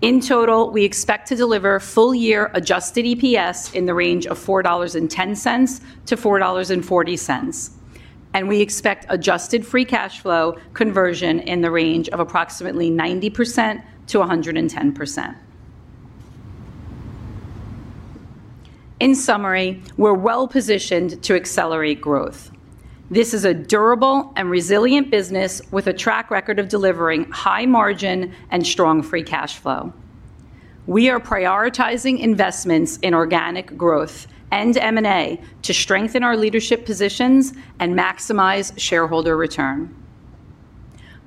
In total, we expect to deliver full-year adjusted EPS in the range of $4.10-$4.40, and we expect adjusted free cash flow conversion in the range of approximately 90%-110%. In summary, we're well-positioned to accelerate growth. This is a durable and resilient business with a track record of delivering high margin and strong free cash flow. We are prioritizing investments in organic growth and M&A to strengthen our leadership positions and maximize shareholder return.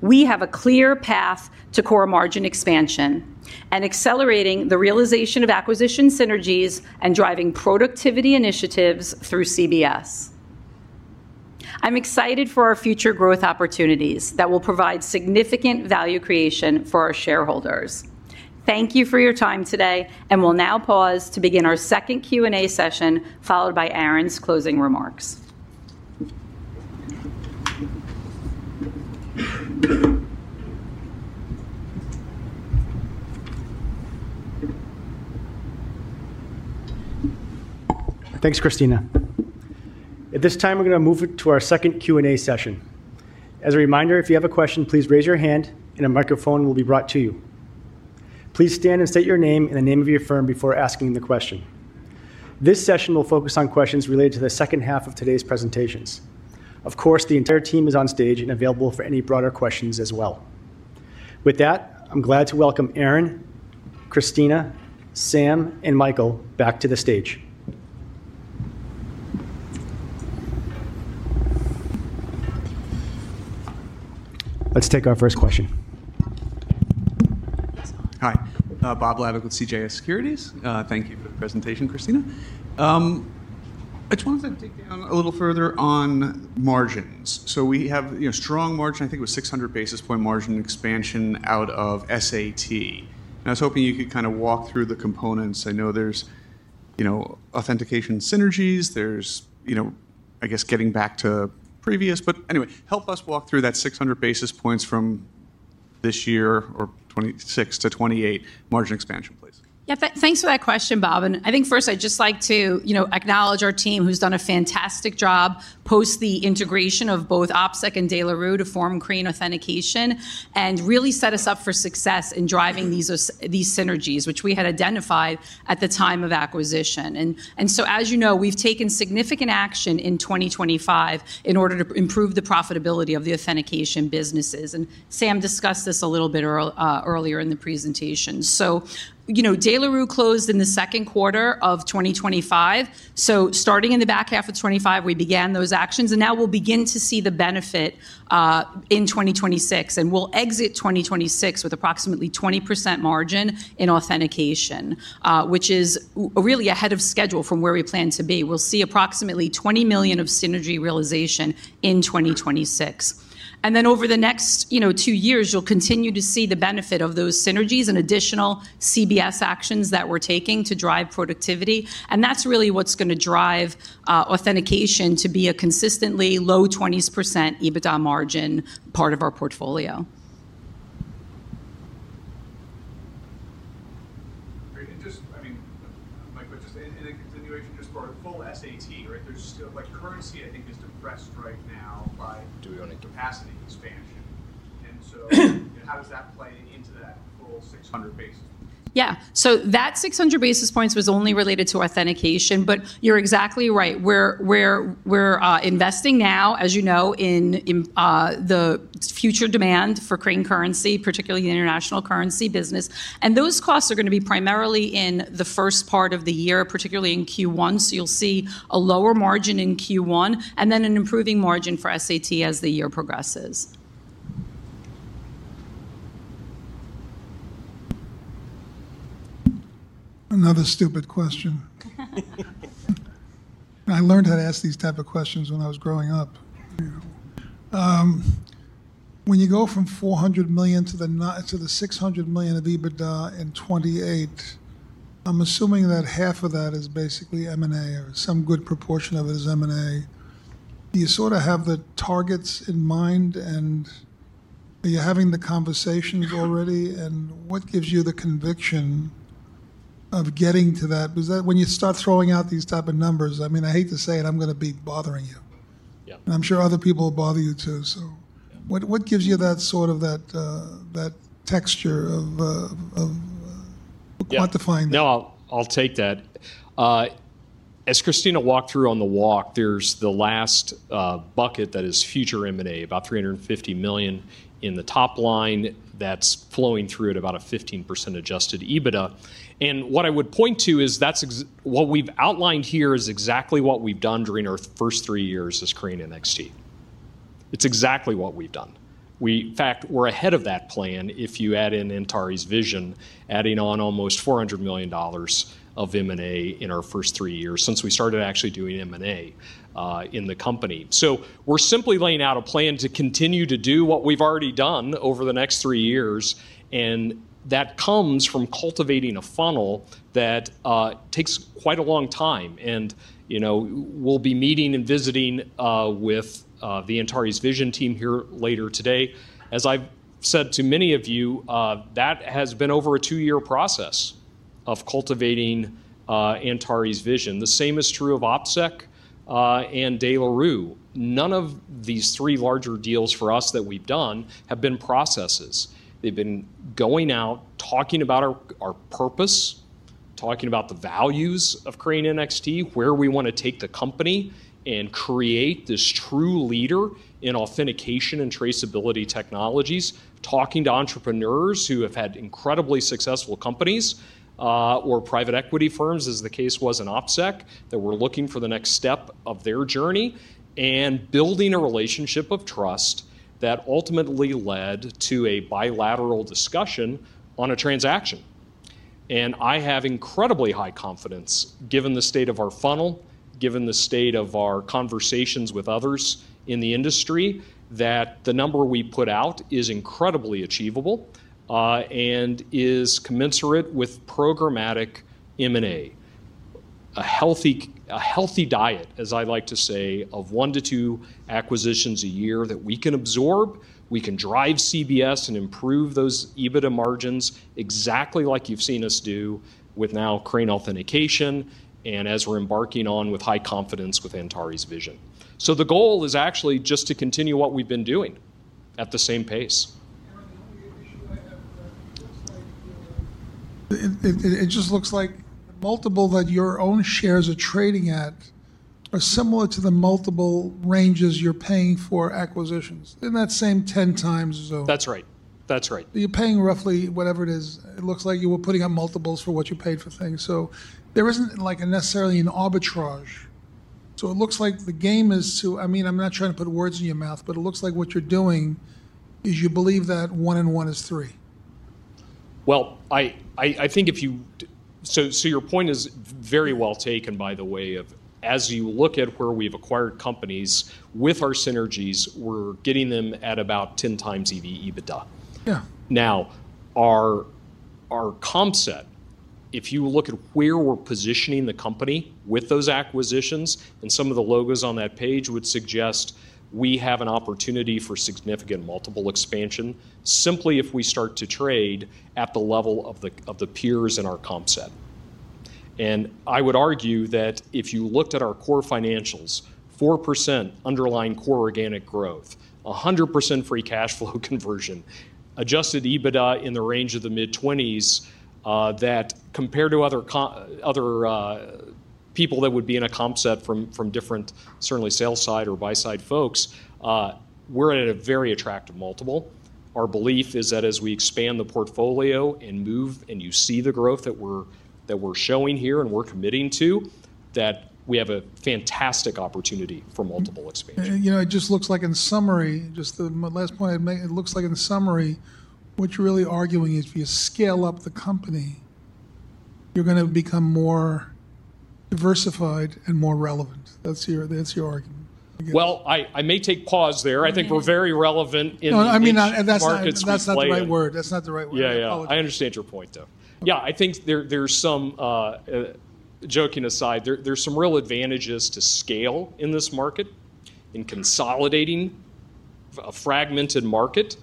We have a clear path to core margin expansion and accelerating the realization of acquisition synergies and driving productivity initiatives through CBS. I'm excited for our future growth opportunities that will provide significant value creation for our shareholders. Thank you for your time today, and we'll now pause to begin our second Q&A session, followed by Aaron's closing remarks.
Thanks, Christina. At this time, we're going to move it to our second Q&A session. As a reminder, if you have a question, please raise your hand, and a microphone will be brought to you. Please stand and state your name and the name of your firm before asking the question. This session will focus on questions related to the second half of today's presentations. Of course, the entire team is on stage and available for any broader questions as well. With that, I'm glad to welcome Aaron, Christina, Sam, and Michael back to the stage. Let's take our first question.
Hi. Bob Labick with CJS Securities. Thank you for the presentation, Christina. I just wanted to dig down a little further on margins. We have, you know, strong margin, I think it was 600 basis point margin expansion out of SAT, and I was hoping you could kind of walk through the components. I know there's, you know, authentication synergies. There's, you know, I guess, getting back to previous. Anyway, help us walk through that 600 basis points from this year or 2026 to 2028 margin expansion, please.
Yeah, thanks for that question, Bob. I think first I'd just like to, you know, acknowledge our team, who's done a fantastic job post the integration of both OpSec and De La Rue to form Crane Authentication, and really set us up for success in driving these synergies, which we had identified at the time of acquisition. As you know, we've taken significant action in 2025 in order to improve the profitability of the authentication businesses, and Sam discussed this a little bit earlier in the presentation. You know, De La Rue closed in the second quarter of 2025. Starting in the back half of 2025, we began those actions. Now we'll begin to see the benefit in 2026, and we'll exit 2026 with approximately 20% margin in Authentication, which is really ahead of schedule from where we planned to be. We'll see approximately $20 million of synergy realization in 2026. Then over the next, you know, two years, you'll continue to see the benefit of those synergies and additional CBS actions that we're taking to drive productivity, and that's really what's going to drive Authentication to be a consistently low 20s% EBITDA margin part of our portfolio.
Just, I mean, like, but just in a continuation, just for a full SAT, right? There's still, like, currency, I think, is depressed right now.
Dual-Optic...
capacity expansion. How does that play into that full 600 basis?
Yeah. That 600 basis points was only related to authentication, but you're exactly right. We're investing now, as you know, in the future demand for Crane Currency, particularly the international currency business. Those costs are going to be primarily in the first part of the year, particularly in Q1. You'll see a lower margin in Q1, and then an improving margin for SAT as the year progresses.
Another stupid question. I learned how to ask these type of questions when I was growing up, you know. When you go from $400 million to the $600 million of EBITDA in 2028, I'm assuming that half of that is basically M&A or some good proportion of it is M&A. Do you sort of have the targets in mind, and are you having the conversations already? What gives you the conviction of getting to that? Because that when you start throwing out these type of numbers, I mean, I hate to say it, I'm going to be bothering you.
Yeah.
I'm sure other people will bother you, too.
Yeah.
What gives you that sort of that texture of...
Yeah
quantifying that?
No, I'll take that. As Christina walked through on the walk, there's the last bucket that is future M&A, about $350 million in the top line that's flowing through at about a 15% adjusted EBITDA. What I would point to is that's what we've outlined here is exactly what we've done during our first three years as Crane NXT. It's exactly what we've done. We, in fact, we're ahead of that plan if you add in Antares Vision, adding on almost $400 million of M&A in our first three years since we started actually doing M&A in the company. We're simply laying out a plan to continue to do what we've already done over the next three years, and that comes from cultivating a funnel that takes quite a long time. You know, we'll be meeting and visiting with the Antares Vision team here later today. As I've said to many of you, that has been over a two-year process of cultivating Antares Vision. The same is true of OpSec and De La Rue. None of these three larger deals for us that we've done have been processes. They've been going out, talking about our purpose, talking about the values of Crane NXT, where we want to take the company, and create this true leader in authentication and traceability technologies. Talking to entrepreneurs who have had incredibly successful companies, or private equity firms, as the case was in OpSec, that were looking for the next step of their journey, and building a relationship of trust that ultimately led to a bilateral discussion on a transaction. I have incredibly high confidence, given the state of our funnel, given the state of our conversations with others in the industry, that the number we put out is incredibly achievable and is commensurate with programmatic M&A. A healthy diet, as I like to say, of 1 to 2 acquisitions a year that we can absorb, we can drive CBS and improve those EBITDA margins, exactly like you've seen us do with now Crane Authentication, and as we're embarking on with high confidence with Antares Vision. The goal is actually just to continue what we've been doing at the same pace.
Aaron, the only issue I have with that, it looks like, it just looks like the multiple that your own shares are trading at are similar to the multiple ranges you're paying for acquisitions. In that same 10 times zone.
That's right. That's right.
You're paying roughly whatever it is. It looks like you were putting up multiples for what you paid for things, so there isn't, like, a necessarily an arbitrage. It looks like the game is to... I mean, I'm not trying to put words in your mouth, but it looks like what you're doing is you believe that one and one is three.
Well, I think if you so your point is very well taken, by the way, of as you look at where we've acquired companies, with our synergies, we're getting them at about 10 times EV/EBITDA.
Yeah.
Now, our comp set, if you look at where we're positioning the company with those acquisitions, some of the logos on that page would suggest we have an opportunity for significant multiple expansion, simply if we start to trade at the level of the peers in our comp set. I would argue that if you looked at our core financials, 4% underlying core organic growth, 100% free cash flow conversion, adjusted EBITDA in the range of the mid-20s, that compared to other people that would be in a comp set from different, certainly sales side or buy side folks, we're at a very attractive multiple. Our belief is that as we expand the portfolio and move, and you see the growth that we're showing here and we're committing to, that we have a fantastic opportunity for multiple expansion.
You know, it just looks like in summary, just the last point I'd make, it looks like in summary, what you're really arguing is if you scale up the company, you're gonna become more diversified and more relevant. That's your argument.
Well, I may take pause there. I think we're very relevant in.
No, I mean.
markets we play in.
That's not the right word. That's not the right word.
Yeah, yeah.
Apologies.
I understand your point, though. Yeah, I think there's some Joking aside, there's some real advantages to scale in this market, in consolidating a fragmented market,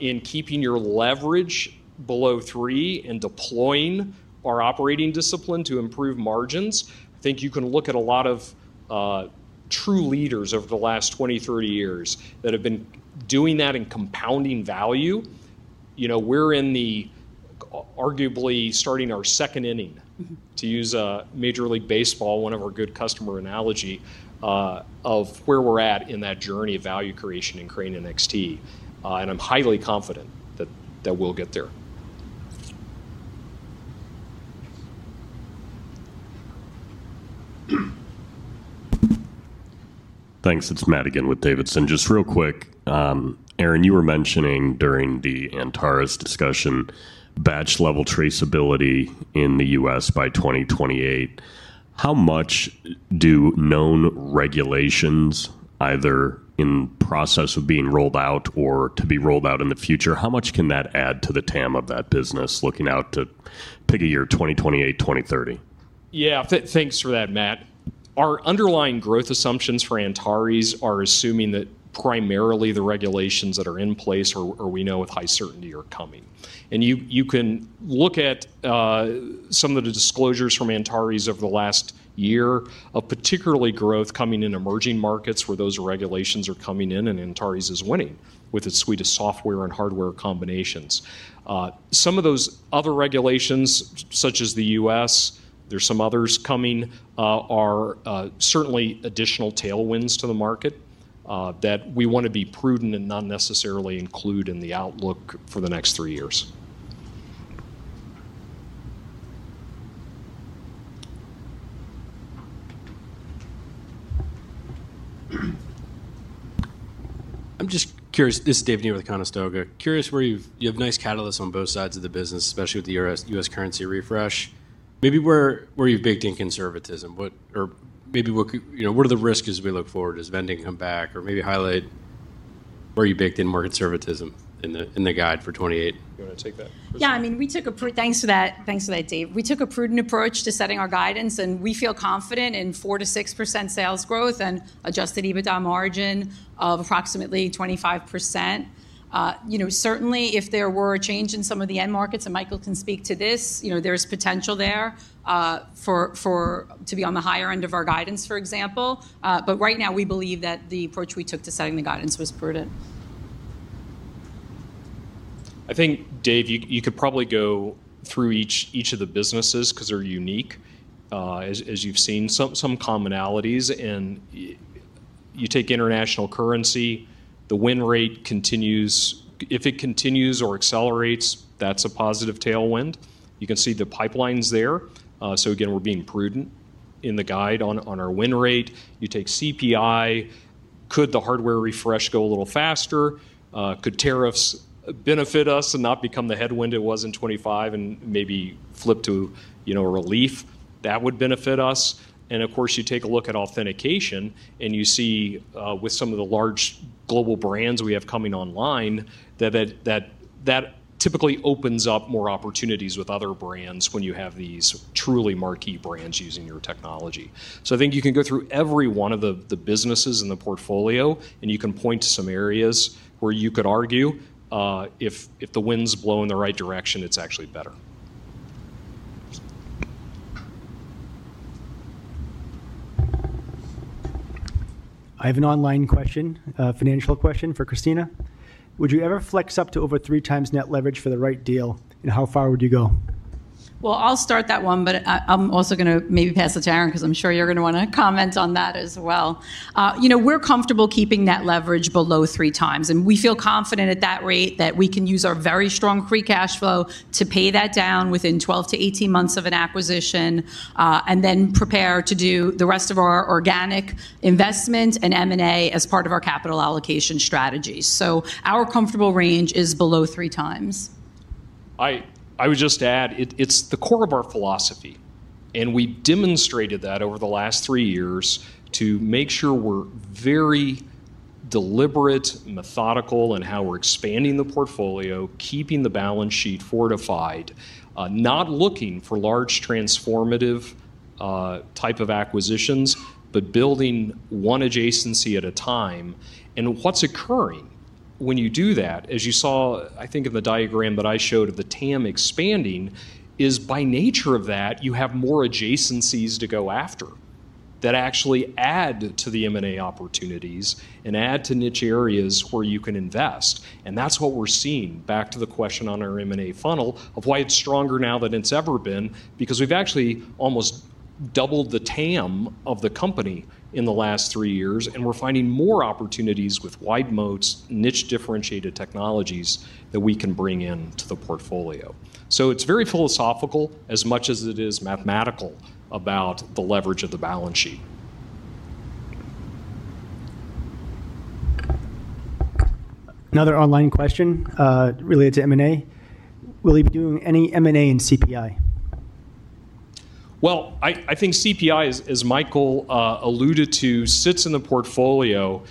in keeping your leverage below 3 and deploying our operating discipline to improve margins. I think you can look at a lot of true leaders over the last 20, 30 years that have been doing that and compounding value. You know, we're arguably starting our second inning.
Mm-hmm...
to use, Major League Baseball, one of our good customer analogy, of where we're at in that journey of value creation in Crane NXT. I'm highly confident that we'll get there.
Thanks. It's Matt again with D.A. Davidson. Just real quick, Aaron, you were mentioning during the Antares Vision discussion, batch-level traceability in the U.S. by 2028. How much do known regulations, either in process of being rolled out or to be rolled out in the future, how much can that add to the TAM of that business, looking out to, pick a year, 2028, 2030?
Yeah. Thanks for that, Matt. Our underlying growth assumptions for Antares are assuming that primarily the regulations that are in place or we know with high certainty are coming. You can look at some of the disclosures from Antares over the last year, of particularly growth coming in emerging markets where those regulations are coming in, and Antares is winning with its suite of software and hardware combinations. Some of those other regulations, such as the U.S., there's some others coming, are certainly additional tailwinds to the market that we want to be prudent and not necessarily include in the outlook for the next three years.
I'm just curious. This is Dave Nee with Conestoga. Curious where you have nice catalysts on both sides of the business, especially with the U.S. currency refresh. Maybe where you've baked in conservatism? Or maybe what could, you know, what are the risks as we look forward? Does vending come back? Or maybe highlight where you baked in more conservatism in the guide for 2028.
You wanna take that, Christina?
I mean, we took a thanks for that. Thanks for that, Dave Nee. We took a prudent approach to setting our guidance. We feel confident in 4%-6% sales growth and adjusted EBITDA margin of approximately 25%. You know, certainly, if there were a change in some of the end markets, and Michael Mahan can speak to this, you know, there's potential there for to be on the higher end of our guidance, for example. Right now, we believe that the approach we took to setting the guidance was prudent.
I think, Dave Nee, you could probably go through each of the businesses 'cause they're unique, as you've seen. Some commonalities, you take international currency, the win rate continues. If it continues or accelerates, that's a positive tailwind. You can see the pipelines there. Again, we're being prudent in the guide on our win rate. You take CPI, could the hardware refresh go a little faster? Could tariffs benefit us and not become the headwind it was in 25 and maybe flip to, you know, a relief? That would benefit us. Of course, you take a look at authentication, and you see, with some of the large global brands we have coming online, that typically opens up more opportunities with other brands when you have these truly marquee brands using your technology. I think you can go through every one of the businesses in the portfolio, and you can point to some areas where you could argue, if the winds blow in the right direction, it's actually better.
I have an online question, a financial question for Christina. Would you ever flex up to over 3 times net leverage for the right deal, and how far would you go?
Well, I'll start that one, but I'm also gonna maybe pass to Aaron, 'cause I'm sure you're gonna wanna comment on that as well. You know, we're comfortable keeping that leverage below 3 times, and we feel confident at that rate that we can use our very strong free cash flow to pay that down within 12-18 months of an acquisition, and then prepare to do the rest of our organic investment and M&A as part of our capital allocation strategy. Our comfortable range is below 3 times.
I would just add, it's the core of our philosophy, and we demonstrated that over the last three years to make sure we're very deliberate, methodical in how we're expanding the portfolio, keeping the balance sheet fortified, not looking for large, transformative, type of acquisitions, but building one adjacency at a time. What's occurring when you do that, as you saw, I think, in the diagram that I showed of the TAM expanding, is by nature of that, you have more adjacencies to go after that actually add to the M&A opportunities and add to niche areas where you can invest, and that's what we're seeing. Back to the question on our M&A funnel, of why it's stronger now than it's ever been, because we've actually almost doubled the TAM of the company in the last three years, and we're finding more opportunities with wide moats, niche-differentiated technologies that we can bring in to the portfolio. It's very philosophical as much as it is mathematical about the leverage of the balance sheet.
Another online question, related to M&A: Will you be doing any M&A in CPI?
Well, I think CPI, as Michael alluded to, sits in the portfolio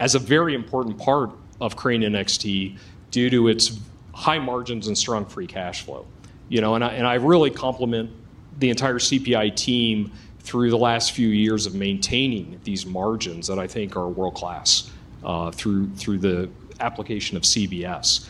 as a very important part of Crane NXT due to its high margins and strong free cash flow. You know, I really compliment the entire CPI team through the last few years of maintaining these margins that I think are world-class, through the application of CBS.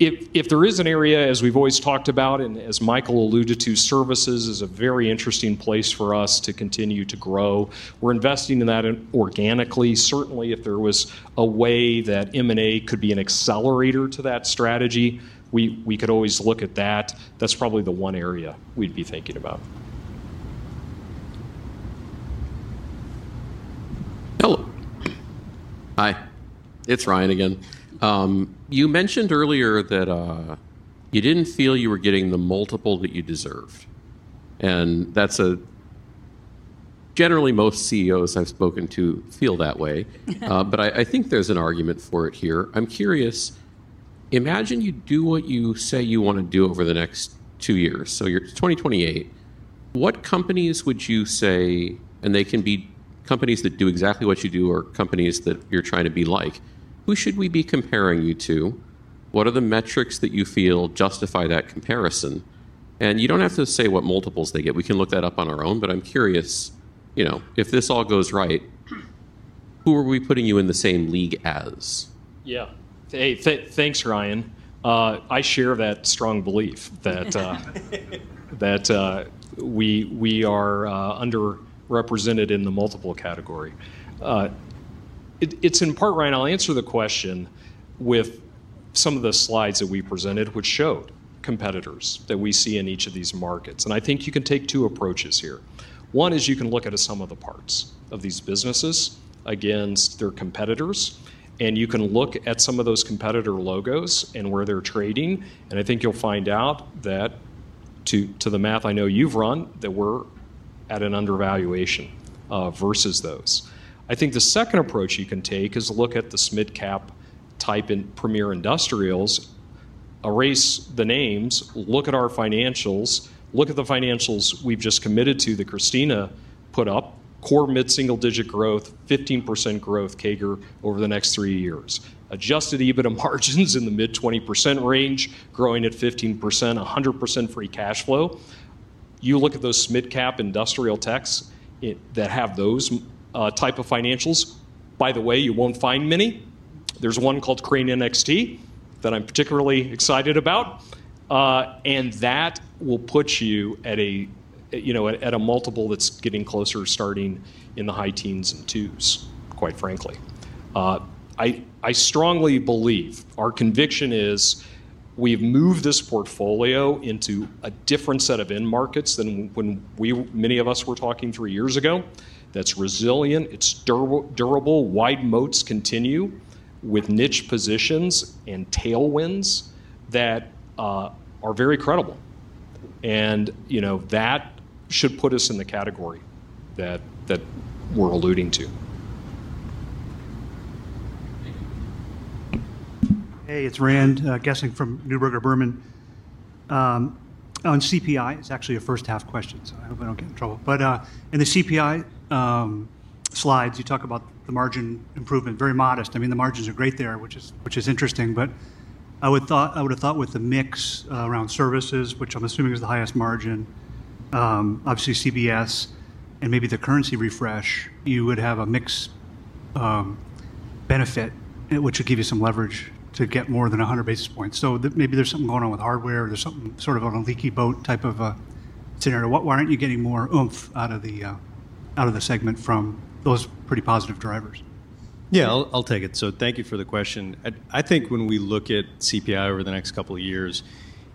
If there is an area, as we've always talked about and as Michael alluded to, services is a very interesting place for us to continue to grow. We're investing in that in organically. Certainly, if there was a way that M&A could be an accelerator to that strategy, we could always look at that. That's probably the one area we'd be thinking about.
Hello. Hi, it's Ryan Thorpe again. You mentioned earlier that you didn't feel you were getting the multiple that you deserved. Generally, most CEOs I've spoken to feel that way. I think there's an argument for it here. I'm curious, imagine you do what you say you wanna do over the next two years, so you're 2028, what companies would you say, they can be companies that do exactly what you do or companies that you're trying to be like, who should we be comparing you to? What are the metrics that you feel justify that comparison? You don't have to say what multiples they get. We can look that up on our own, I'm curious, you know, if this all goes right, who are we putting you in the same league as?
Yeah. Hey, thanks, Ryan. I share that strong belief that we are underrepresented in the multiple category. It's in part, Ryan, I'll answer the question with some of the slides that we presented, which showed competitors that we see in each of these markets, and I think you can take two approaches here. One is you can look at a sum of the parts of these businesses against their competitors, and you can look at some of those competitor logos and where they're trading, and I think you'll find out that to the math I know you've run, that we're at an undervaluation versus those. I think the second approach you can take is look at the mid-cap type in premier industrials, erase the names, look at our financials, look at the financials we've just committed to that Christina put up, core mid-single-digit growth, 15% growth CAGR over the next 3 years. Adjusted EBITDA margins in the mid-20% range, growing at 15%, 100% free cash flow. You look at those mid-cap industrial techs that have those type of financials, by the way, you won't find many. There's one called Crane NXT that I'm particularly excited about. That will put you at a, you know, at a multiple that's getting closer to starting in the high teens and twos, quite frankly. I strongly believe, our conviction is, we've moved this portfolio into a different set of end markets than when many of us were talking three years ago. That's resilient, it's durable, wide moats continue with niche positions and tailwinds that are very credible. You know, that should put us in the category that we're alluding to.
Hey, it's Rand Gesing from Neuberger Berman. On CPI, it's actually a first half question, I hope I don't get in trouble. In the CPI slides, you talk about the margin improvement, very modest. I mean, the margins are great there, which is interesting, I would've thought with the mix around services, which I'm assuming is the highest margin, obviously, CBS and maybe the currency refresh, you would have a mix benefit, which would give you some leverage to get more than 100 basis points. Maybe there's something going on with hardware, or there's something sort of on a leaky boat type of a scenario. Why aren't you getting more oomph out of the segment from those pretty positive drivers?
I'll take it. Thank you for the question. I think when we look at CPI over the next couple of years,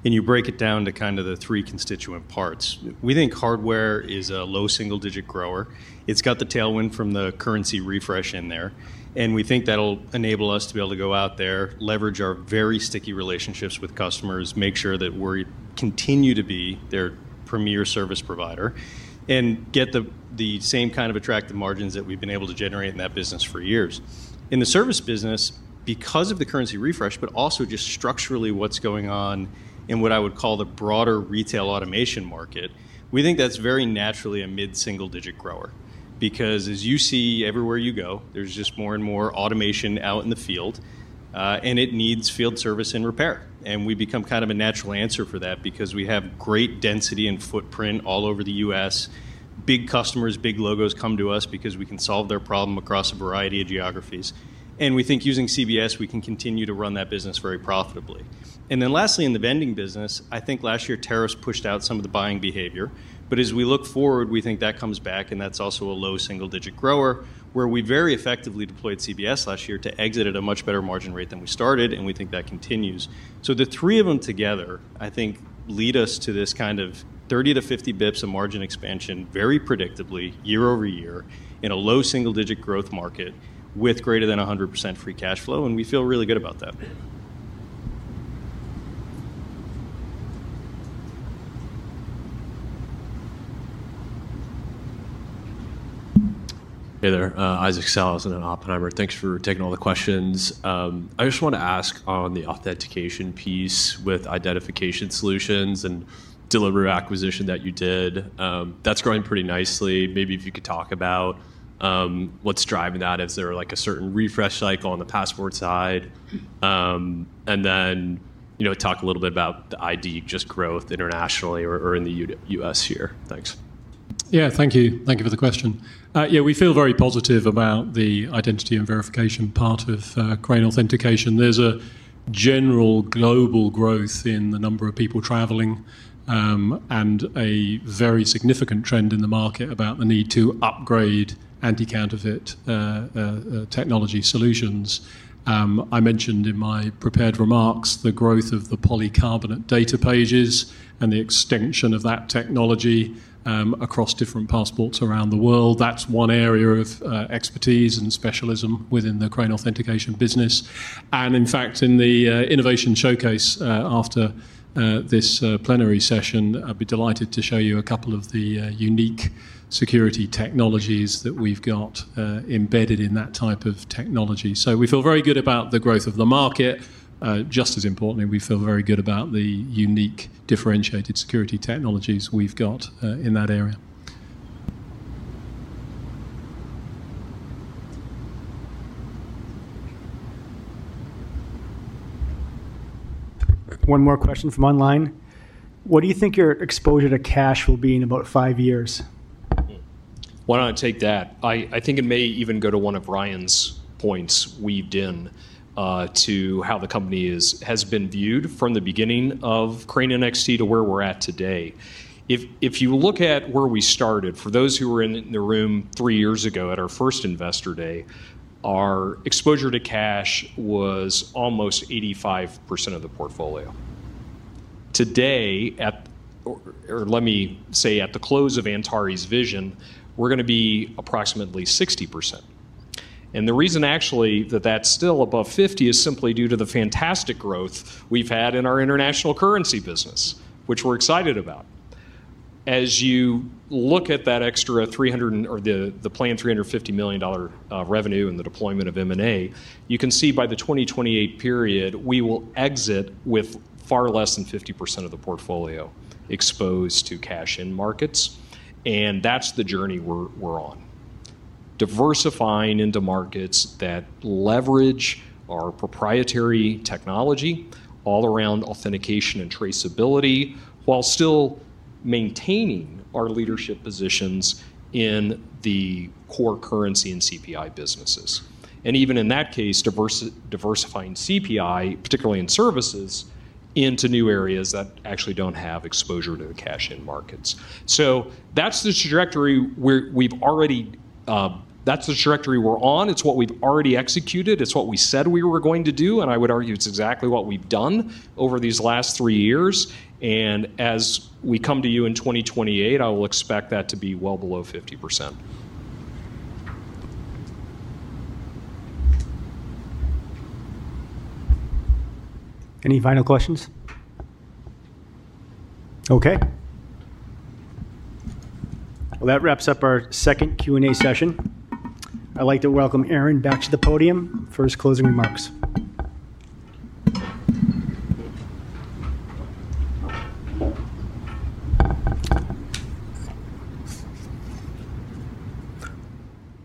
and you break it down to kind of the 3 constituent parts, we think hardware is a low single-digit grower. It's got the tailwind from the currency refresh in there, and we think that'll enable us to be able to go out there, leverage our very sticky relationships with customers, make sure that we continue to be their premier service provider, and get the same kind of attractive margins that we've been able to generate in that business for years. In the service business, because of the currency refresh, but also just structurally, what's going on in what I would call the broader retail automation market, we think that's very naturally a mid-single-digit grower. As you see everywhere you go, there's just more and more automation out in the field, and it needs field service and repair. We become kind of a natural answer for that because we have great density and footprint all over the U.S. Big customers, big logos come to us because we can solve their problem across a variety of geographies. We think using CBS, we can continue to run that business very profitably. Lastly, in the vending business, I think last year, tariffs pushed out some of the buying behavior. As we look forward, we think that comes back, and that's also a low single-digit grower, where we very effectively deployed CBS last year to exit at a much better margin rate than we started, and we think that continues. The three of them together, I think, lead us to this kind of 30 to 50 basis points of margin expansion, very predictably, year-over-year, in a low single-digit growth market with greater than 100% free cash flow, and we feel really good about that.
Hey there, Ian Zaffino at Oppenheimer. Thanks for taking all the questions. I just want to ask on the authentication piece with identification solutions and De La Rue acquisition that you did, that's growing pretty nicely. Maybe if you could talk about what's driving that? Is there, like, a certain refresh cycle on the passport side? You know, talk a little bit about the ID, just growth internationally or in the US here. Thanks.
Yeah, thank you. Thank you for the question. Yeah, we feel very positive about the identity and verification part of Crane Authentication. There's a general global growth in the number of people traveling, and a very significant trend in the market about the need to upgrade anti-counterfeit technology solutions. I mentioned in my prepared remarks the growth of the polycarbonate data pages and the extension of that technology across different passports around the world. That's one area of expertise and specialism within the Crane Authentication business. In fact, in the innovation showcase after this plenary session, I'd be delighted to show you a couple of the unique security technologies that we've got embedded in that type of technology. We feel very good about the growth of the market. Just as importantly, we feel very good about the unique, differentiated security technologies we've got, in that area.
One more question from online: What do you think your exposure to cash will be in about five years?
Why don't I take that? I think it may even go to one of Ryan's points weaved in to how the company has been viewed from the beginning of Crane NXT to where we're at today. If you look at where we started, for those who were in the room 3 years ago at our first Investor Day, our exposure to cash was almost 85% of the portfolio. Today, or let me say, at the close of Antares Vision, we're gonna be approximately 60%. The reason actually that that's still above 50 is simply due to the fantastic growth we've had in our international currency business, which we're excited about. As you look at that extra three hundred or the planned $350 million revenue and the deployment of M&A, you can see by the 2028 period, we will exit with far less than 50% of the portfolio exposed to cash-in markets, and that's the journey we're on. Diversifying into markets that leverage our proprietary technology all around authentication and traceability, while still maintaining our leadership positions in the core currency and CPI businesses. Even in that case, diversifying CPI, particularly in services, into new areas that actually don't have exposure to the cash-in markets. That's the trajectory we've already. That's the trajectory we're on. It's what we've already executed, it's what we said we were going to do, and I would argue it's exactly what we've done over these last three years, and as we come to you in 2028, I will expect that to be well below 50%.
Any final questions? Okay. Well, that wraps up our second Q&A session. I'd like to welcome Aaron back to the podium for his closing remarks.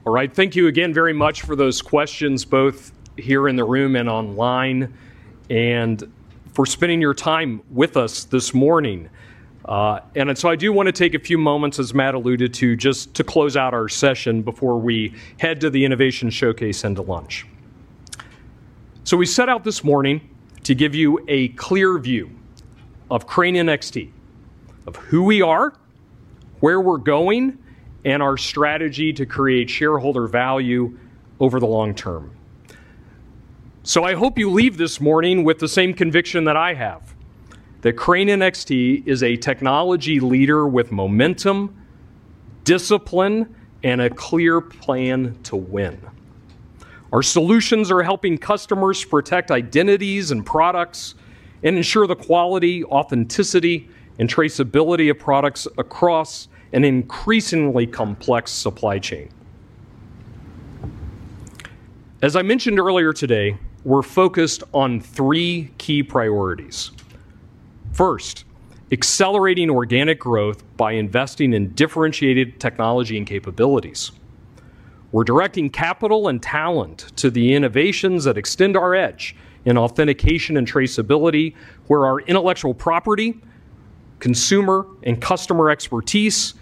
All right. Thank you again very much for those questions, both here in the room and online, and for spending your time with us this morning. I do want to take a few moments, as Matt alluded to, just to close out our session before we head to the innovation showcase and to lunch. We set out this morning to give you a clear view of Crane NXT, of who we are, where we're going, and our strategy to create shareholder value over the long term. I hope you leave this morning with the same conviction that I have, that Crane NXT is a technology leader with momentum, discipline, and a clear plan to win. Our solutions are helping customers protect identities and products and ensure the quality, authenticity, and traceability of products across an increasingly complex supply chain. As I mentioned earlier today, we're focused on three key priorities: First, accelerating organic growth by investing in differentiated technology and capabilities. We're directing capital and talent to the innovations that extend our edge in authentication and traceability, where our intellectual property, consumer and customer expertise,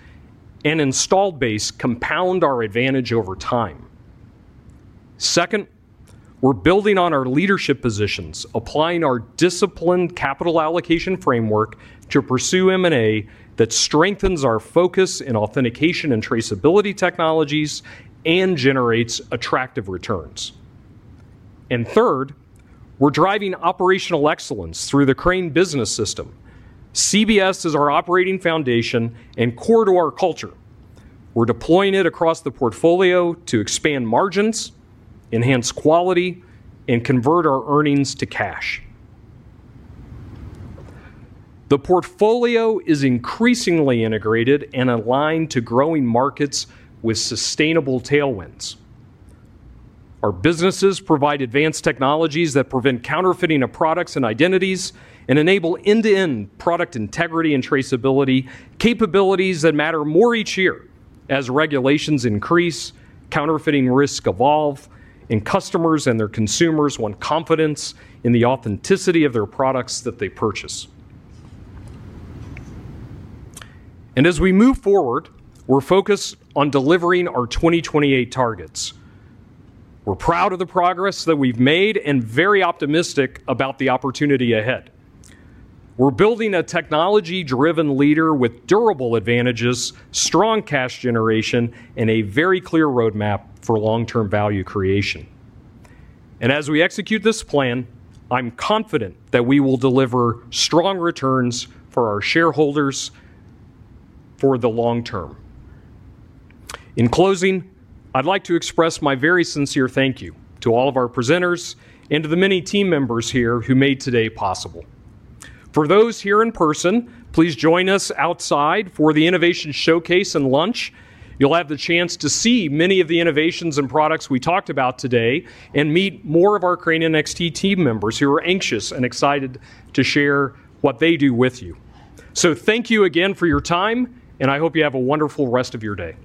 and installed base compound our advantage over time. Second, we're building on our leadership positions, applying our disciplined capital allocation framework to pursue M&A that strengthens our focus in authentication and traceability technologies and generates attractive returns. Third, we're driving operational excellence through the Crane Business System. CBS is our operating foundation and core to our culture. We're deploying it across the portfolio to expand margins, enhance quality, and convert our earnings to cash. The portfolio is increasingly integrated and aligned to growing markets with sustainable tailwinds. Our businesses provide advanced technologies that prevent counterfeiting of products and identities and enable end-to-end product integrity and traceability, capabilities that matter more each year as regulations increase, counterfeiting risks evolve, and customers and their consumers want confidence in the authenticity of their products that they purchase. As we move forward, we're focused on delivering our 2028 targets. We're proud of the progress that we've made and very optimistic about the opportunity ahead. We're building a technology-driven leader with durable advantages, strong cash generation, and a very clear roadmap for long-term value creation. As we execute this plan, I'm confident that we will deliver strong returns for our shareholders for the long term. In closing, I'd like to express my very sincere thank you to all of our presenters and to the many team members here who made today possible. For those here in person, please join us outside for the innovation showcase and lunch. You'll have the chance to see many of the innovations and products we talked about today and meet more of our Crane NXT team members, who are anxious and excited to share what they do with you. Thank you again for your time, and I hope you have a wonderful rest of your day.